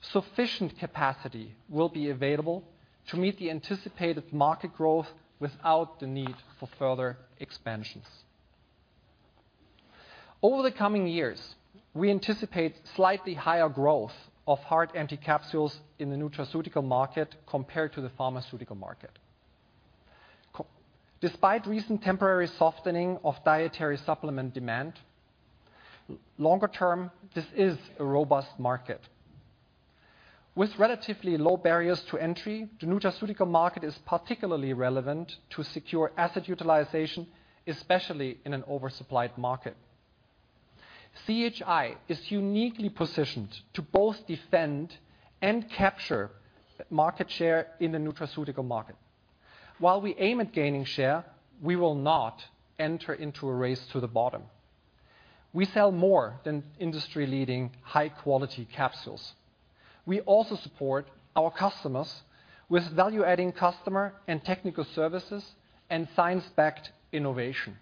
sufficient capacity will be available to meet the anticipated market growth without the need for further expansions. Over the coming years, we anticipate slightly higher growth of hard empty capsules in the nutraceutical market compared to the pharmaceutical market. Despite recent temporary softening of dietary supplement demand, longer term, this is a robust market. With relatively low barriers to entry, the nutraceutical market is particularly relevant to secure asset utilization, especially in an oversupplied market. CHI is uniquely positioned to both defend and capture market share in the nutraceutical market. While we aim at gaining share, we will not enter into a race to the bottom. We sell more than industry-leading, high-quality capsules. We also support our customers with value-adding customer and technical services and science-backed innovation.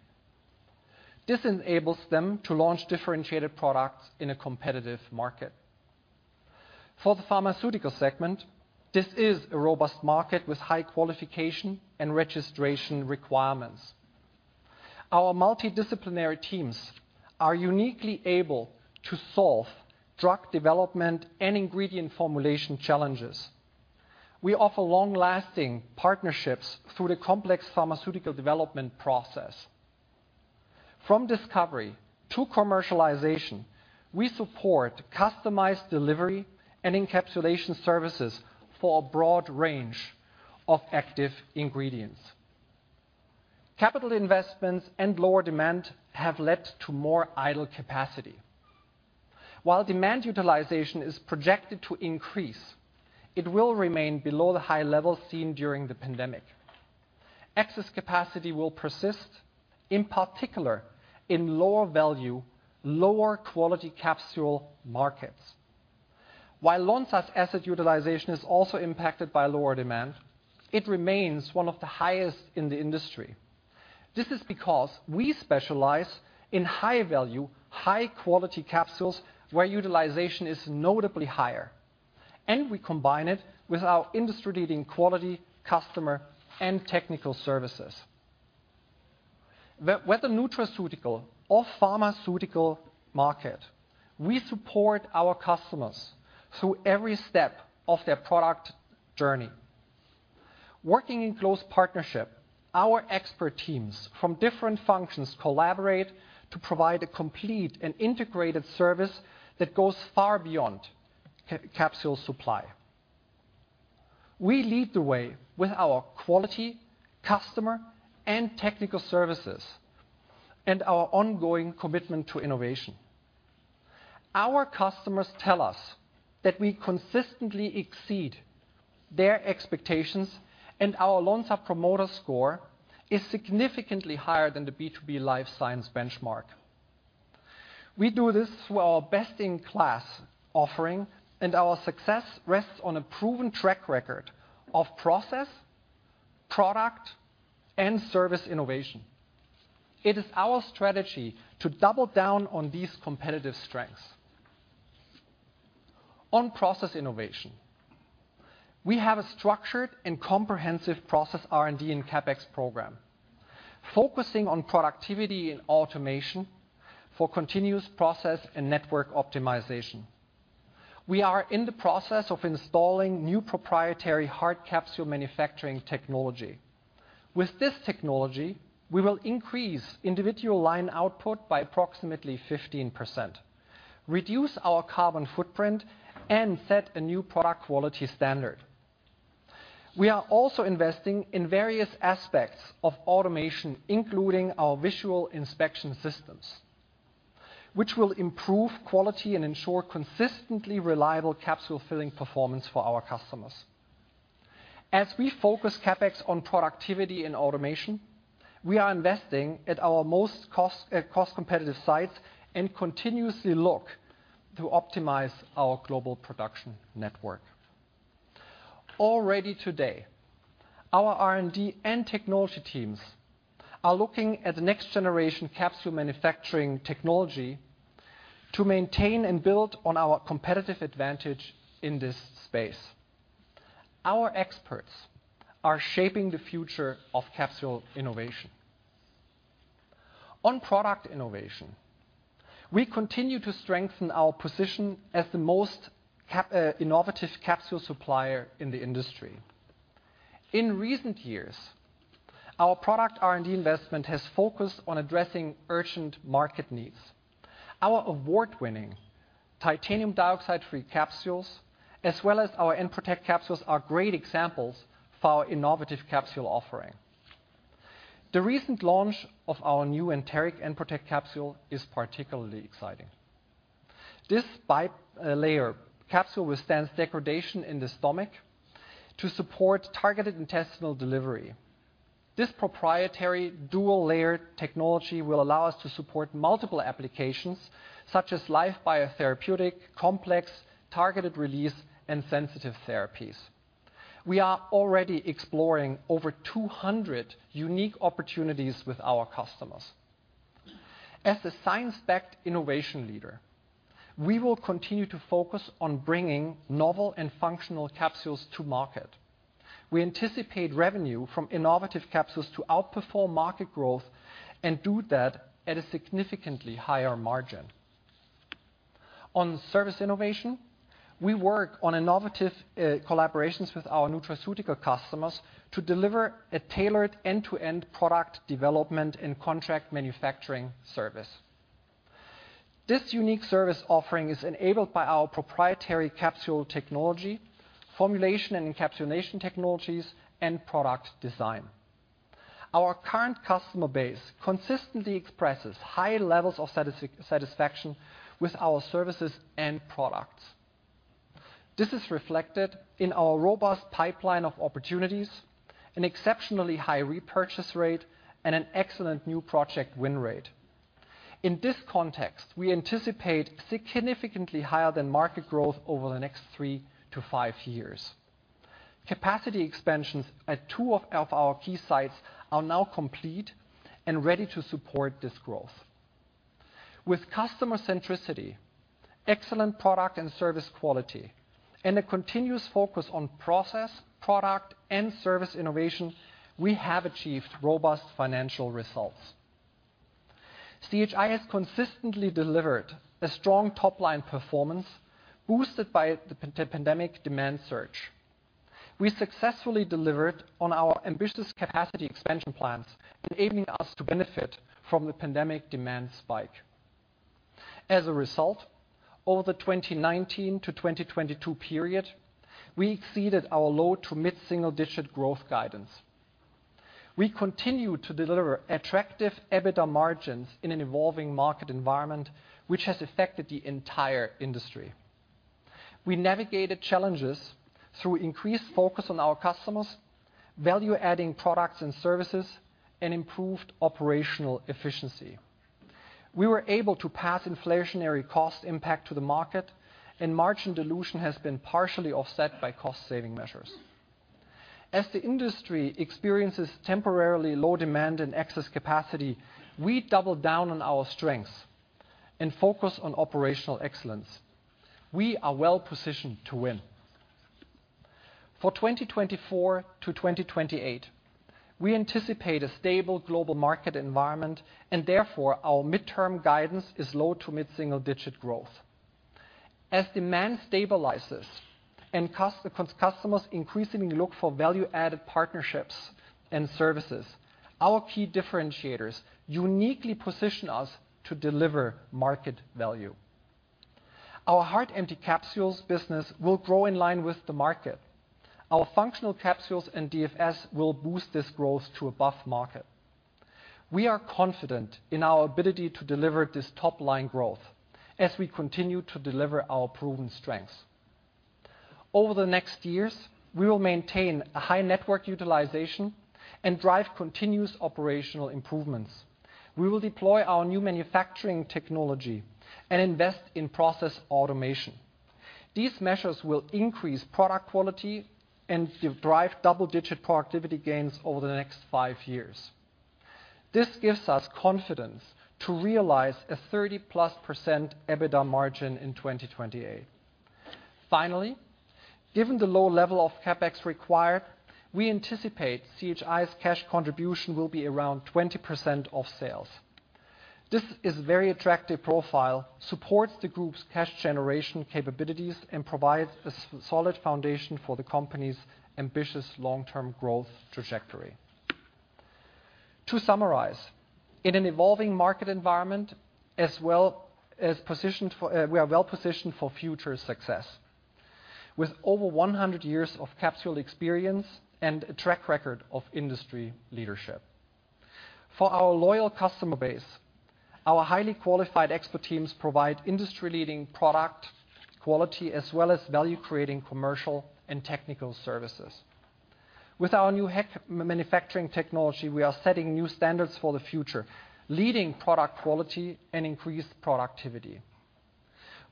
This enables them to launch differentiated products in a competitive market. For the pharmaceutical segment, this is a robust market with high qualification and registration requirements. Our multidisciplinary teams are uniquely able to solve drug development and ingredient formulation challenges. We offer long-lasting partnerships through the complex pharmaceutical development process. From discovery to commercialization, we support customized delivery and encapsulation services for a broad range of active ingredients. Capital investments and lower demand have led to more idle capacity. While demand utilization is projected to increase, it will remain below the high levels seen during the pandemic. Excess capacity will persist, in particular, in lower value, lower quality capsule markets. While Lonza's asset utilization is also impacted by lower demand, it remains one of the highest in the industry. This is because we specialize in high value, high quality capsules, where utilization is notably higher, and we combine it with our industry-leading quality, customer, and technical services. But with the nutraceutical or pharmaceutical market, we support our customers through every step of their product journey. Working in close partnership, our expert teams from different functions collaborate to provide a complete and integrated service that goes far beyond capsule supply. We lead the way with our quality, customer, and technical services, and our ongoing commitment to innovation. Our customers tell us that we consistently exceed their expectations, and our Lonza promoter score is significantly higher than the B2B life science benchmark. We do this through our best-in-class offering, and our success rests on a proven track record of process, product, and service innovation. It is our strategy to double down on these competitive strengths. On process innovation, we have a structured and comprehensive process R&D and CapEx program, focusing on productivity and automation for continuous process and network optimization. We are in the process of installing new proprietary hard capsule manufacturing technology. With this technology, we will increase individual line output by approximately 15%, reduce our carbon footprint, and set a new product quality standard. We are also investing in various aspects of automation, including our visual inspection systems, which will improve quality and ensure consistently reliable capsule filling performance for our customers. As we focus CapEx on productivity and automation, we are investing at our most cost, cost competitive sites and continuously look to optimize our global production network. Already today, our R&D and technology teams are looking at the next generation capsule manufacturing technology to maintain and build on our competitive advantage in this space. Our experts are shaping the future of capsule innovation. On product innovation, we continue to strengthen our position as the most innovative capsule supplier in the industry. In recent years, our product R&D investment has focused on addressing urgent market needs. Our award-winning titanium dioxide-free capsules, as well as our Enprotect capsules, are great examples for our innovative capsule offering. The recent launch of our new enteric Enprotect capsule is particularly exciting. This bi-layer capsule withstands degradation in the stomach to support targeted intestinal delivery. This proprietary dual-layered technology will allow us to support multiple applications, such as live biotherapeutic, complex, targeted release, and sensitive therapies. We are already exploring over 200 unique opportunities with our customers. As a science-backed innovation leader, we will continue to focus on bringing novel and functional capsules to market. We anticipate revenue from innovative capsules to outperform market growth and do that at a significantly higher margin. On service innovation, we work on innovative collaborations with our nutraceutical customers to deliver a tailored end-to-end product development and contract manufacturing service. This unique service offering is enabled by our proprietary capsule technology, formulation and encapsulation technologies, and product design. Our current customer base consistently expresses high levels of satisfaction with our services and products. This is reflected in our robust pipeline of opportunities, an exceptionally high repurchase rate, and an excellent new project win rate. In this context, we anticipate significantly higher than market growth over the next three to five years. Capacity expansions at two of our key sites are now complete and ready to support this growth. With customer centricity, excellent product and service quality, and a continuous focus on process, product, and service innovation, we have achieved robust financial results. CHI has consistently delivered a strong top-line performance, boosted by the pandemic demand surge. We successfully delivered on our ambitious capacity expansion plans, enabling us to benefit from the pandemic demand spike. As a result, over the 2019 to 2022 period, we exceeded our low- to mid-single-digit growth guidance. We continue to deliver attractive EBITDA margins in an evolving market environment, which has affected the entire industry. We navigated challenges through increased focus on our customers, value-adding products and services, and improved operational efficiency. We were able to pass inflationary cost impact to the market, and margin dilution has been partially offset by cost-saving measures. As the industry experiences temporarily low demand and excess capacity, we double down on our strengths and focus on operational excellence. We are well positioned to win. For 2024-2028, we anticipate a stable global market environment, and therefore, our midterm guidance is low- to mid-single-digit growth. As demand stabilizes and customers increasingly look for value-added partnerships and services, our key differentiators uniquely position us to deliver market value. Our hard empty capsules business will grow in line with the market. Our functional capsules and DFS will boost this growth to above market. We are confident in our ability to deliver this top-line growth as we continue to deliver our proven strengths. Over the next years, we will maintain a high network utilization and drive continuous operational improvements. We will deploy our new manufacturing technology and invest in process automation. These measures will increase product quality and drive double-digit productivity gains over the next five years. This gives us confidence to realize a 30+% EBITDA margin in 2028. Finally, given the low level of CapEx required, we anticipate CHI's cash contribution will be around 20% of sales. This is very attractive profile, supports the group's cash generation capabilities, and provides a solid foundation for the company's ambitious long-term growth trajectory. To summarize, in an evolving market environment, we are well positioned for future success. With over 100 years of capsule experience and a track record of industry leadership. For our loyal customer base, our highly qualified expert teams provide industry-leading product quality, as well as value-creating commercial and technical services. With our new manufacturing technology, we are setting new standards for the future, leading product quality and increased productivity.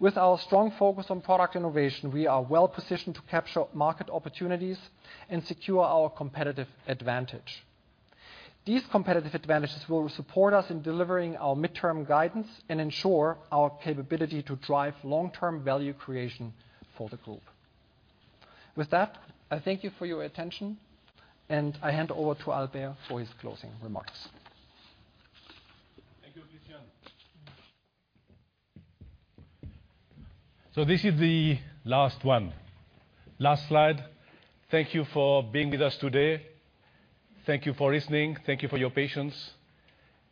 With our strong focus on product innovation, we are well positioned to capture market opportunities and secure our competitive advantage. These competitive advantages will support us in delivering our midterm guidance and ensure our capability to drive long-term value creation for the group. With that, I thank you for your attention, and I hand over to Albert for his closing remarks. Thank you, Christian. So this is the last one. Last slide. Thank you for being with us today. Thank you for listening. Thank you for your patience.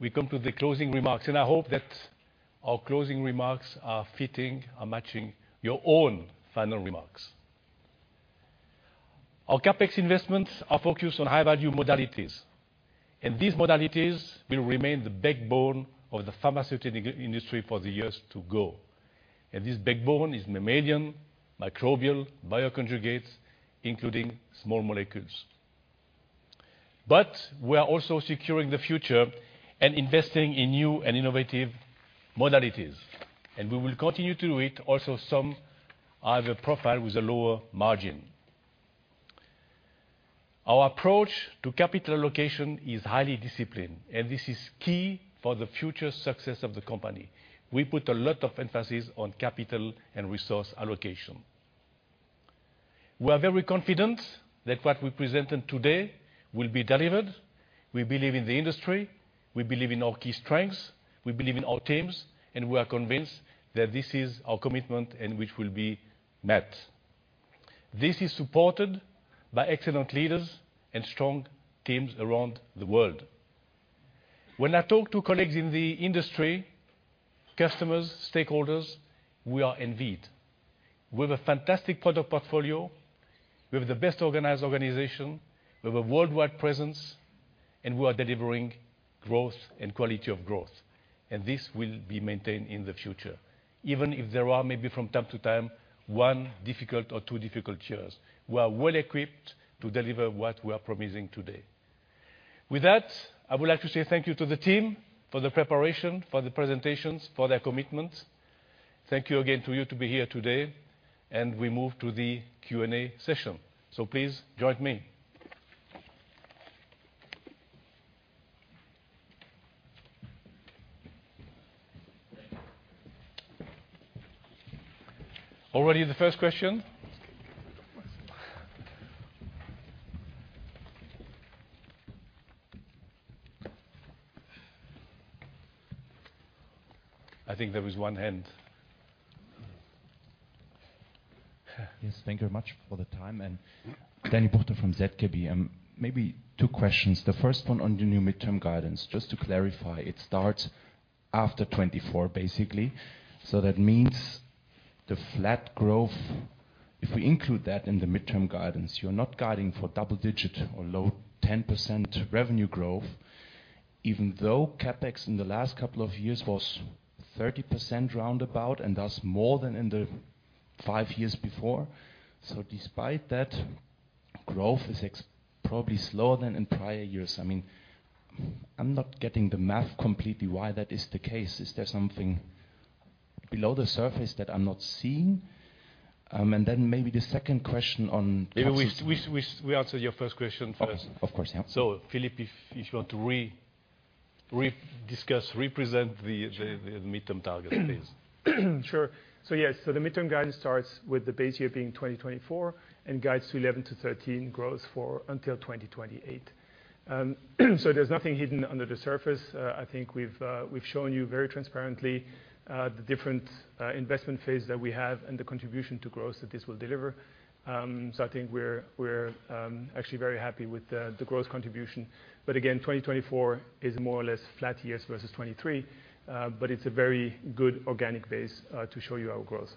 We come to the closing remarks, and I hope that our closing remarks are fitting and matching your own final remarks. Our CapEx investments are focused on high-value modalities, and these modalities will remain the backbone of the pharmaceutical industry for the years to go. And this backbone is mammalian, microbial, bioconjugates, including small molecules. But we are also securing the future and investing in new and innovative modalities, and we will continue to do it. Also, some have a profile with a lower margin. Our approach to capital allocation is highly disciplined, and this is key for the future success of the company. We put a lot of emphasis on capital and resource allocation. We are very confident that what we presented today will be delivered. We believe in the industry, we believe in our key strengths, we believe in our teams, and we are convinced that this is our commitment and which will be met. This is supported by excellent leaders and strong teams around the world. When I talk to colleagues in the industry, customers, stakeholders, we are envied. We have a fantastic product portfolio, we have the best organized organization, we have a worldwide presence, and we are delivering growth and quality of growth, and this will be maintained in the future. Even if there are, maybe from time to time, one difficult or two difficult years, we are well equipped to deliver what we are promising today. With that, I would like to say thank you to the team for the preparation, for the presentations, for their commitment. Thank you again to you to be here today, and we move to the Q&A session. So please join me. Already the first question? I think there was one hand. Yes, thank you very much for the time. And Danny Jelovcan from ZKB. Maybe two questions. The first one on the new midterm guidance, just to clarify, it starts after 2024, basically. So that means the flat growth, if we include that in the midterm guidance, you're not guiding for double-digit or low 10% revenue growth?... even though CapEx in the last couple of years was 30% roundabout, and thus more than in the five years before. So despite that, growth is probably slower than in prior years. I mean, I'm not getting the math completely why that is the case. Is there something below the surface that I'm not seeing? And then maybe the second question on- Maybe we answer your first question first. Of course, yeah. So, Philippe, if you want to re-discuss, represent the midterm target, please. Sure. So yes, so the midterm guidance starts with the base year being 2024, and guides to 11-13 growth for until 2028. So there's nothing hidden under the surface. I think we've, we've shown you very transparently, the different investment phases that we have and the contribution to growth that this will deliver. So I think we're, we're actually very happy with the growth contribution. But again, 2024 is more or less flat years versus 2023. But it's a very good organic base to show you our growth.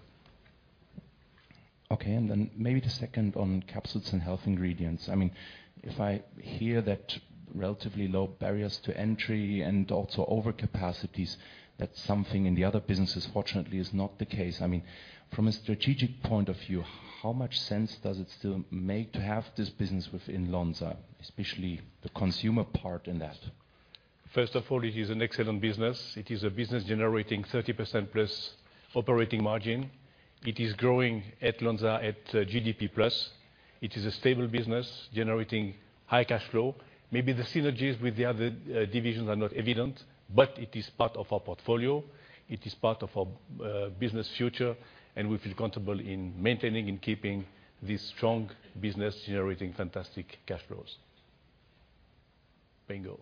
Okay, and then maybe the second on Capsules and Health Ingredients. I mean, if I hear that relatively low barriers to entry and also over capacities, that's something in the other businesses, fortunately, is not the case. I mean, from a strategic point of view, how much sense does it still make to have this business within Lonza, especially the consumer part in that? First of all, it is an excellent business. It is a business generating 30%+ operating margin. It is growing at Lonza, at GDP+. It is a stable business generating high cash flow. Maybe the synergies with the other divisions are not evident, but it is part of our portfolio, it is part of our business future, and we feel comfortable in maintaining and keeping this strong business generating fantastic cash flows. Bingo.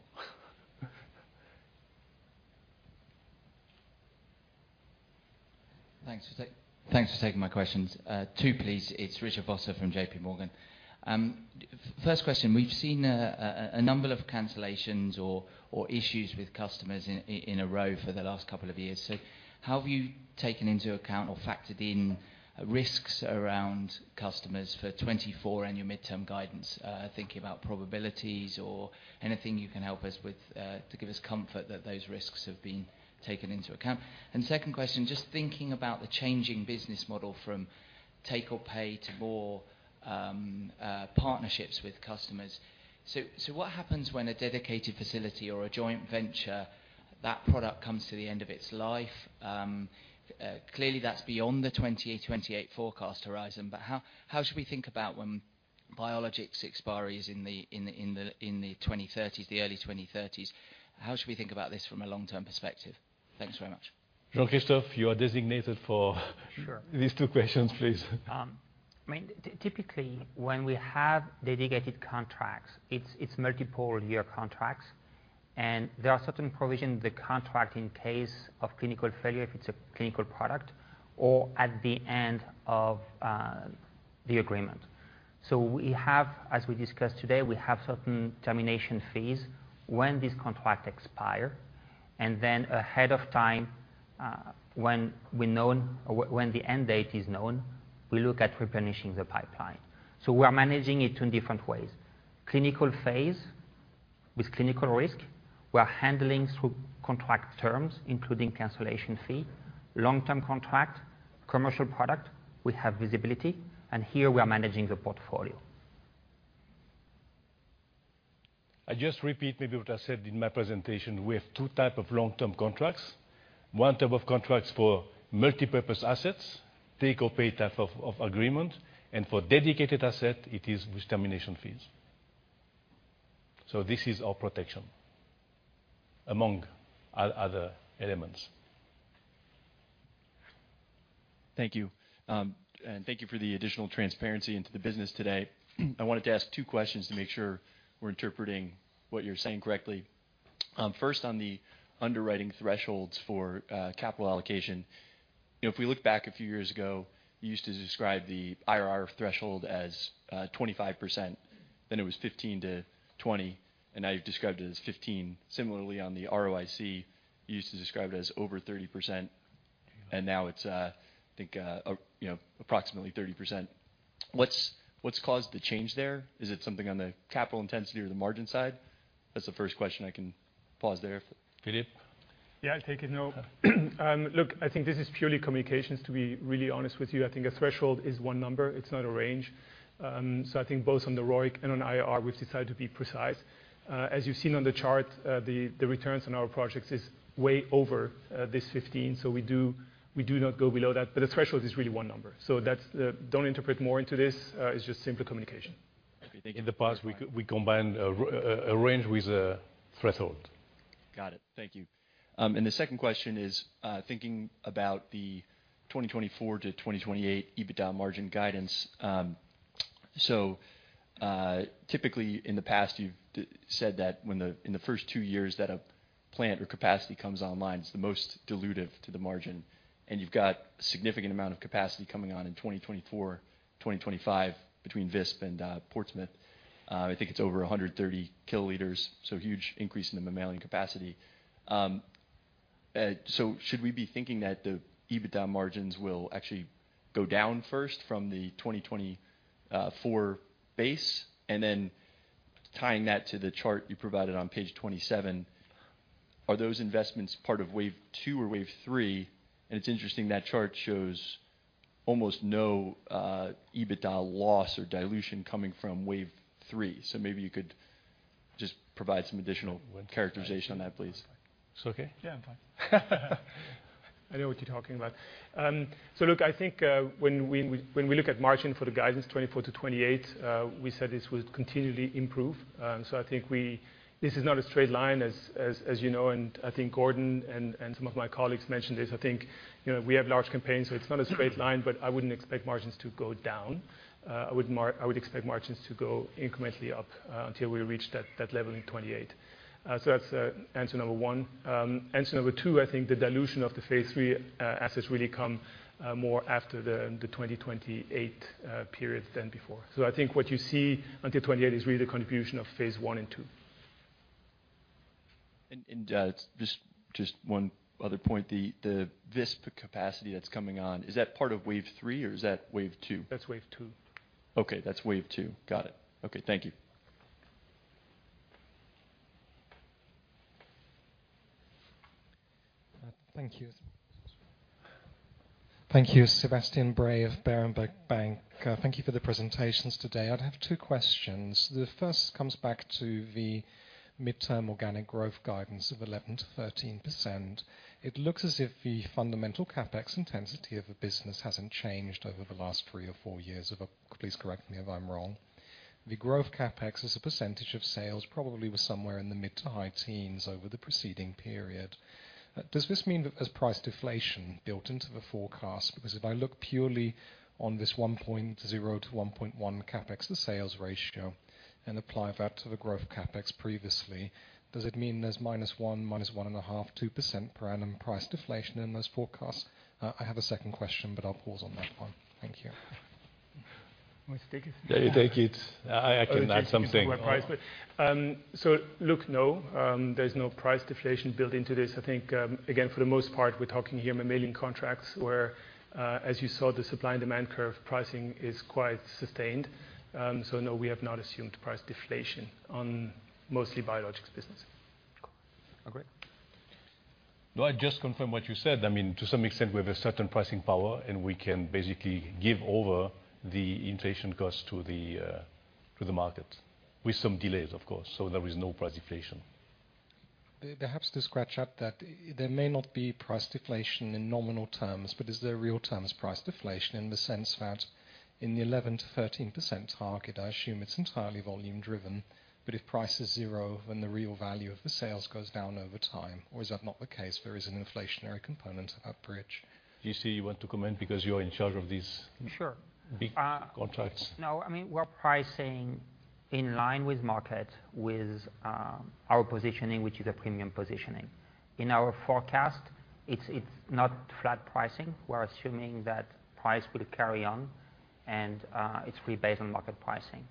Thanks for taking my questions. Two, please. It's Richard Vosser from J.P. Morgan. First question, we've seen a number of cancellations or issues with customers in a row for the last couple of years. So how have you taken into account or factored in risks around customers for 2024 and your midterm guidance, thinking about probabilities or anything you can help us with, to give us comfort that those risks have been taken into account? And second question, just thinking about the changing business model from take-or-pay to more partnerships with customers. So what happens when a dedicated facility or a joint venture, that product comes to the end of its life? Clearly, that's beyond the 2028 forecast horizon, but how should we think about when biologics expiry is in the 2030s, the early 2030s? How should we think about this from a long-term perspective? Thanks very much. Jean-Christophe, you are designated for - Sure. - these two questions, please. I mean, typically, when we have dedicated contracts, it's multiple-year contracts, and there are certain provisions in the contract in case of clinical failure, if it's a clinical product, or at the end of the agreement. So we have, as we discussed today, we have certain termination fees when this contract expire, and then ahead of time, when we know, or when the end date is known, we look at replenishing the pipeline. So we are managing it in different ways. Clinical phase, with clinical risk, we are handling through contract terms, including cancellation fee, long-term contract, commercial product, we have visibility, and here we are managing the portfolio. I just repeat maybe what I said in my presentation: We have two type of long-term contracts. One type of contracts for multipurpose assets, take-or-pay type of agreement, and for dedicated asset, it is with termination fees. So this is our protection, among other elements. Thank you, and thank you for the additional transparency into the business today. I wanted to ask two questions to make sure we're interpreting what you're saying correctly. First, on the underwriting thresholds for capital allocation, you know, if we look back a few years ago, you used to describe the IRR threshold as 25%, then it was 15%-20%, and now you've described it as 15. Similarly, on the ROIC, you used to describe it as over 30%, and now it's, I think, you know, approximately 30%. What's caused the change there? Is it something on the capital intensity or the margin side? That's the first question. I can pause there if- Philippe? Yeah, I'll take it. No, look, I think this is purely communications, to be really honest with you. I think a threshold is one number, it's not a range. So I think both on the ROIC and on IRR, we've decided to be precise. As you've seen on the chart, the returns on our projects is way over this 15, so we do not go below that, but the threshold is really one number. So that's... Don't interpret more into this, it's just simpler communication. Thank you. In the past, we combined a range with a threshold. Got it. Thank you. And the second question is, thinking about the 2024-2028 EBITDA margin guidance. So, typically, in the past, you've said that when, in the first two years that a plant or capacity comes online, it's the most dilutive to the margin, and you've got significant amount of capacity coming on in 2024, 2025 between Visp and Portsmouth. I think it's over 130 kiloliters, so huge increase in the mammalian capacity. So should we be thinking that the EBITDA margins will actually go down first from the 2024 base? And then tying that to the chart you provided on page 27, are those investments part of wave two or wave three? It's interesting, that chart shows almost no EBITDA loss or dilution coming from wave three. Maybe you could just provide some additional characterization on that, please. It's okay? Yeah, I'm fine. I know what you're talking about. So look, I think, when we look at margin for the guidance 2024 to 2028, we said this would continually improve. So I think we—this is not a straight line, as you know, and I think Gordon and some of my colleagues mentioned this. I think, you know, we have large campaigns, so it's not a straight line, but I wouldn't expect margins to go down. I would expect margins to go incrementally up, until we reach that level in 2028. So that's answer number one. Answer number two, I think the dilution of the Phase III assets really come more after the 2028 period than before. I think what you see until 2028 is really the contribution of Phase I and Phase II. Just one other point, the Visp capacity that's coming on, is that part of wave three or is that wave two? That's wave two. Okay, that's wave two. Got it. Okay. Thank you. Thank you. Thank you. Sebastian Bray of Berenberg Bank. Thank you for the presentations today. I'd have two questions. The first comes back to the midterm organic growth guidance of 11%-13%. It looks as if the fundamental CapEx intensity of the business hasn't changed over the last three or four years, please correct me if I'm wrong. The growth CapEx, as a percentage of sales, probably was somewhere in the mid to high teens over the preceding period. Does this mean that there's price deflation built into the forecast? Because if I look purely on this 1.0-1.1 CapEx to sales ratio and apply that to the growth CapEx previously, does it mean there's -1%, -1.5%, 2% per annum price deflation in those forecasts? I have a second question, but I'll pause on that one. Thank you. Want to take it? Yeah, you take it. I can add something. So look, no, there's no price deflation built into this. I think, again, for the most part, we're talking here mammalian contracts, where, as you saw, the supply and demand curve pricing is quite sustained. So no, we have not assumed price deflation on mostly biologics business. Okay. No, I just confirm what you said. I mean, to some extent, we have a certain pricing power, and we can basically give over the inflation costs to the, to the market with some delays, of course, so there is no price deflation. Perhaps to scratch at that, there may not be price deflation in nominal terms, but is there real terms price deflation, in the sense that in the 11%-13% target, I assume it's entirely volume driven, but if price is zero, then the real value of the sales goes down over time, or is that not the case? There is an inflationary component at bridge. JC, you want to comment because you're in charge of these- Sure. big contracts. No, I mean, we're pricing in line with market, with our positioning, which is a premium positioning. In our forecast, it's, it's not flat pricing. We're assuming that price will carry on, and it's rebased on market pricing.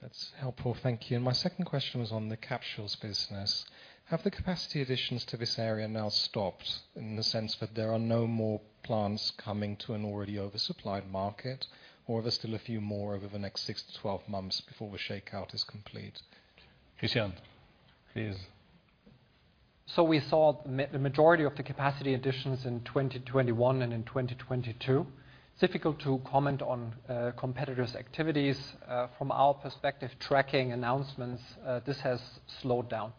That's helpful, thank you. My second question was on the capsules business. Have the capacity additions to this area now stopped, in the sense that there are no more plants coming to an already oversupplied market, or are there still a few more over the next six to 12 months before the shakeout is complete? Christian, please. We saw the majority of the capacity additions in 2021 and in 2022. Difficult to comment on competitors' activities. From our perspective, tracking announcements, this has slowed down.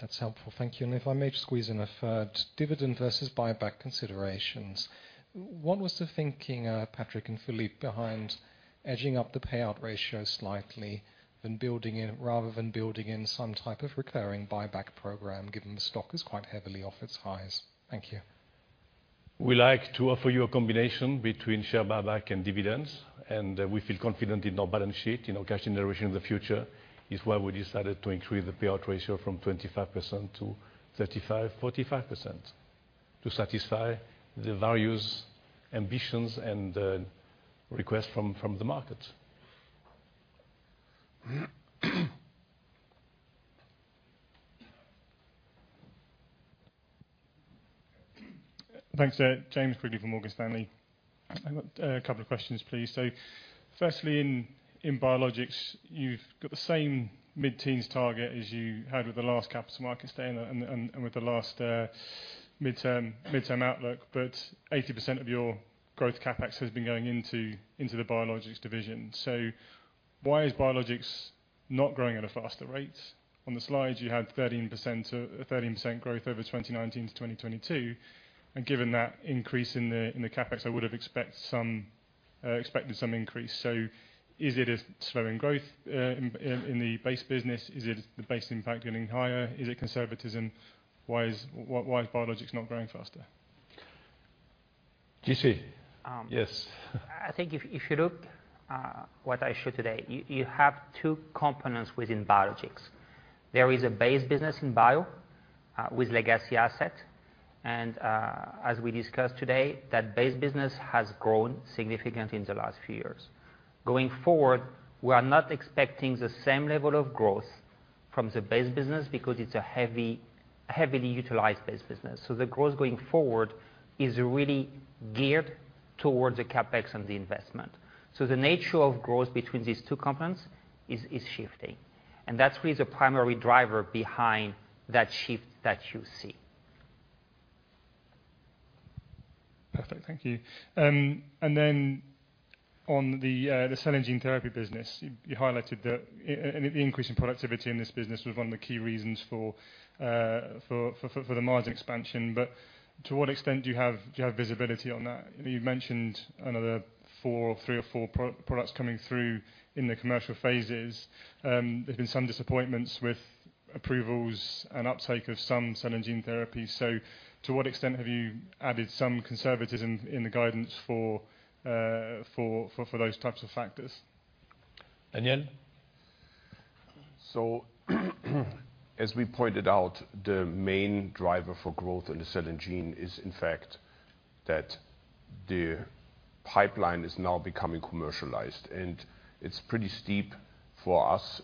That's helpful. Thank you. And if I may just squeeze in a third: dividend versus buyback considerations. What was the thinking, Patrick and Philippe, behind edging up the payout ratio slightly than building in—rather than building in some type of recurring buyback program, given the stock is quite heavily off its highs? Thank you. We like to offer you a combination between share buyback and dividends, and we feel confident in our balance sheet. You know, cash generation in the future is why we decided to increase the payout ratio from 25% to 35%-45%, to satisfy the various ambitions and requests from the market. Thanks. James Quigley, from Morgan Stanley. I've got a couple of questions, please. So firstly, in biologics, you've got the same mid-teens target as you had with the last Capital Markets Day and with the last midterm outlook, but 80% of your growth CapEx has been going into the biologics division. So why is biologics not growing at a faster rate? On the slide, you had 13% growth over 2019 to 2022, and given that increase in the CapEx, I would have expected some increase. So is it a slowing growth in the base business? Is it the base impact getting higher? Is it conservatism? Why is biologics not growing faster? JC? Yes. I think if, if you look, what I showed today, you, you have two components within biologics. There is a base business in bio, with legacy asset-... as we discussed today, that base business has grown significantly in the last few years. Going forward, we are not expecting the same level of growth from the base business because it's a heavy, heavily utilized base business. The growth going forward is really geared towards the CapEx and the investment. The nature of growth between these two components is shifting, and that's really the primary driver behind that shift that you see. Perfect, thank you. And then on the cell and gene therapy business, you highlighted that, and the increase in productivity in this business was one of the key reasons for the margin expansion. But to what extent do you have visibility on that? You've mentioned another three or four products coming through in the commercial phases. There's been some disappointments with approvals and uptake of some cell and gene therapy. So to what extent have you added some conservatism in the guidance for those types of factors? Daniel? So as we pointed out, the main driver for growth in the cell and gene is, in fact, that the pipeline is now becoming commercialized, and it's pretty steep for us.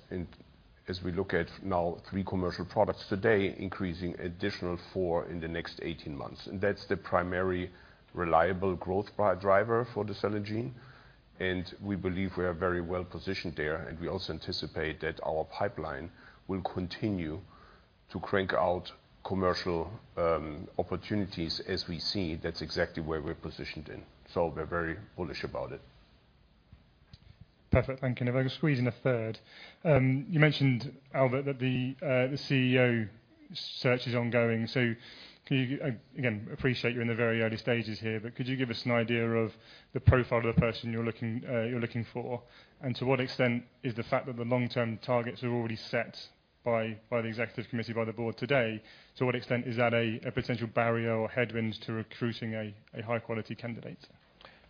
As we look at now, three commercial products today, increasing additional four in the next 18 months, and that's the primary reliable growth driver for the cell and gene. We believe we are very well positioned there, and we also anticipate that our pipeline will continue to crank out commercial opportunities as we see that's exactly where we're positioned in, so we're very bullish about it. Perfect, thank you. And if I can squeeze in a third. You mentioned, Albert, that the CEO search is ongoing. So can you... Again, appreciate you're in the very early stages here, but could you give us an idea of the profile of the person you're looking for? And to what extent is the fact that the long-term targets are already set by the executive committee, by the board today, to what extent is that a potential barrier or headwind to recruiting a high quality candidate?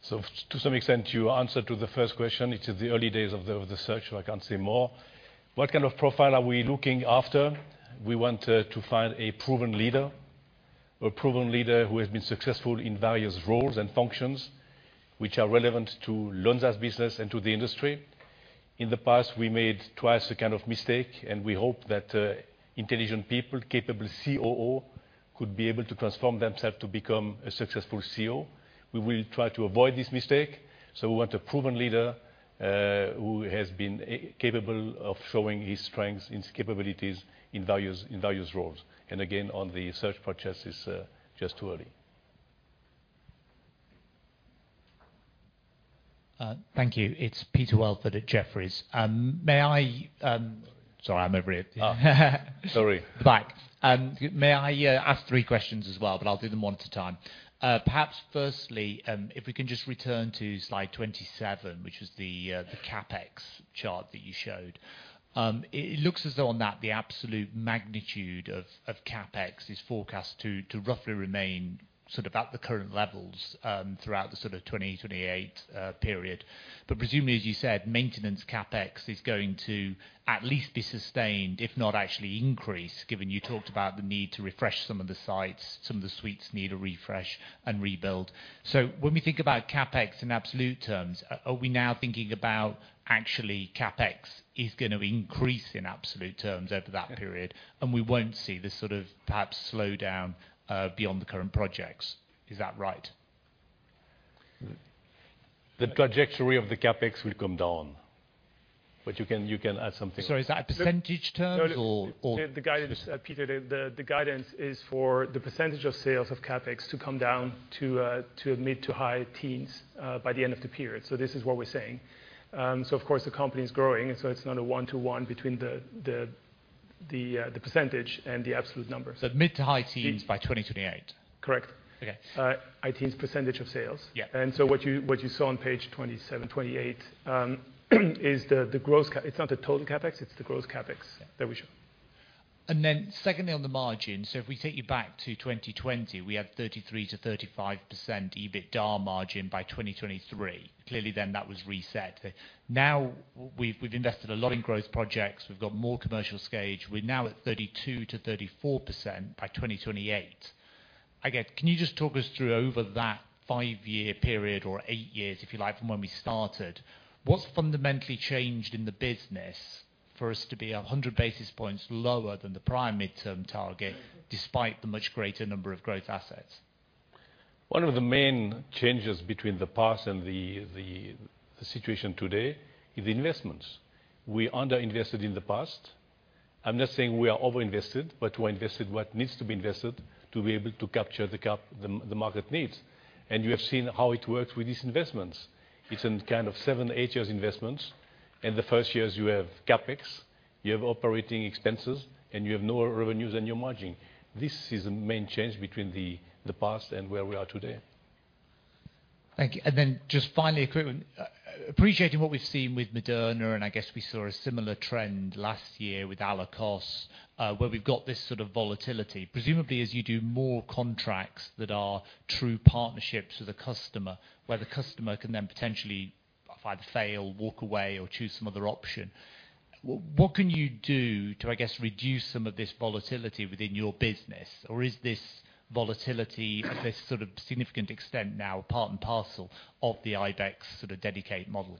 So to some extent, you answered the first question. It's the early days of the search, so I can't say more. What kind of profile are we looking for? We want to find a proven leader, a proven leader who has been successful in various roles and functions which are relevant to Lonza's business and to the industry. In the past, we made twice a kind of mistake, and we hope that intelligent people, capable COO, could be able to transform themselves to become a successful CEO. We will try to avoid this mistake, so we want a proven leader who has been capable of showing his strengths and capabilities in various roles. And again, on the search for the CEO, it's just too early. Thank you. It's Peter Welford at Jefferies. May I... Sorry, I'm over it. Sorry. Right. May I ask three questions as well, but I'll do them one at a time. Perhaps firstly, if we can just return to slide 27, which is the CapEx chart that you showed. It looks as though on that, the absolute magnitude of CapEx is forecast to roughly remain sort of at the current levels, throughout the sort of 2028 period. But presumably, as you said, maintenance CapEx is going to at least be sustained, if not actually increase, given you talked about the need to refresh some of the sites, some of the suites need a refresh and rebuild. So when we think about CapEx in absolute terms, are we now thinking about actually CapEx is gonna increase in absolute terms over that period- Yeah. - and we won't see the sort of perhaps slowdown, beyond the current projects? Is that right? The trajectory of the CapEx will come down, but you can, you can add something. Sorry, is that percentage terms or, or? The guidance, Peter, the guidance is for the percentage of sales of CapEx to come down to mid to high teens by the end of the period. So this is what we're saying. So of course, the company is growing, and so it's not a one-to-one between the percentage and the absolute number. Mid- to high teens by 2028? Correct. Okay. High teens % of sales. Yeah. So what you saw on page 27, 28, is the gross CapEx. It's not the total CapEx, it's the gross CapEx- Yeah. that we show. And then secondly, on the margin, so if we take you back to 2020, we have 33%-35% EBITDA margin by 2023. Clearly, then, that was reset. Now, we've, we've invested a lot in growth projects. We've got more commercial stage. We're now at 32%-34% by 2028. I get—Can you just talk us through over that five-year period, or eight years, if you like, from when we started, what's fundamentally changed in the business for us to be 100 basis points lower than the prior midterm target, despite the much greater number of growth assets? One of the main changes between the past and the situation today is investments. We underinvested in the past. I'm not saying we are overinvested, but we're invested what needs to be invested to be able to capture the market needs. And you have seen how it works with these investments. It's in kind of seven-eight years investments, and the first years you have CapEx, you have operating expenses, and you have no revenues and your margin. This is the main change between the past and where we are today. Thank you. And then just finally, quick one, appreciating what we've seen with Moderna, and I guess we saw a similar trend last year with Allakos, where we've got this sort of volatility. Presumably, as you do more contracts that are true partnerships with the customer, where the customer can then potentially- ... if I'd fail, walk away, or choose some other option. What can you do to, I guess, reduce some of this volatility within your business? Or is this volatility, this sort of significant extent now part and parcel of the Ibex sort of dedicated model?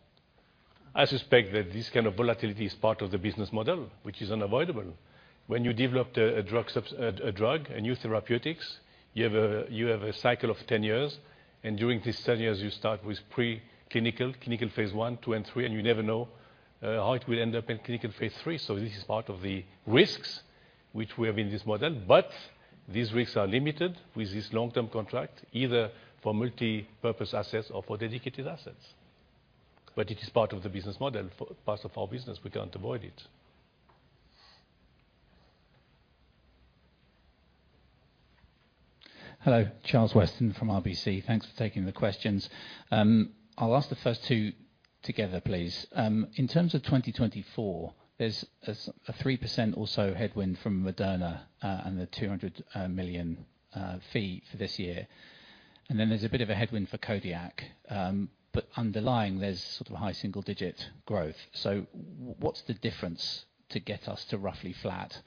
I suspect that this kind of volatility is part of the business model, which is unavoidable. When you develop a new therapeutics, you have a cycle of 10 years, and during these 10 years you start with preclinical, clinical Phase I, II, and III, and you never know how it will end up in clinical Phase III. So this is part of the risks which we have in this model. But these risks are limited with this long-term contract, either for multipurpose assets or for dedicated assets. But it is part of the business model, for part of our business, we can't avoid it. Hello, Charles Weston from RBC. Thanks for taking the questions. I'll ask the first two together, please. In terms of 2024, there's a 3% or so headwind from Moderna, and the 200 million fee for this year. And then there's a bit of a headwind for Codiak. But underlying, there's sort of a high single-digit growth. So what's the difference to get us to roughly flat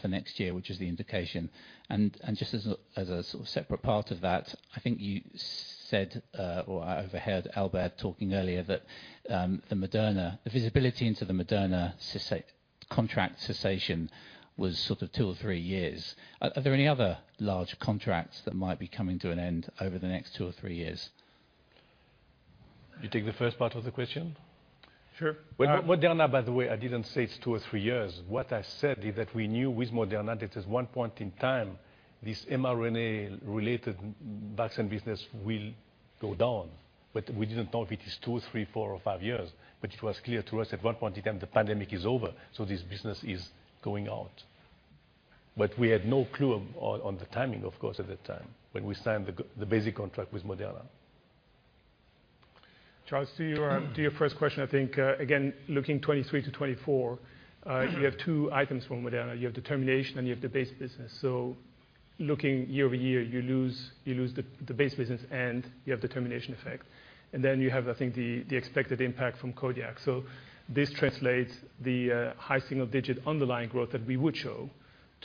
for next year, which is the indication? And just as a sort of separate part of that, I think you said or I overheard Albert talking earlier, that the Moderna contract cessation was sort of two or three years. Are there any other large contracts that might be coming to an end over the next two or three years? You take the first part of the question? Sure. Well, Moderna, by the way, I didn't say it's two or three years. What I said is that we knew with Moderna, that at one point in time, this mRNA-related vaccine business will go down, but we didn't know if it is two, three, four, or five years. But it was clear to us at one point in time, the pandemic is over, so this business is going out. But we had no clue on the timing, of course, at that time, when we signed the basic contract with Moderna. Charles, to your first question, I think, again, looking 2023 to 2024, you have two items from Moderna: you have the termination, and you have the base business. So looking year-over-year, you lose, you lose the base business, and you have the termination effect. And then you have, I think, the expected impact from Codiak. So this translates the high single-digit underlying growth that we would show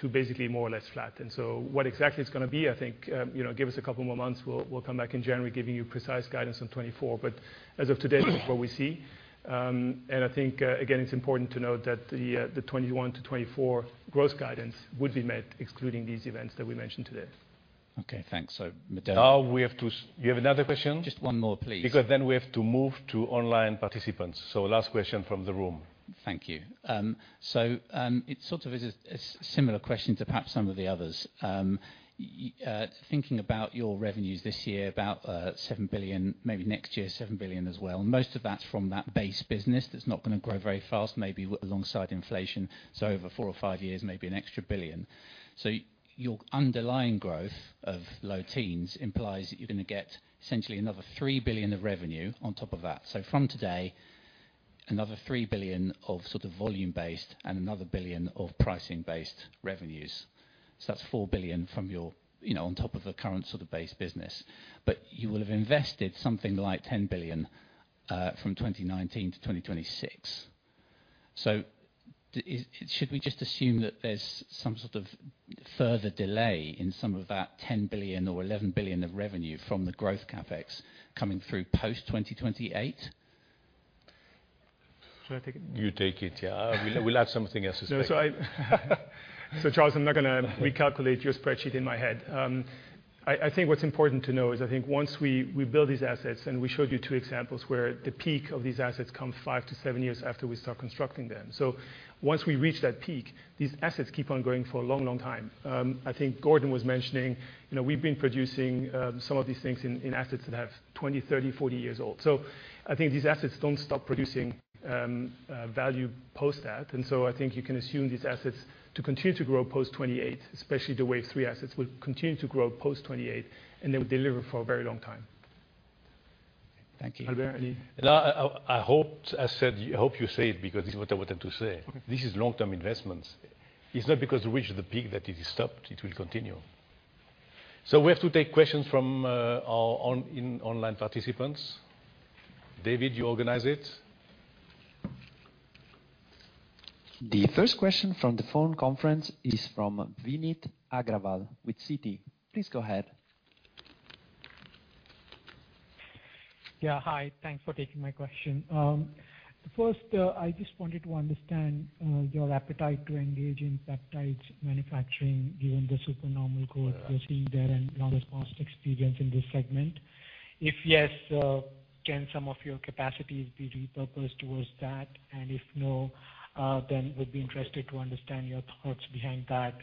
to basically more or less flat. And so what exactly it's gonna be, I think, you know, give us a couple more months. We'll come back in January, giving you precise guidance on 2024. But as of today, this is what we see. I think, again, it's important to note that the 2021-2024 growth guidance would be met, excluding these events that we mentioned today. Okay, thanks. So Moderna- Now, we have to... You have another question? Just one more, please. Because then we have to move to online participants. So last question from the room. Thank you. So, it's sort of a similar question to perhaps some of the others. Thinking about your revenues this year, about 7 billion, maybe next year, 7 billion as well, most of that from that base business, that's not gonna grow very fast, maybe alongside inflation, so over four or five years, maybe an extra 1 billion. So your underlying growth of low teens implies that you're gonna get essentially another 3 billion of revenue on top of that. So from today, another 3 billion of sort of volume-based and another 1 billion of pricing-based revenues. So that's 4 billion from your, you know, on top of the current sort of base business. But you will have invested something like 10 billion, from 2019 to 2026. Should we just assume that there's some sort of further delay in some of that 10 billion or 11 billion of revenue from the growth CapEx coming through post 2028? Should I take it? You take it, yeah. We'll, we'll add something else to it. So Charles, I'm not gonna recalculate your spreadsheet in my head. I think what's important to know is, I think once we build these assets, and we showed you two examples where the peak of these assets come five to seven years after we start constructing them. So once we reach that peak, these assets keep on going for a long, long time. I think Gordon was mentioning, you know, we've been producing some of these things in assets that have 20, 30, 40 years old. So I think these assets don't stop producing value post that. And so I think you can assume these assets to continue to grow post 2028, especially the wave 3 assets, will continue to grow post 2028, and they will deliver for a very long time. Thank you. Albert, any- Now, I hoped, I said, I hope you say it, because this is what I wanted to say. Okay. This is long-term investments. It's not because we reach the peak that it is stopped, it will continue. So we have to take questions from our online participants. David, you organize it. The first question from the phone conference is from Vineet Agarwal with Citi. Please go ahead. Yeah, hi. Thanks for taking my question. First, I just wanted to understand your appetite to engage in peptides manufacturing, given the supernormal growth we're seeing there, and Lonza's past experience in this segment. If yes, can some of your capacities be repurposed towards that? And if no, then would be interested to understand your thoughts behind that.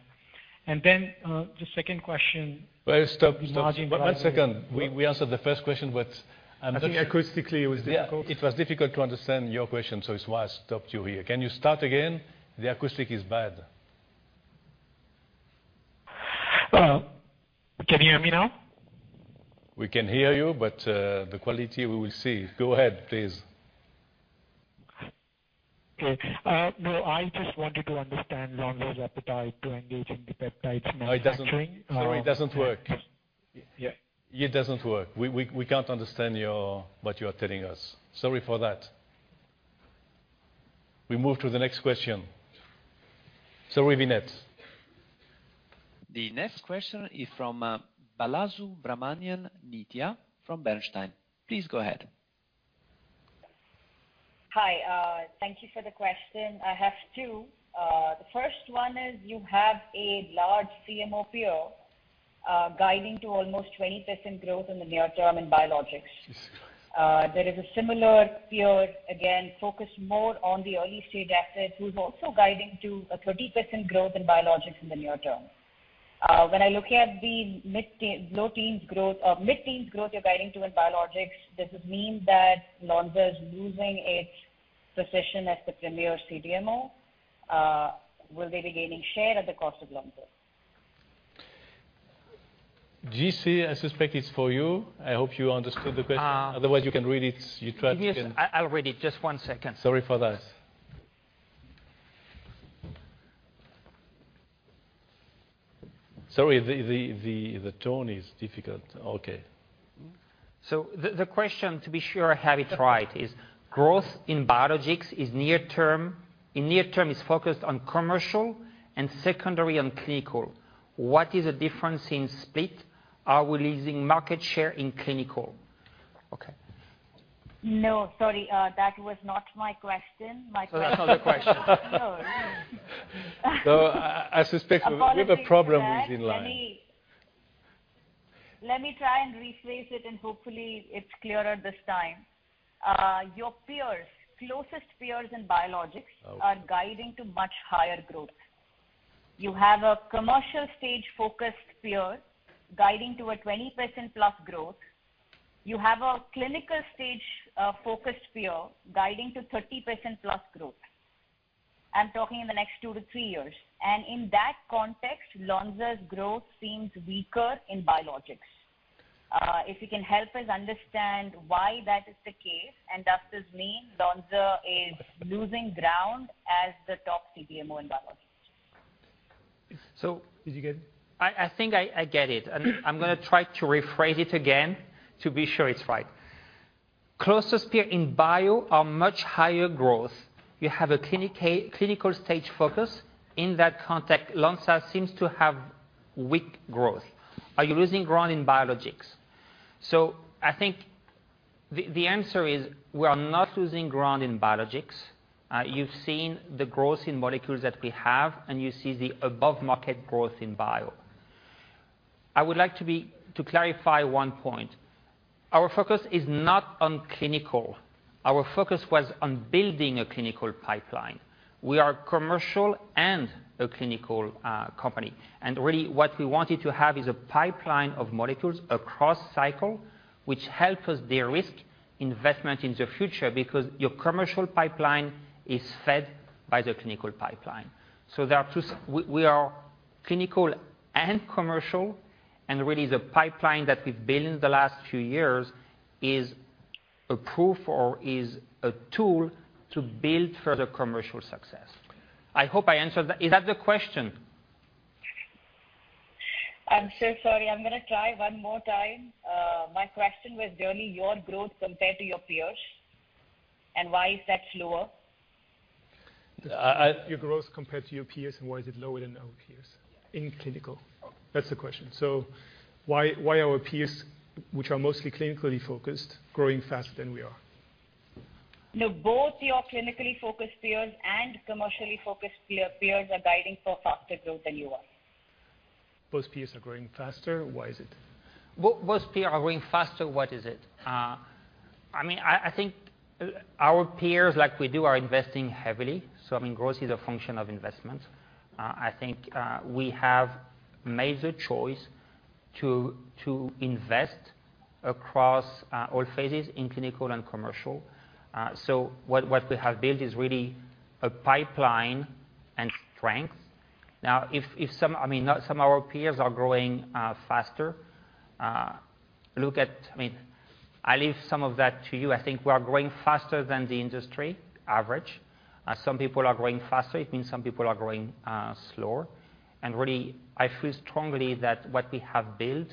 And then, the second question- Well, stop, stop. Large- One second. We answered the first question, but I'm just- I think acoustically, it was difficult. Yeah, it was difficult to understand your question, so it's why I stopped you here. Can you start again? The acoustic is bad. Can you hear me now? We can hear you, but the quality, we will see. Go ahead, please. .Okay, no, I just wanted to understand Lonza's appetite to engage in the peptides manufacturing. Sorry, it doesn't work. Yeah. It doesn't work. We can't understand your, what you are telling us. Sorry for that. We move to the next question. Sorry, Vineet. The next question is from Balasubramanian Nithya from Bernstein. Please go ahead. Hi, thank you for the question. I have two. The first one is you have a large CMO peer, guiding to almost 20% growth in the near term in biologics. There is a similar peer, again, focused more on the early-stage assets, who is also guiding to a 30% growth in biologics in the near term. When I look at the mid-teens growth you're guiding to in biologics, does it mean that Lonza is losing its position as the premier CDMO? Will they be gaining share at the cost of Lonza? JC, I suspect it's for you. I hope you understood the question. Ah. Otherwise, you can read it. You try to- Yes, I'll read it. Just one second. Sorry for that. Sorry, the tone is difficult. Okay. So the question, to be sure I have it right, is growth in biologics is near term... In near term, is focused on commercial and secondary on clinical. What is the difference in split? Are we losing market share in clinical? Okay. No, sorry, that was not my question. My question- That's not the question. So I suspect- Apologies for that.... we have a problem with the line. Let me, let me try and rephrase it, and hopefully it's clearer this time. Your peers, closest peers in biologics- Okay. —are guiding to much higher growth. You have a commercial stage-focused peer guiding to a 20%+ growth. You have a clinical stage focused peer guiding to 30%+ growth. I'm talking in the next two to three years. And in that context, Lonza's growth seems weaker in biologics. If you can help us understand why that is the case, and does this mean Lonza is losing ground as the top CDMO in biologics? So did you get it? I think I get it. I'm gonna try to rephrase it again to be sure it's right. Closest peer in bio are much higher growth. You have a clinical stage focus. In that context, Lonza seems to have weak growth. Are you losing ground in biologics? I think the answer is we are not losing ground in biologics. You've seen the growth in molecules that we have, and you see the above-market growth in bio. I would like to clarify one point. Our focus is not on clinical. Our focus was on building a clinical pipeline. We are commercial and a clinical company, and really, what we wanted to have is a pipeline of molecules across cycle, which help us de-risk investment in the future, because your commercial pipeline is fed by the clinical pipeline. So there are two. We are clinical and commercial, and really, the pipeline that we've built in the last few years is a proof or is a tool to build further commercial success. I hope I answered that. Is that the question? I'm so sorry. I'm gonna try one more time. My question was only your growth compared to your peers, and why is that lower? Uh, I- Your growth compared to your peers, and why is it lower than our peers in clinical? That's the question. So why, why our peers, which are mostly clinically focused, growing faster than we are? No, both your clinically focused peers and commercially focused peers are guiding for faster growth than you are. Both peers are growing faster. Why is it? Both peers are growing faster, what is it? I mean, I think our peers, like we do, are investing heavily, so, I mean, growth is a function of investment. I think, we have made the choice to invest across, all phases in clinical and commercial. So what, what we have built is really a pipeline and strength. Now, if, if some... I mean, not some of our peers are growing, faster. Look at-- I mean, I'll leave some of that to you. I think we are growing faster than the industry average. Some people are growing faster, it means some people are growing, slower. And really, I feel strongly that what we have built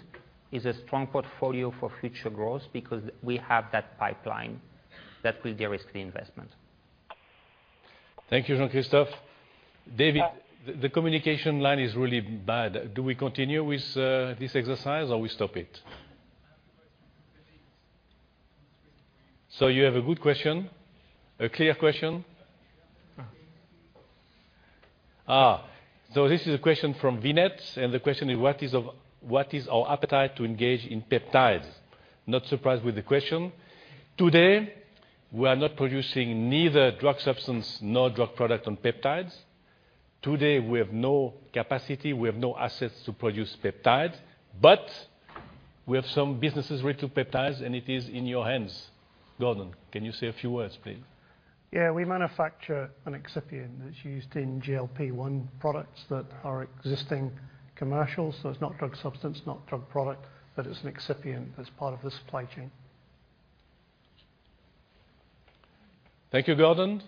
is a strong portfolio for future growth because we have that pipeline that will de-risk the investment. Thank you, Jean-Christophe. David, the communication line is really bad. Do we continue with this exercise or we stop it? So you have a good question, a clear question? Ah, so this is a question from Vineet, and the question is: what is our appetite to engage in peptides? Not surprised with the question. Today, we are not producing neither drug substance nor drug product on peptides. Today, we have no capacity, we have no assets to produce peptides, but we have some businesses related to peptides, and it is in your hands. Gordon, can you say a few words, please? Yeah, we manufacture an excipient that's used in GLP-1 products that are existing commercials. So it's not drug substance, not drug product, but it's an excipient that's part of the supply chain. Thank you, Gordon.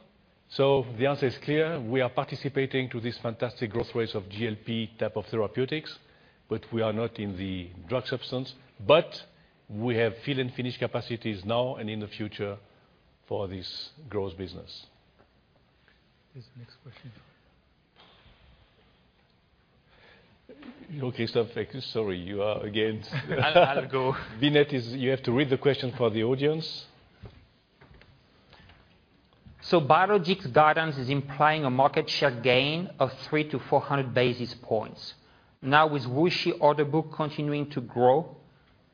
The answer is clear, we are participating to these fantastic growth rates of GLP type of therapeutics, but we are not in the drug substance. We have fill and finish capacities now and in the future for this growth business. Yes, next question. Okay, Christophe, sorry, you are again - I'll go. Vineet, you have to read the question for the audience. Biologics guidance is implying a market share gain of 300-400 basis points. Now, with WuXi order book continuing to grow,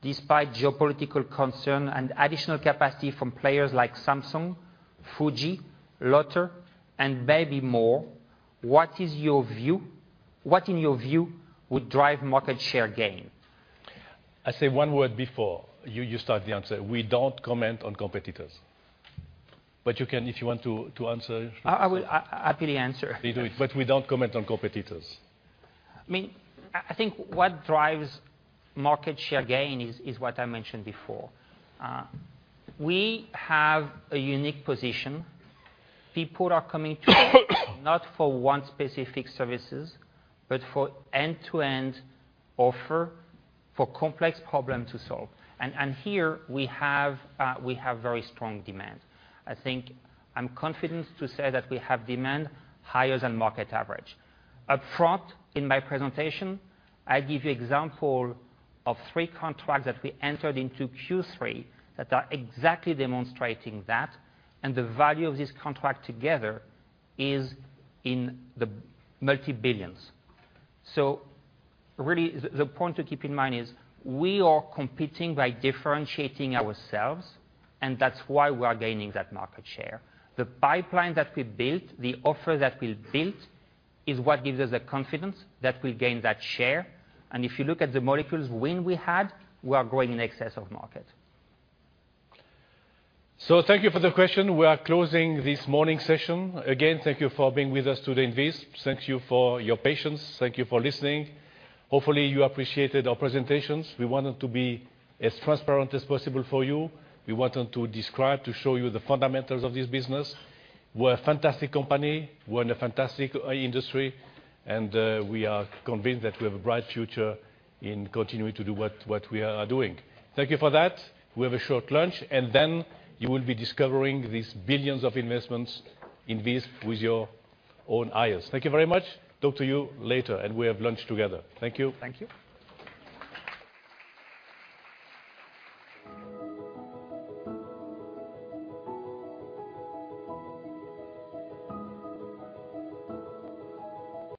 despite geopolitical concern and additional capacity from players like Samsung, Fuji, Lotte, and maybe more, what is your view? What, in your view, would drive market share gain? I say one word before you, you start the answer. We don't comment on competitors. But you can, if you want to, to answer. I will happily answer. Please do, but we don't comment on competitors. I mean, I think what drives market share gain is what I mentioned before. We have a unique position. People are coming to us, not for one specific services, but for end-to-end offer for complex problem to solve. Here we have very strong demand. I think I'm confident to say that we have demand higher than market average. Up front, in my presentation, I give you example of three contracts that we entered into Q3 that are exactly demonstrating that, and the value of this contract together is in the multi billions CHF. So really, the point to keep in mind is we are competing by differentiating ourselves, and that's why we are gaining that market share. The pipeline that we built, the offer that we built, is what gives us the confidence that we gain that share. If you look at the molecules we had, we are growing in excess of market. So thank you for the question. We are closing this morning session. Again, thank you for being with us today in Visp. Thank you for your patience. Thank you for listening. Hopefully, you appreciated our presentations. We wanted to be as transparent as possible for you. We wanted to describe, to show you the fundamentals of this business. We're a fantastic company. We're in a fantastic industry, and we are convinced that we have a bright future in continuing to do what, what we are doing. Thank you for that. We have a short lunch, and then you will be discovering these billions of investments in Visp with your own eyes. Thank you very much. Talk to you later, and we have lunch together. Thank you. Thank you.